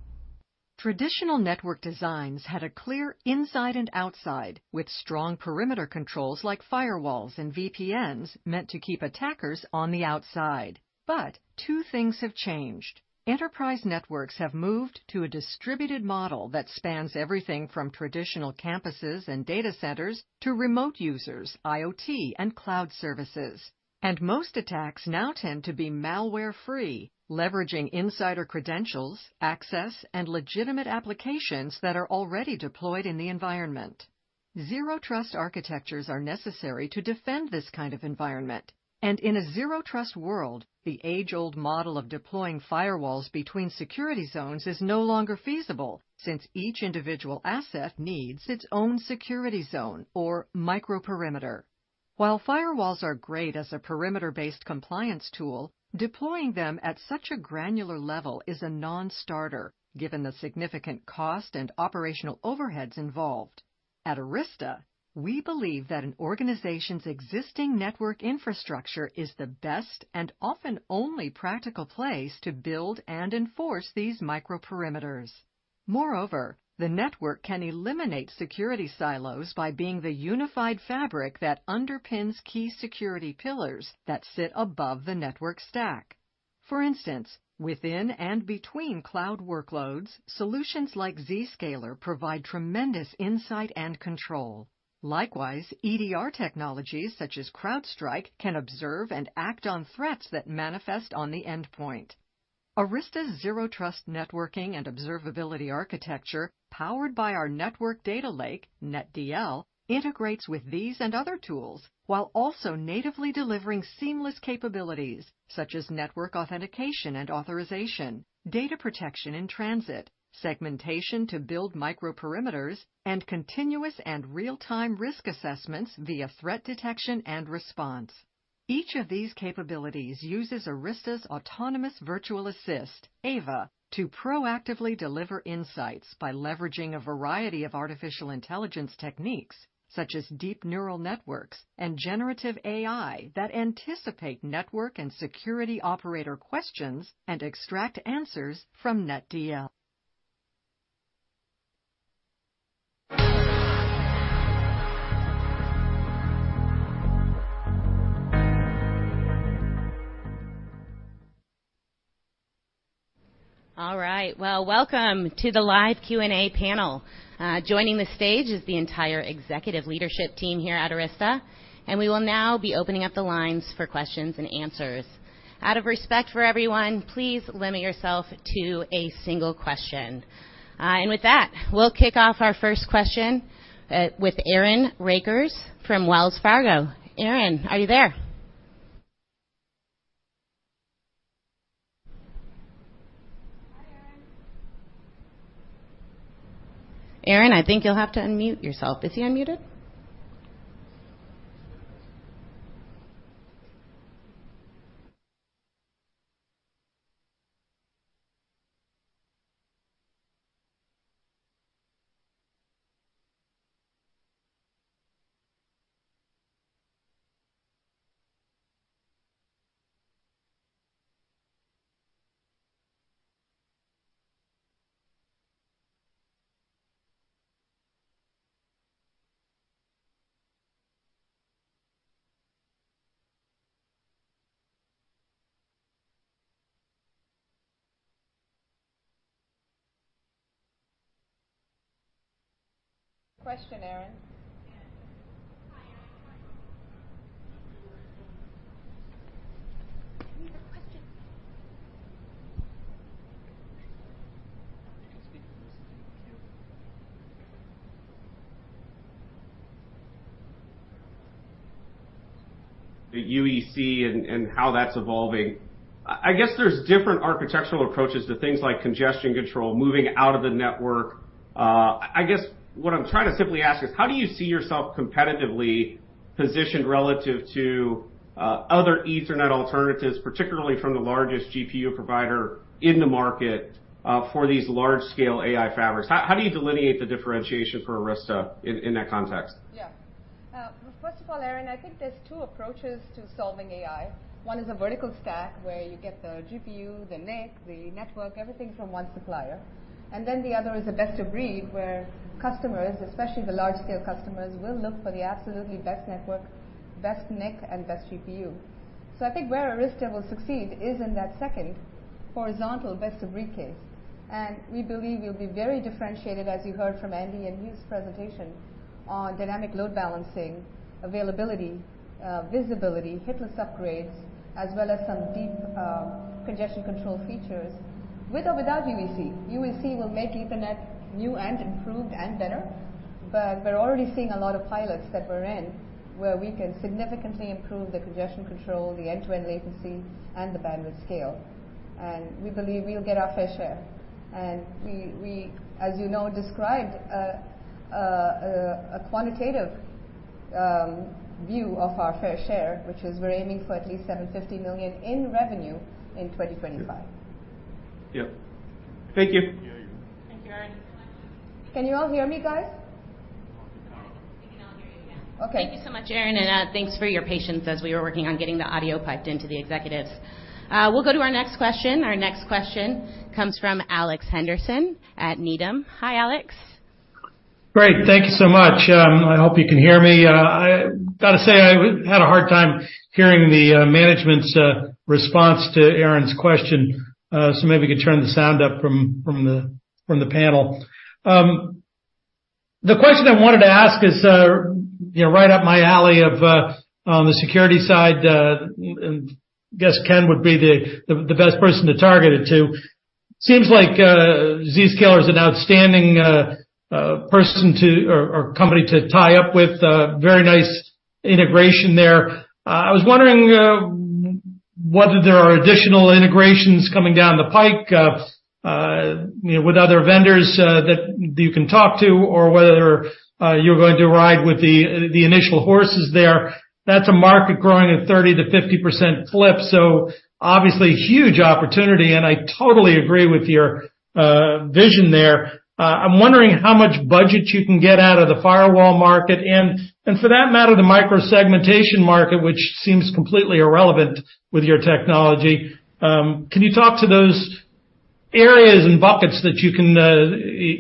Traditional network designs had a clear inside and outside, with strong perimeter controls like firewalls and VPNs, meant to keep attackers on the outside. But two things have changed. Enterprise networks have moved to a distributed model that spans everything from traditional campuses and data centers to remote users, IoT, and cloud services. And most attacks now tend to be malware-free, leveraging insider credentials, access, and legitimate applications that are already deployed in the environment. Zero Trust architectures are necessary to defend this kind of environment. And in a Zero Trust world, the age-old model of deploying firewalls between security zones is no longer feasible, since each individual asset needs its own security zone or microperimeter. While firewalls are great as a perimeter-based compliance tool, deploying them at such a granular level is a non-starter, given the significant cost and operational overheads involved. At Arista, we believe that an organization's existing network infrastructure is the best and often only practical place to build and enforce these microperimeters. Moreover, the network can eliminate security silos by being the unified fabric that underpins key security pillars that sit above the network stack. For instance, within and between cloud workloads, solutions like Zscaler provide tremendous insight and control. Likewise, EDR technologies such as CrowdStrike can observe and act on threats that manifest on the endpoint. Arista's Zero Trust Networking and observability architecture, powered by our network data lake, NetDL, integrates with these and other tools, while also natively delivering seamless capabilities such as network authentication and authorization, data protection in transit, segmentation to build microperimeters, and continuous and real-time risk assessments via threat detection and response. Each of these capabilities uses Arista's Autonomous Virtual Assist, AVA, to proactively deliver insights by leveraging a variety of artificial intelligence techniques, such as deep neural networks and generative AI, that anticipate network and security operator questions and extract answers from NetDL. All right, well, welcome to the live Q&A panel. Joining the stage is the entire executive leadership team here at Arista, and we will now be opening up the lines for questions and answers. Out of respect for everyone, please limit yourself to a single question. And with that, we'll kick off our first question with Aaron Rakers from Wells Fargo. Aaron, are you there? Hi, Aaron. Aaron, I think you'll have to unmute yourself. Is he unmuted? Question, Aaron. Give me the question. Can you speak closer to the mic? The UEC and how that's evolving. I guess there's different architectural approaches to things like congestion control, moving out of the network. I guess what I'm trying to simply ask is: how do you see yourself competitively positioned relative to other Ethernet alternatives, particularly from the largest GPU provider in the market, for these large-scale AI fabrics? How do you delineate the differentiation for Arista in that context? Yeah. First of all, Aaron, I think there's two approaches to solving AI. One is a vertical stack, where you get the GPU, the NIC, the network, everything from one supplier. And then the other is a best of breed, where customers, especially the large-scale customers, will look for the absolutely best network, best NIC, and best GPU. So I think where Arista will succeed is in that second horizontal best of breed case. And we believe we'll be very differentiated, as you heard from Andy and Hugh's presentation on dynamic load balancing, availability, visibility, hitless upgrades, as well as some deep, congestion control features. With or without UEC, UEC will make Ethernet new and improved and better, but we're already seeing a lot of pilots that we're in, where we can significantly improve the congestion control, the end-to-end latency, and the bandwidth scale. We believe we'll get our fair share. As you know, we described a quantitative view of our fair share, which is we're aiming for at least $750 million in revenue in 2025. Yeah. Thank you. Thank you, Aaron. Can you all hear me, guys?... We can all hear you now. Okay. Thank you so much, Aaron, and, thanks for your patience as we were working on getting the audio piped into the executives. We'll go to our next question. Our next question comes from Alex Henderson at Needham. Hi, Alex. Great. Thank you so much. I hope you can hear me. I gotta say, I had a hard time hearing the management's response to Aaron's question. So maybe we could turn the sound up from the panel. The question I wanted to ask is, you know, right up my alley on the security side, and I guess Ken would be the best person to target it to. Seems like Zscaler is an outstanding company to tie up with, very nice integration there. I was wondering whether there are additional integrations coming down the pike, you know, with other vendors that you can talk to or whether you're going to ride with the initial horses there. That's a market growing at 30%-50% clip, so obviously, huge opportunity, and I totally agree with your vision there. I'm wondering how much budget you can get out of the firewall market, and, and for that matter, the micro-segmentation market, which seems completely irrelevant with your technology. Can you talk to those areas and buckets that you can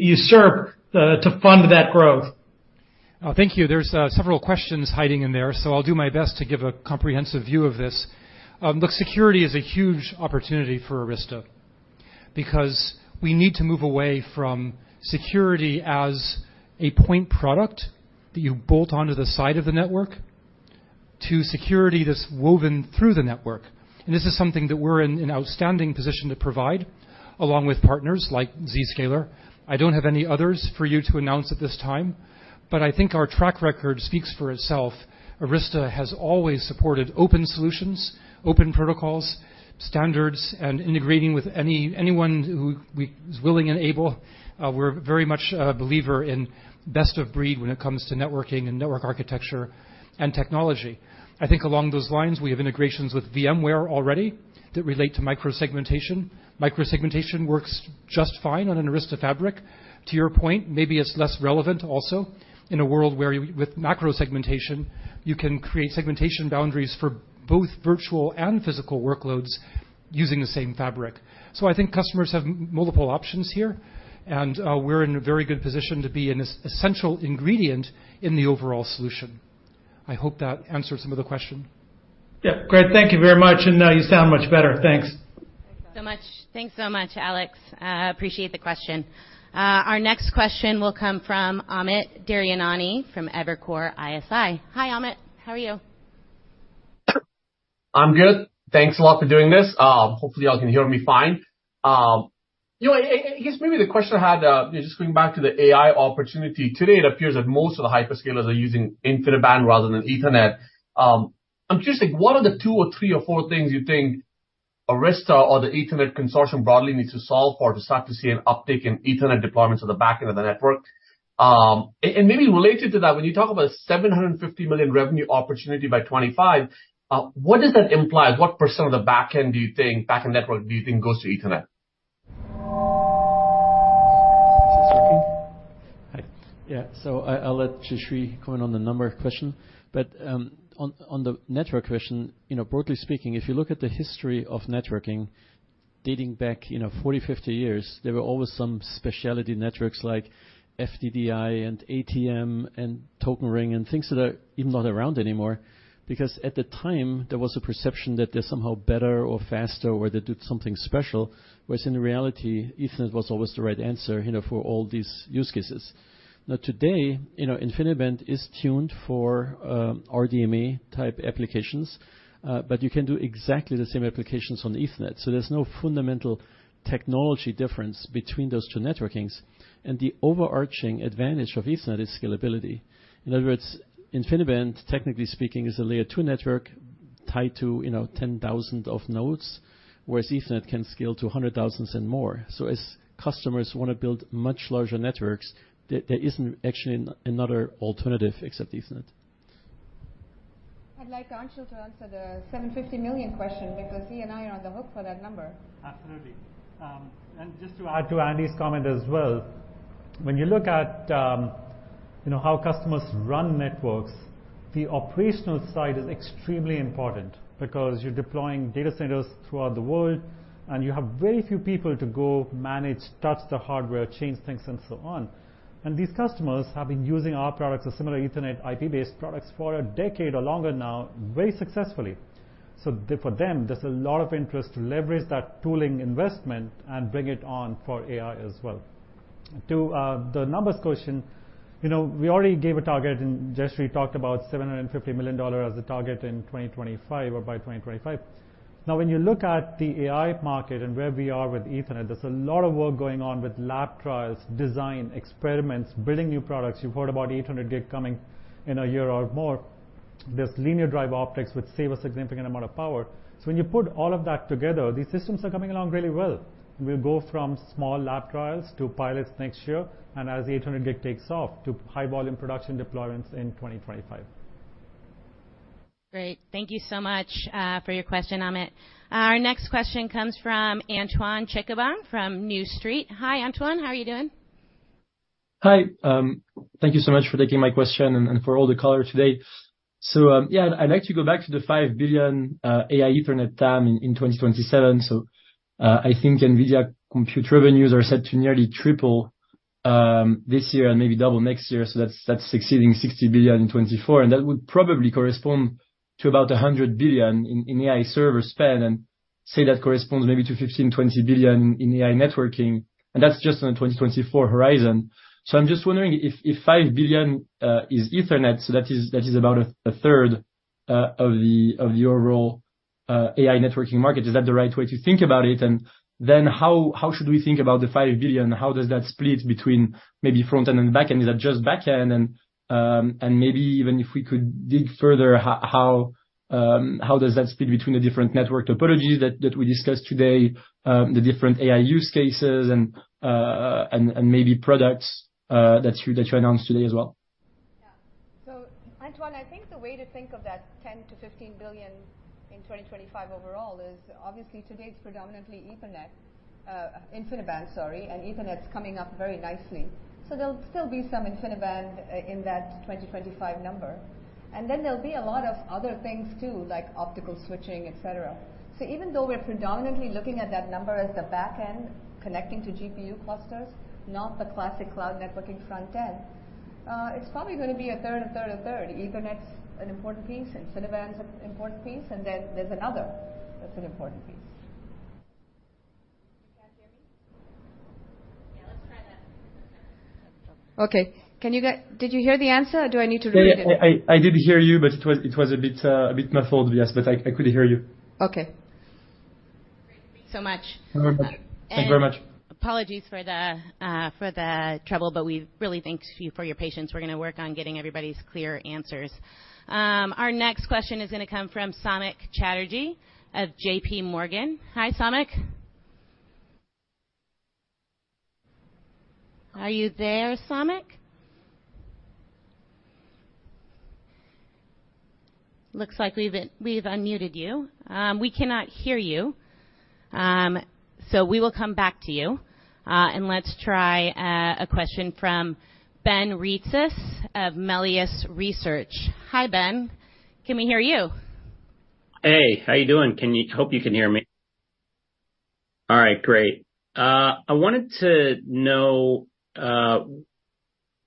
you serve to fund that growth? Thank you. There's several questions hiding in there, so I'll do my best to give a comprehensive view of this. Look, security is a huge opportunity for Arista because we need to move away from security as a point product that you bolt onto the side of the network, to security that's woven through the network. And this is something that we're in an outstanding position to provide, along with partners like Zscaler. I don't have any others for you to announce at this time, but I think our track record speaks for itself. Arista has always supported open solutions, open protocols, standards, and integrating with anyone who we is willing and able. We're very much a believer in best of breed when it comes to networking and network architecture and technology. I think along those lines, we have integrations with VMware already that relate to micro-segmentation. Micro-segmentation works just fine on an Arista fabric. To your point, maybe it's less relevant also in a world where, with macro segmentation, you can create segmentation boundaries for both virtual and physical workloads using the same fabric. So I think customers have multiple options here, and we're in a very good position to be an essential ingredient in the overall solution. I hope that answers some of the question. Yeah. Great. Thank you very much, and you sound much better. Thanks. Thanks so much. Thanks so much, Alex. Appreciate the question. Our next question will come from Amit Daryanani from Evercore ISI. Hi, Amit. How are you? I'm good. Thanks a lot for doing this. Hopefully, y'all can hear me fine. You know, I guess maybe the question I had, just going back to the AI opportunity. Today, it appears that most of the hyperscalers are using InfiniBand rather than Ethernet. I'm curious, like, what are the two or three or four things you think Arista or the Ethernet consortium broadly needs to solve for, to start to see an uptick in Ethernet deployments on the back end of the network? And maybe related to that, when you talk about $750 million revenue opportunity by 2025, what does that imply? What percent of the back end do you think, back-end network, do you think goes to Ethernet? Is this working? Hi. Yeah. So I'll let Jayshree comment on the number question. But on the network question, you know, broadly speaking, if you look at the history of networking dating back, you know, 40, 50 years, there were always some specialty networks like FDDI and ATM and Token Ring and things that are even not around anymore. Because at the time, there was a perception that they're somehow better or faster, or they did something special, whereas in reality, Ethernet was always the right answer, you know, for all these use cases. Now, today, you know, InfiniBand is tuned for RDMA-type applications, but you can do exactly the same applications on Ethernet, so there's no fundamental technology difference between those two networkings, and the overarching advantage of Ethernet is scalability. In other words, InfiniBand, technically speaking, is a layer two network tied to, you know, 10,000 of nodes, whereas Ethernet can scale to 100,000s and more. So as customers want to build much larger networks, there isn't actually another alternative except Ethernet. I'd like Anshul to answer the $750 million question because he and I are on the hook for that number. Absolutely. And just to add to Andy's comment as well, when you look at, you know, how customers run networks, the operational side is extremely important because you're deploying data centers throughout the world, and you have very few people to go manage, touch the hardware, change things, and so on. These customers have been using our products or similar Ethernet IP-based products for a decade or longer now, very successfully. So for them, there's a lot of interest to leverage that tooling investment and bring it on for AI as well. To the numbers question, you know, we already gave a target, and Jayshree talked about $750 million as a target in 2025 or by 2025. Now, when you look at the AI market and where we are with Ethernet, there's a lot of work going on with lab trials, design, experiments, building new products. You've heard about 800 gig coming in a year or more. There's linear drive optics, which save us a significant amount of power. So when you put all of that together, these systems are coming along really well. We'll go from small lab trials to pilots next year, and as the 800 gig takes off, to high volume production deployments in 2025. ... Great. Thank you so much for your question, Amit. Our next question comes from Antoine Chkaiban from New Street. Hi, Antoine. How are you doing? Hi. Thank you so much for taking my question and for all the color today. So, yeah, I'd like to go back to the $5 billion AI Ethernet TAM in 2027. So, I think NVIDIA computer revenues are set to nearly triple this year and maybe double next year, so that's exceeding $60 billion in 2024, and that would probably correspond to about $100 billion in AI server spend, and say that corresponds maybe to $15 billion-$20 billion in AI networking, and that's just on the 2024 horizon. So I'm just wondering, if $5 billion is Ethernet, so that is about a third of your overall AI networking market. Is that the right way to think about it? Then how should we think about the $5 billion? How does that split between maybe front-end and back-end? Is that just back-end? And maybe even if we could dig further, how does that split between the different network topologies that we discussed today, the different AI use cases and maybe products that you announced today as well? Yeah. So Antoine, I think the way to think of that $10 billion-$15 billion in 2025 overall is obviously today it's predominantly Ethernet, InfiniBand, sorry, and Ethernet's coming up very nicely. So there'll still be some InfiniBand in that 2025 number. And then there'll be a lot of other things too, like optical switching, et cetera. So even though we're predominantly looking at that number as the back end, connecting to GPU clusters, not the classic cloud networking front end, it's probably gonna be a third, a third, a third. Ethernet's an important piece, InfiniBand's an important piece, and then there's another that's an important piece. Can you guys hear me? Yeah, let's try that. Okay. Can you? Did you hear the answer, or do I need to repeat it? I did hear you, but it was a bit muffled, yes, but I could hear you. Okay. Great. Thanks so much. Thank you very much. Apologies for the trouble, but we really thank you for your patience. We're gonna work on getting everybody's clear answers. Our next question is gonna come from Samik Chatterjee of JP Morgan. Hi, Samik. Are you there, Samik? Looks like we've unmuted you. We cannot hear you, so we will come back to you. Let's try a question from Ben Reitzes of Melius Research. Hi, Ben. Can we hear you? Hey, how you doing? Can you... Hope you can hear me. All right, great. I wanted to know,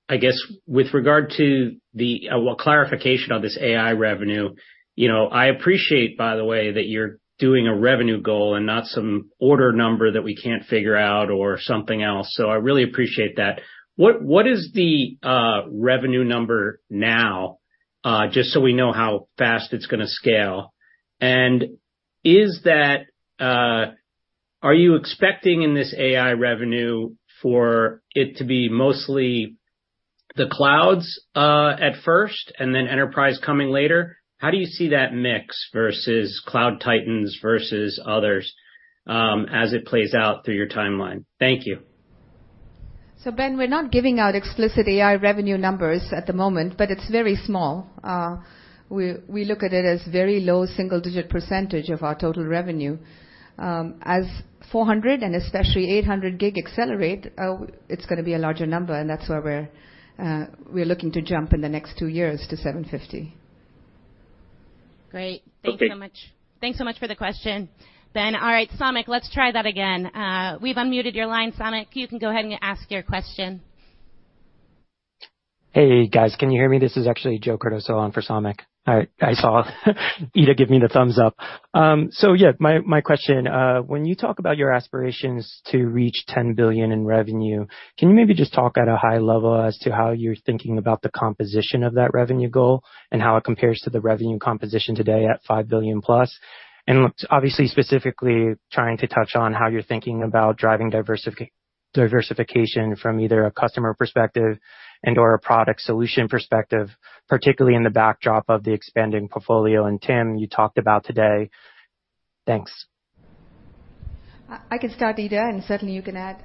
I guess, with regard to the, well, clarification on this AI revenue, you know, I appreciate, by the way, that you're doing a revenue goal and not some order number that we can't figure out or something else, so I really appreciate that. What is the revenue number now, just so we know how fast it's gonna scale? And is that... Are you expecting in this AI revenue for it to be mostly the clouds, at first, and then enterprise coming later? How do you see that mix versus cloud titans versus others, as it plays out through your timeline? Thank you. So Ben, we're not giving out explicit AI revenue numbers at the moment, but it's very small. We look at it as very low single-digit percent of our total revenue. As 400 and especially 800 gig accelerate, it's gonna be a larger number, and that's where we're looking to jump in the next two years to 750. Great. Okay. Thank you so much. Thanks so much for the question, Ben. All right, Samik, let's try that again. We've unmuted your line, Samik. You can go ahead and ask your question. Hey, guys, can you hear me? This is actually Joe Cardoso on for Samik. I saw Ita give me the thumbs up. So yeah, my question, when you talk about your aspirations to reach $10 billion in revenue, can you maybe just talk at a high level as to how you're thinking about the composition of that revenue goal and how it compares to the revenue composition today at $5 billion plus? And obviously, specifically, trying to touch on how you're thinking about driving diversification from either a customer perspective and/or a product solution perspective, particularly in the backdrop of the expanding portfolio. And Tim, you talked about today. Thanks. I can start, Ida, and certainly you can add.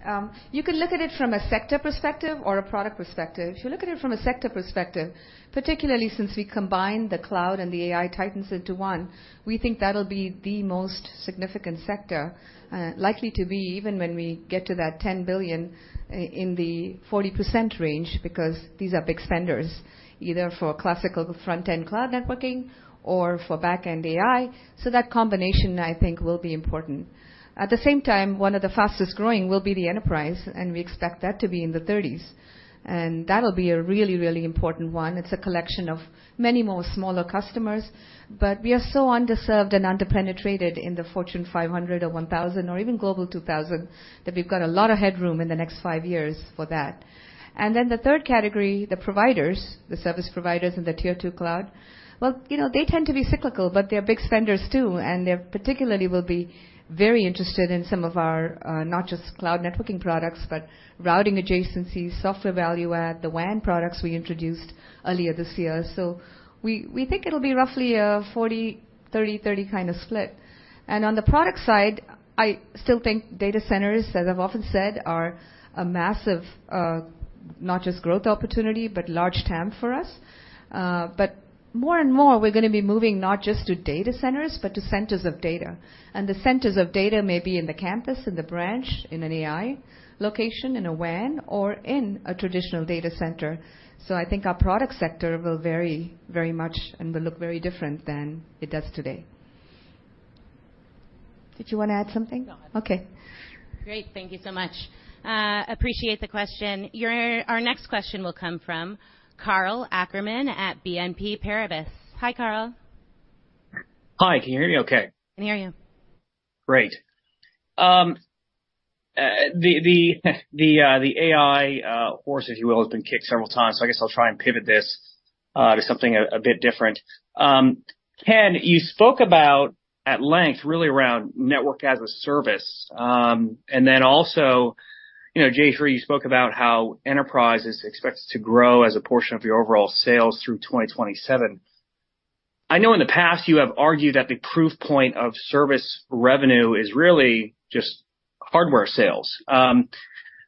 You can look at it from a sector perspective or a product perspective. If you look at it from a sector perspective, particularly since we combined the cloud and the AI titans into one, we think that'll be the most significant sector, likely to be, even when we get to that $10 billion in the 40% range, because these are big spenders, either for classical front-end cloud networking or for back-end AI. So that combination, I think, will be important. At the same time, one of the fastest growing will be the enterprise, and we expect that to be in the 30s. And that'll be a really, really important one. It's a collection of many more smaller customers, but we are so underserved and underpenetrated in the Fortune 500 or 1,000 or even Global 2,000, that we've got a lot of headroom in the next 5 years for that. And then the third category, the providers, the service providers and the tier two cloud, well, you know, they tend to be cyclical, but they're big spenders too, and they particularly will be very interested in some of our, not just cloud networking products, but routing adjacencies, software value add, the WAN products we introduced earlier this year. So we, we think it'll be roughly a 40, 30, 30 kind of split. And on the product side, I still think data centers, as I've often said, are a massive, not just growth opportunity, but large TAM for us. But more and more, we're gonna be moving not just to data centers but to centers of data. And the centers of data may be in the campus, in the branch, in an AI location, in a WAN, or in a traditional data center. So I think our product sector will vary very much and will look very different than it does today. Did you want to add something? No. Okay. Great. Thank you so much. Appreciate the question. Our next question will come from Karl Ackerman at BNP Paribas. Hi, Carl. Hi. Can you hear me okay? I can hear you. Great. The AI horse, if you will, has been kicked several times, so I guess I'll try and pivot this to something a bit different. Ken, you spoke about at length, really around network as a service. And then also, you know, Jayshree, you spoke about how enterprise is expected to grow as a portion of your overall sales through 2027. I know in the past you have argued that the proof point of service revenue is really just hardware sales. But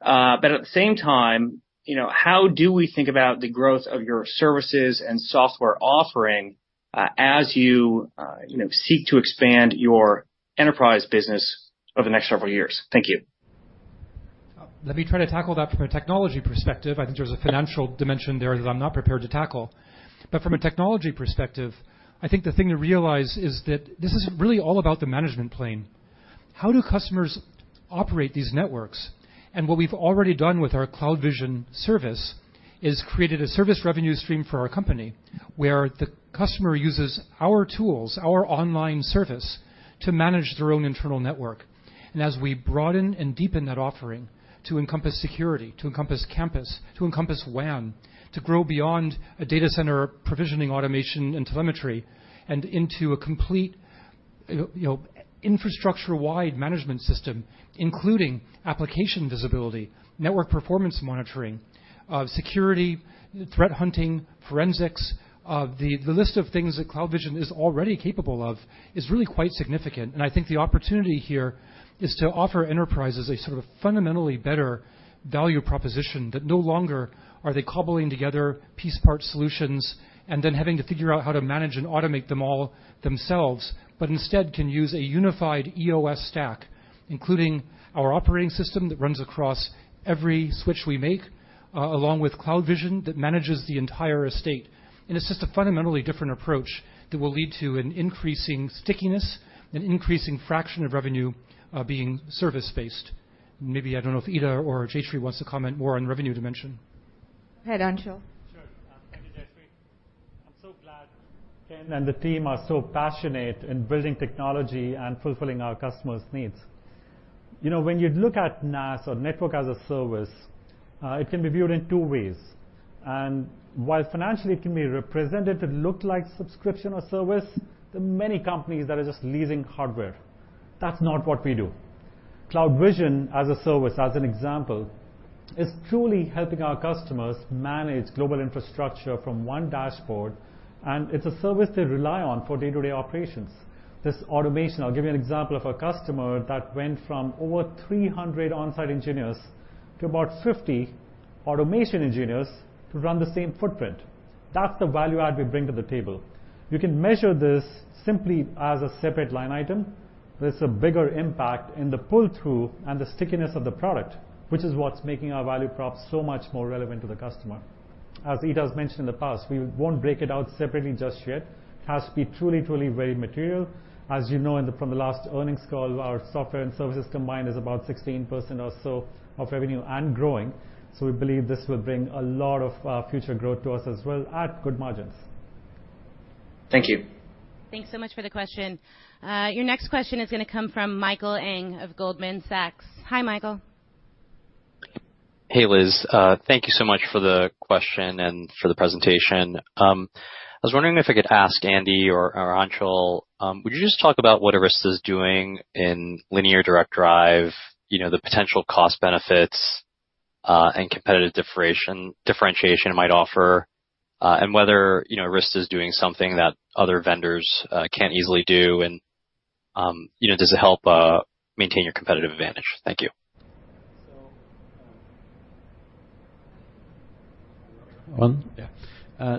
at the same time, you know, how do we think about the growth of your services and software offering, as you, you know, seek to expand your enterprise business over the next several years? Thank you. Let me try to tackle that from a technology perspective. I think there's a financial dimension there that I'm not prepared to tackle. But from a technology perspective, I think the thing to realize is that this is really all about the management plane. How do customers operate these networks? And what we've already done with our CloudVision service, is created a service revenue stream for our company, where the customer uses our tools, our online service, to manage their own internal network. And as we broaden and deepen that offering to encompass security, to encompass campus, to encompass WAN, to grow beyond a data center, provisioning, automation, and telemetry, and into a complete, you know, infrastructure-wide management system, including application visibility, network performance monitoring, security, threat hunting, forensics. The, the list of things that CloudVision is already capable of is really quite significant. And I think the opportunity here is to offer enterprises a sort of fundamentally better value proposition, that no longer are they cobbling together piece part solutions and then having to figure out how to manage and automate them all themselves, but instead can use a unified EOS stack, including our operating system that runs across every switch we make, along with CloudVision that manages the entire estate. And it's just a fundamentally different approach that will lead to an increasing stickiness and increasing fraction of revenue, being service-based. Maybe, I don't know if Ita or Jayshree wants to comment more on revenue dimension. Go ahead, Anshul. Sure. Thank you, Jayshree. I'm so glad Ken and the team are so passionate in building technology and fulfilling our customers' needs. You know, when you look at NaaS or Network as a Service, it can be viewed in two ways. While financially it can be represented to look like subscription or service, there are many companies that are just leasing hardware. That's not what we do. CloudVision as a service, as an example, is truly helping our customers manage global infrastructure from one dashboard, and it's a service they rely on for day-to-day operations. This automation... I'll give you an example of a customer that went from over 300 on-site engineers to about 50 automation engineers to run the same footprint. That's the value add we bring to the table. You can measure this simply as a separate line item. There's a bigger impact in the pull-through and the stickiness of the product, which is what's making our value prop so much more relevant to the customer. As Ita has mentioned in the past, we won't break it out separately just yet. It has to be truly, truly very material. As you know, from the last earnings call, our software and services combined is about 16% or so of revenue, and growing. So we believe this will bring a lot of future growth to us as well, at good margins. Thank you. Thanks so much for the question. Your next question is gonna come from Michael Ng of Goldman Sachs. Hi, Michael. Hey, Liz. Thank you so much for the question and for the presentation. I was wondering if I could ask Andy or Anshul, would you just talk about what Arista is doing in linear direct drive, you know, the potential cost benefits, and competitive differentiation it might offer, and whether, you know, Arista is doing something that other vendors can't easily do, and, you know, does it help maintain your competitive advantage? Thank you. So, um... One? Yeah.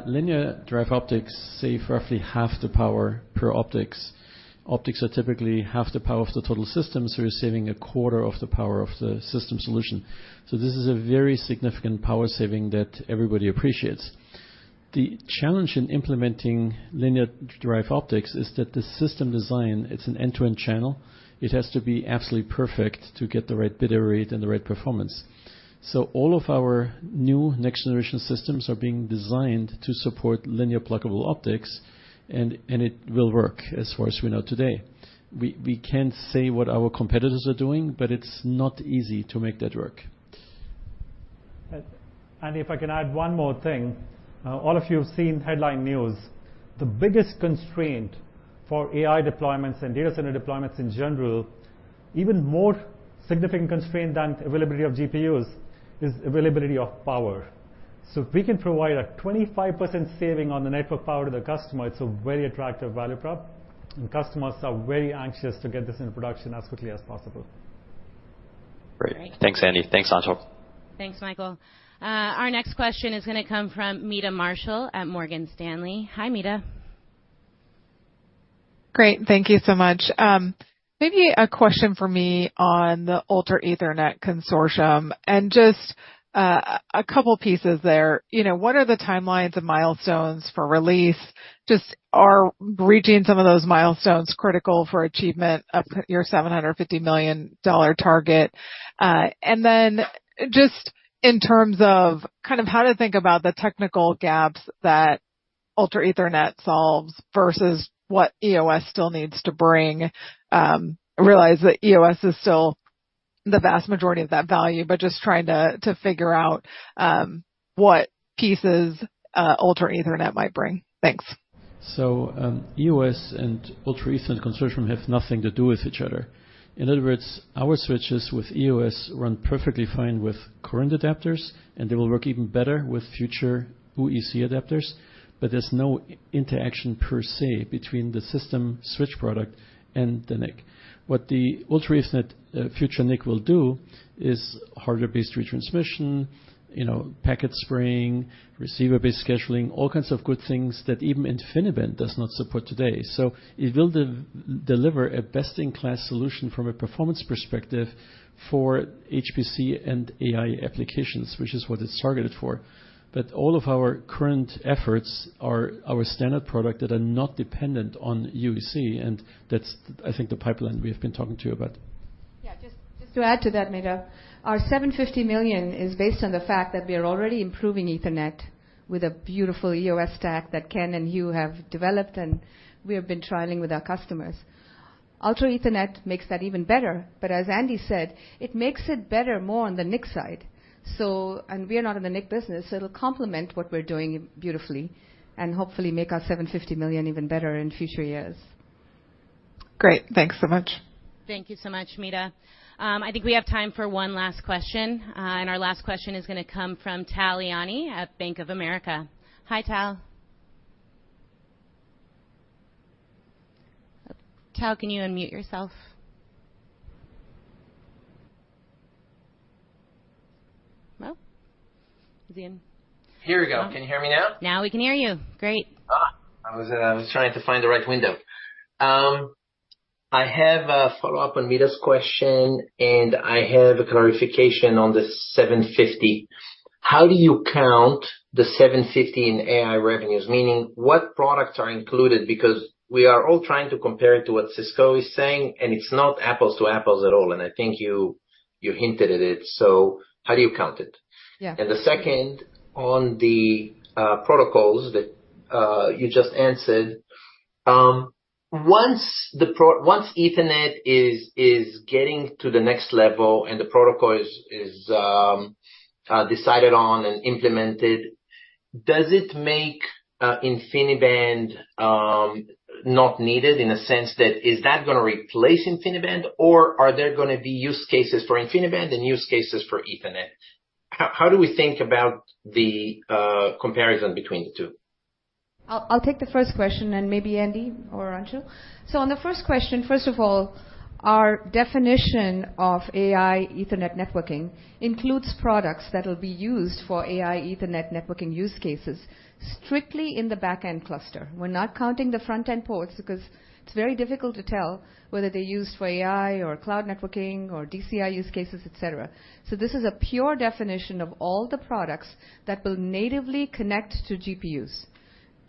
Linear pluggable optics save roughly half the power per optics. Optics are typically half the power of the total system, so you're saving a quarter of the power of the system solution. So this is a very significant power saving that everybody appreciates. The challenge in implementing linear pluggable optics is that the system design, it's an end-to-end channel. It has to be absolutely perfect to get the right bit error rate and the right performance. So all of our new next-generation systems are being designed to support linear pluggable optics, and, and it will work as far as we know today. We, we can't say what our competitors are doing, but it's not easy to make that work. Andy, if I can add one more thing. All of you have seen headline news. The biggest constraint for AI deployments and data center deployments in general, even more significant constraint than availability of GPUs, is availability of power.... So if we can provide a 25% saving on the network power to the customer, it's a very attractive value prop, and customers are very anxious to get this into production as quickly as possible. Great. Thanks, Andy. Thanks, Anshul. Thanks, Michael. Our next question is going to come from Meta Marshall at Morgan Stanley. Hi, Meta. Great. Thank you so much. Maybe a question for me on the Ultra Ethernet Consortium, and just a couple pieces there. You know, what are the timelines and milestones for release? Just, are reaching some of those milestones critical for achievement of your $750 million target? And then just in terms of kind of how to think about the technical gaps that Ultra Ethernet solves versus what EOS still needs to bring. I realize that EOS is still the vast majority of that value, but just trying to figure out what pieces Ultra Ethernet might bring. Thanks. So, EOS and Ultra Ethernet Consortium have nothing to do with each other. In other words, our switches with EOS run perfectly fine with current adapters, and they will work even better with future UEC adapters, but there's no interaction per se, between the system switch product and the NIC. What the Ultra Ethernet future NIC will do is hardware-based retransmission, you know, packet spraying, receiver-based scheduling, all kinds of good things that even InfiniBand does not support today. So it will deliver a best-in-class solution from a performance perspective for HPC and AI applications, which is what it's targeted for. But all of our current efforts are our standard product that are not dependent on UEC, and that's, I think, the pipeline we have been talking to you about. Yeah, just to add to that, Meta, our $750 million is based on the fact that we are already improving Ethernet with a beautiful EOS stack that Ken and Hugh have developed, and we have been trialing with our customers. Ultra Ethernet makes that even better, but as Andy said, it makes it better more on the NIC side, so... And we are not in the NIC business, so it'll complement what we're doing beautifully and hopefully make our $750 million even better in future years. Great. Thanks so much. Thank you so much, Ita. I think we have time for one last question, and our last question is going to come from Tal Liani at Bank of America. Hi, Tal. Tal, can you unmute yourself? Well, is he in? Here we go. Can you hear me now? Now we can hear you. Great. I was trying to find the right window. I have a follow-up on Meta's question, and I have a clarification on the seven fifty. How do you count the seven fifty in AI revenues? Meaning, what products are included? Because we are all trying to compare it to what Cisco is saying, and it's not apples to apples at all, and I think you, you hinted at it. How do you count it? Yeah. The second, on the protocols that you just answered, once Ethernet is getting to the next level and the protocol is decided on and implemented, does it make InfiniBand not needed in a sense that, is that going to replace InfiniBand, or are there going to be use cases for InfiniBand and use cases for Ethernet? How do we think about the comparison between the two? I'll take the first question, and maybe Andy or Anshu. So on the first question, first of all, our definition of AI Ethernet networking includes products that will be used for AI Ethernet networking use cases strictly in the back-end cluster. We're not counting the front-end ports because it's very difficult to tell whether they're used for AI or cloud networking or DCI use cases, et cetera. So this is a pure definition of all the products that will natively connect to GPUs.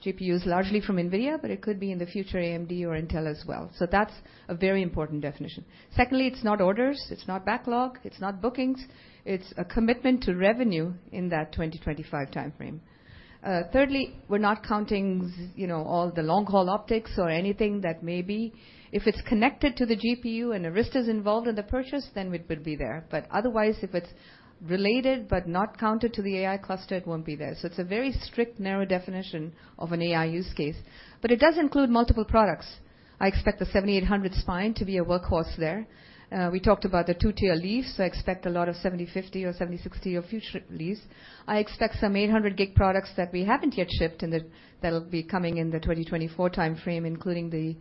GPUs largely from NVIDIA, but it could be in the future, AMD or Intel as well. So that's a very important definition. Secondly, it's not orders, it's not backlog, it's not bookings. It's a commitment to revenue in that 2025 timeframe. Thirdly, we're not counting, you know, all the long-haul optics or anything that may be. If it's connected to the GPU and Arista's involved in the purchase, then it would be there. But otherwise, if it's related but not counted to the AI cluster, it won't be there. So it's a very strict, narrow definition of an AI use case, but it does include multiple products. I expect the 7800 spine to be a workhorse there. We talked about the two-tier leaves. I expect a lot of 7050 or 7060 of future leaves. I expect some 800 gig products that we haven't yet shipped, and that, that'll be coming in the 2024 timeframe, including the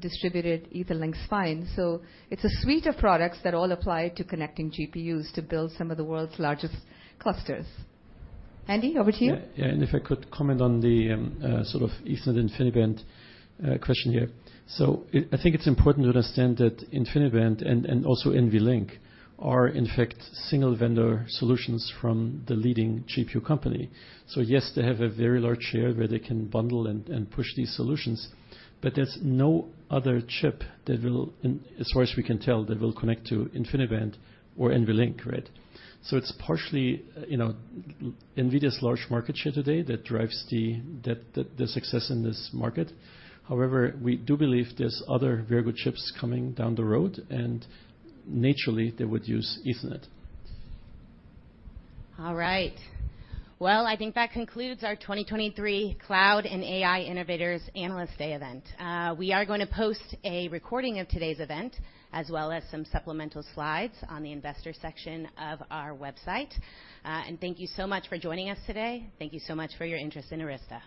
Distributed EtherLink Spine. So it's a suite of products that all apply to connecting GPUs to build some of the world's largest clusters. Andy, over to you. Yeah. Yeah, and if I could comment on the, sort of Ethernet InfiniBand, question here. So I, I think it's important to understand that InfiniBand and also NVLink are, in fact, single-vendor solutions from the leading GPU company. So yes, they have a very large share where they can bundle and push these solutions, but there's no other chip that will, as far as we can tell, that will connect to InfiniBand or NVLink, right? So it's partially, you know, NVIDIA's large market share today that drives the success in this market. However, we do believe there's other very good chips coming down the road, and naturally, they would use Ethernet. All right. Well, I think that concludes our 2023 Cloud and AI Innovators Analyst Day event. We are going to post a recording of today's event, as well as some supplemental slides on the investor section of our website. Thank you so much for joining us today. Thank you so much for your interest in Arista.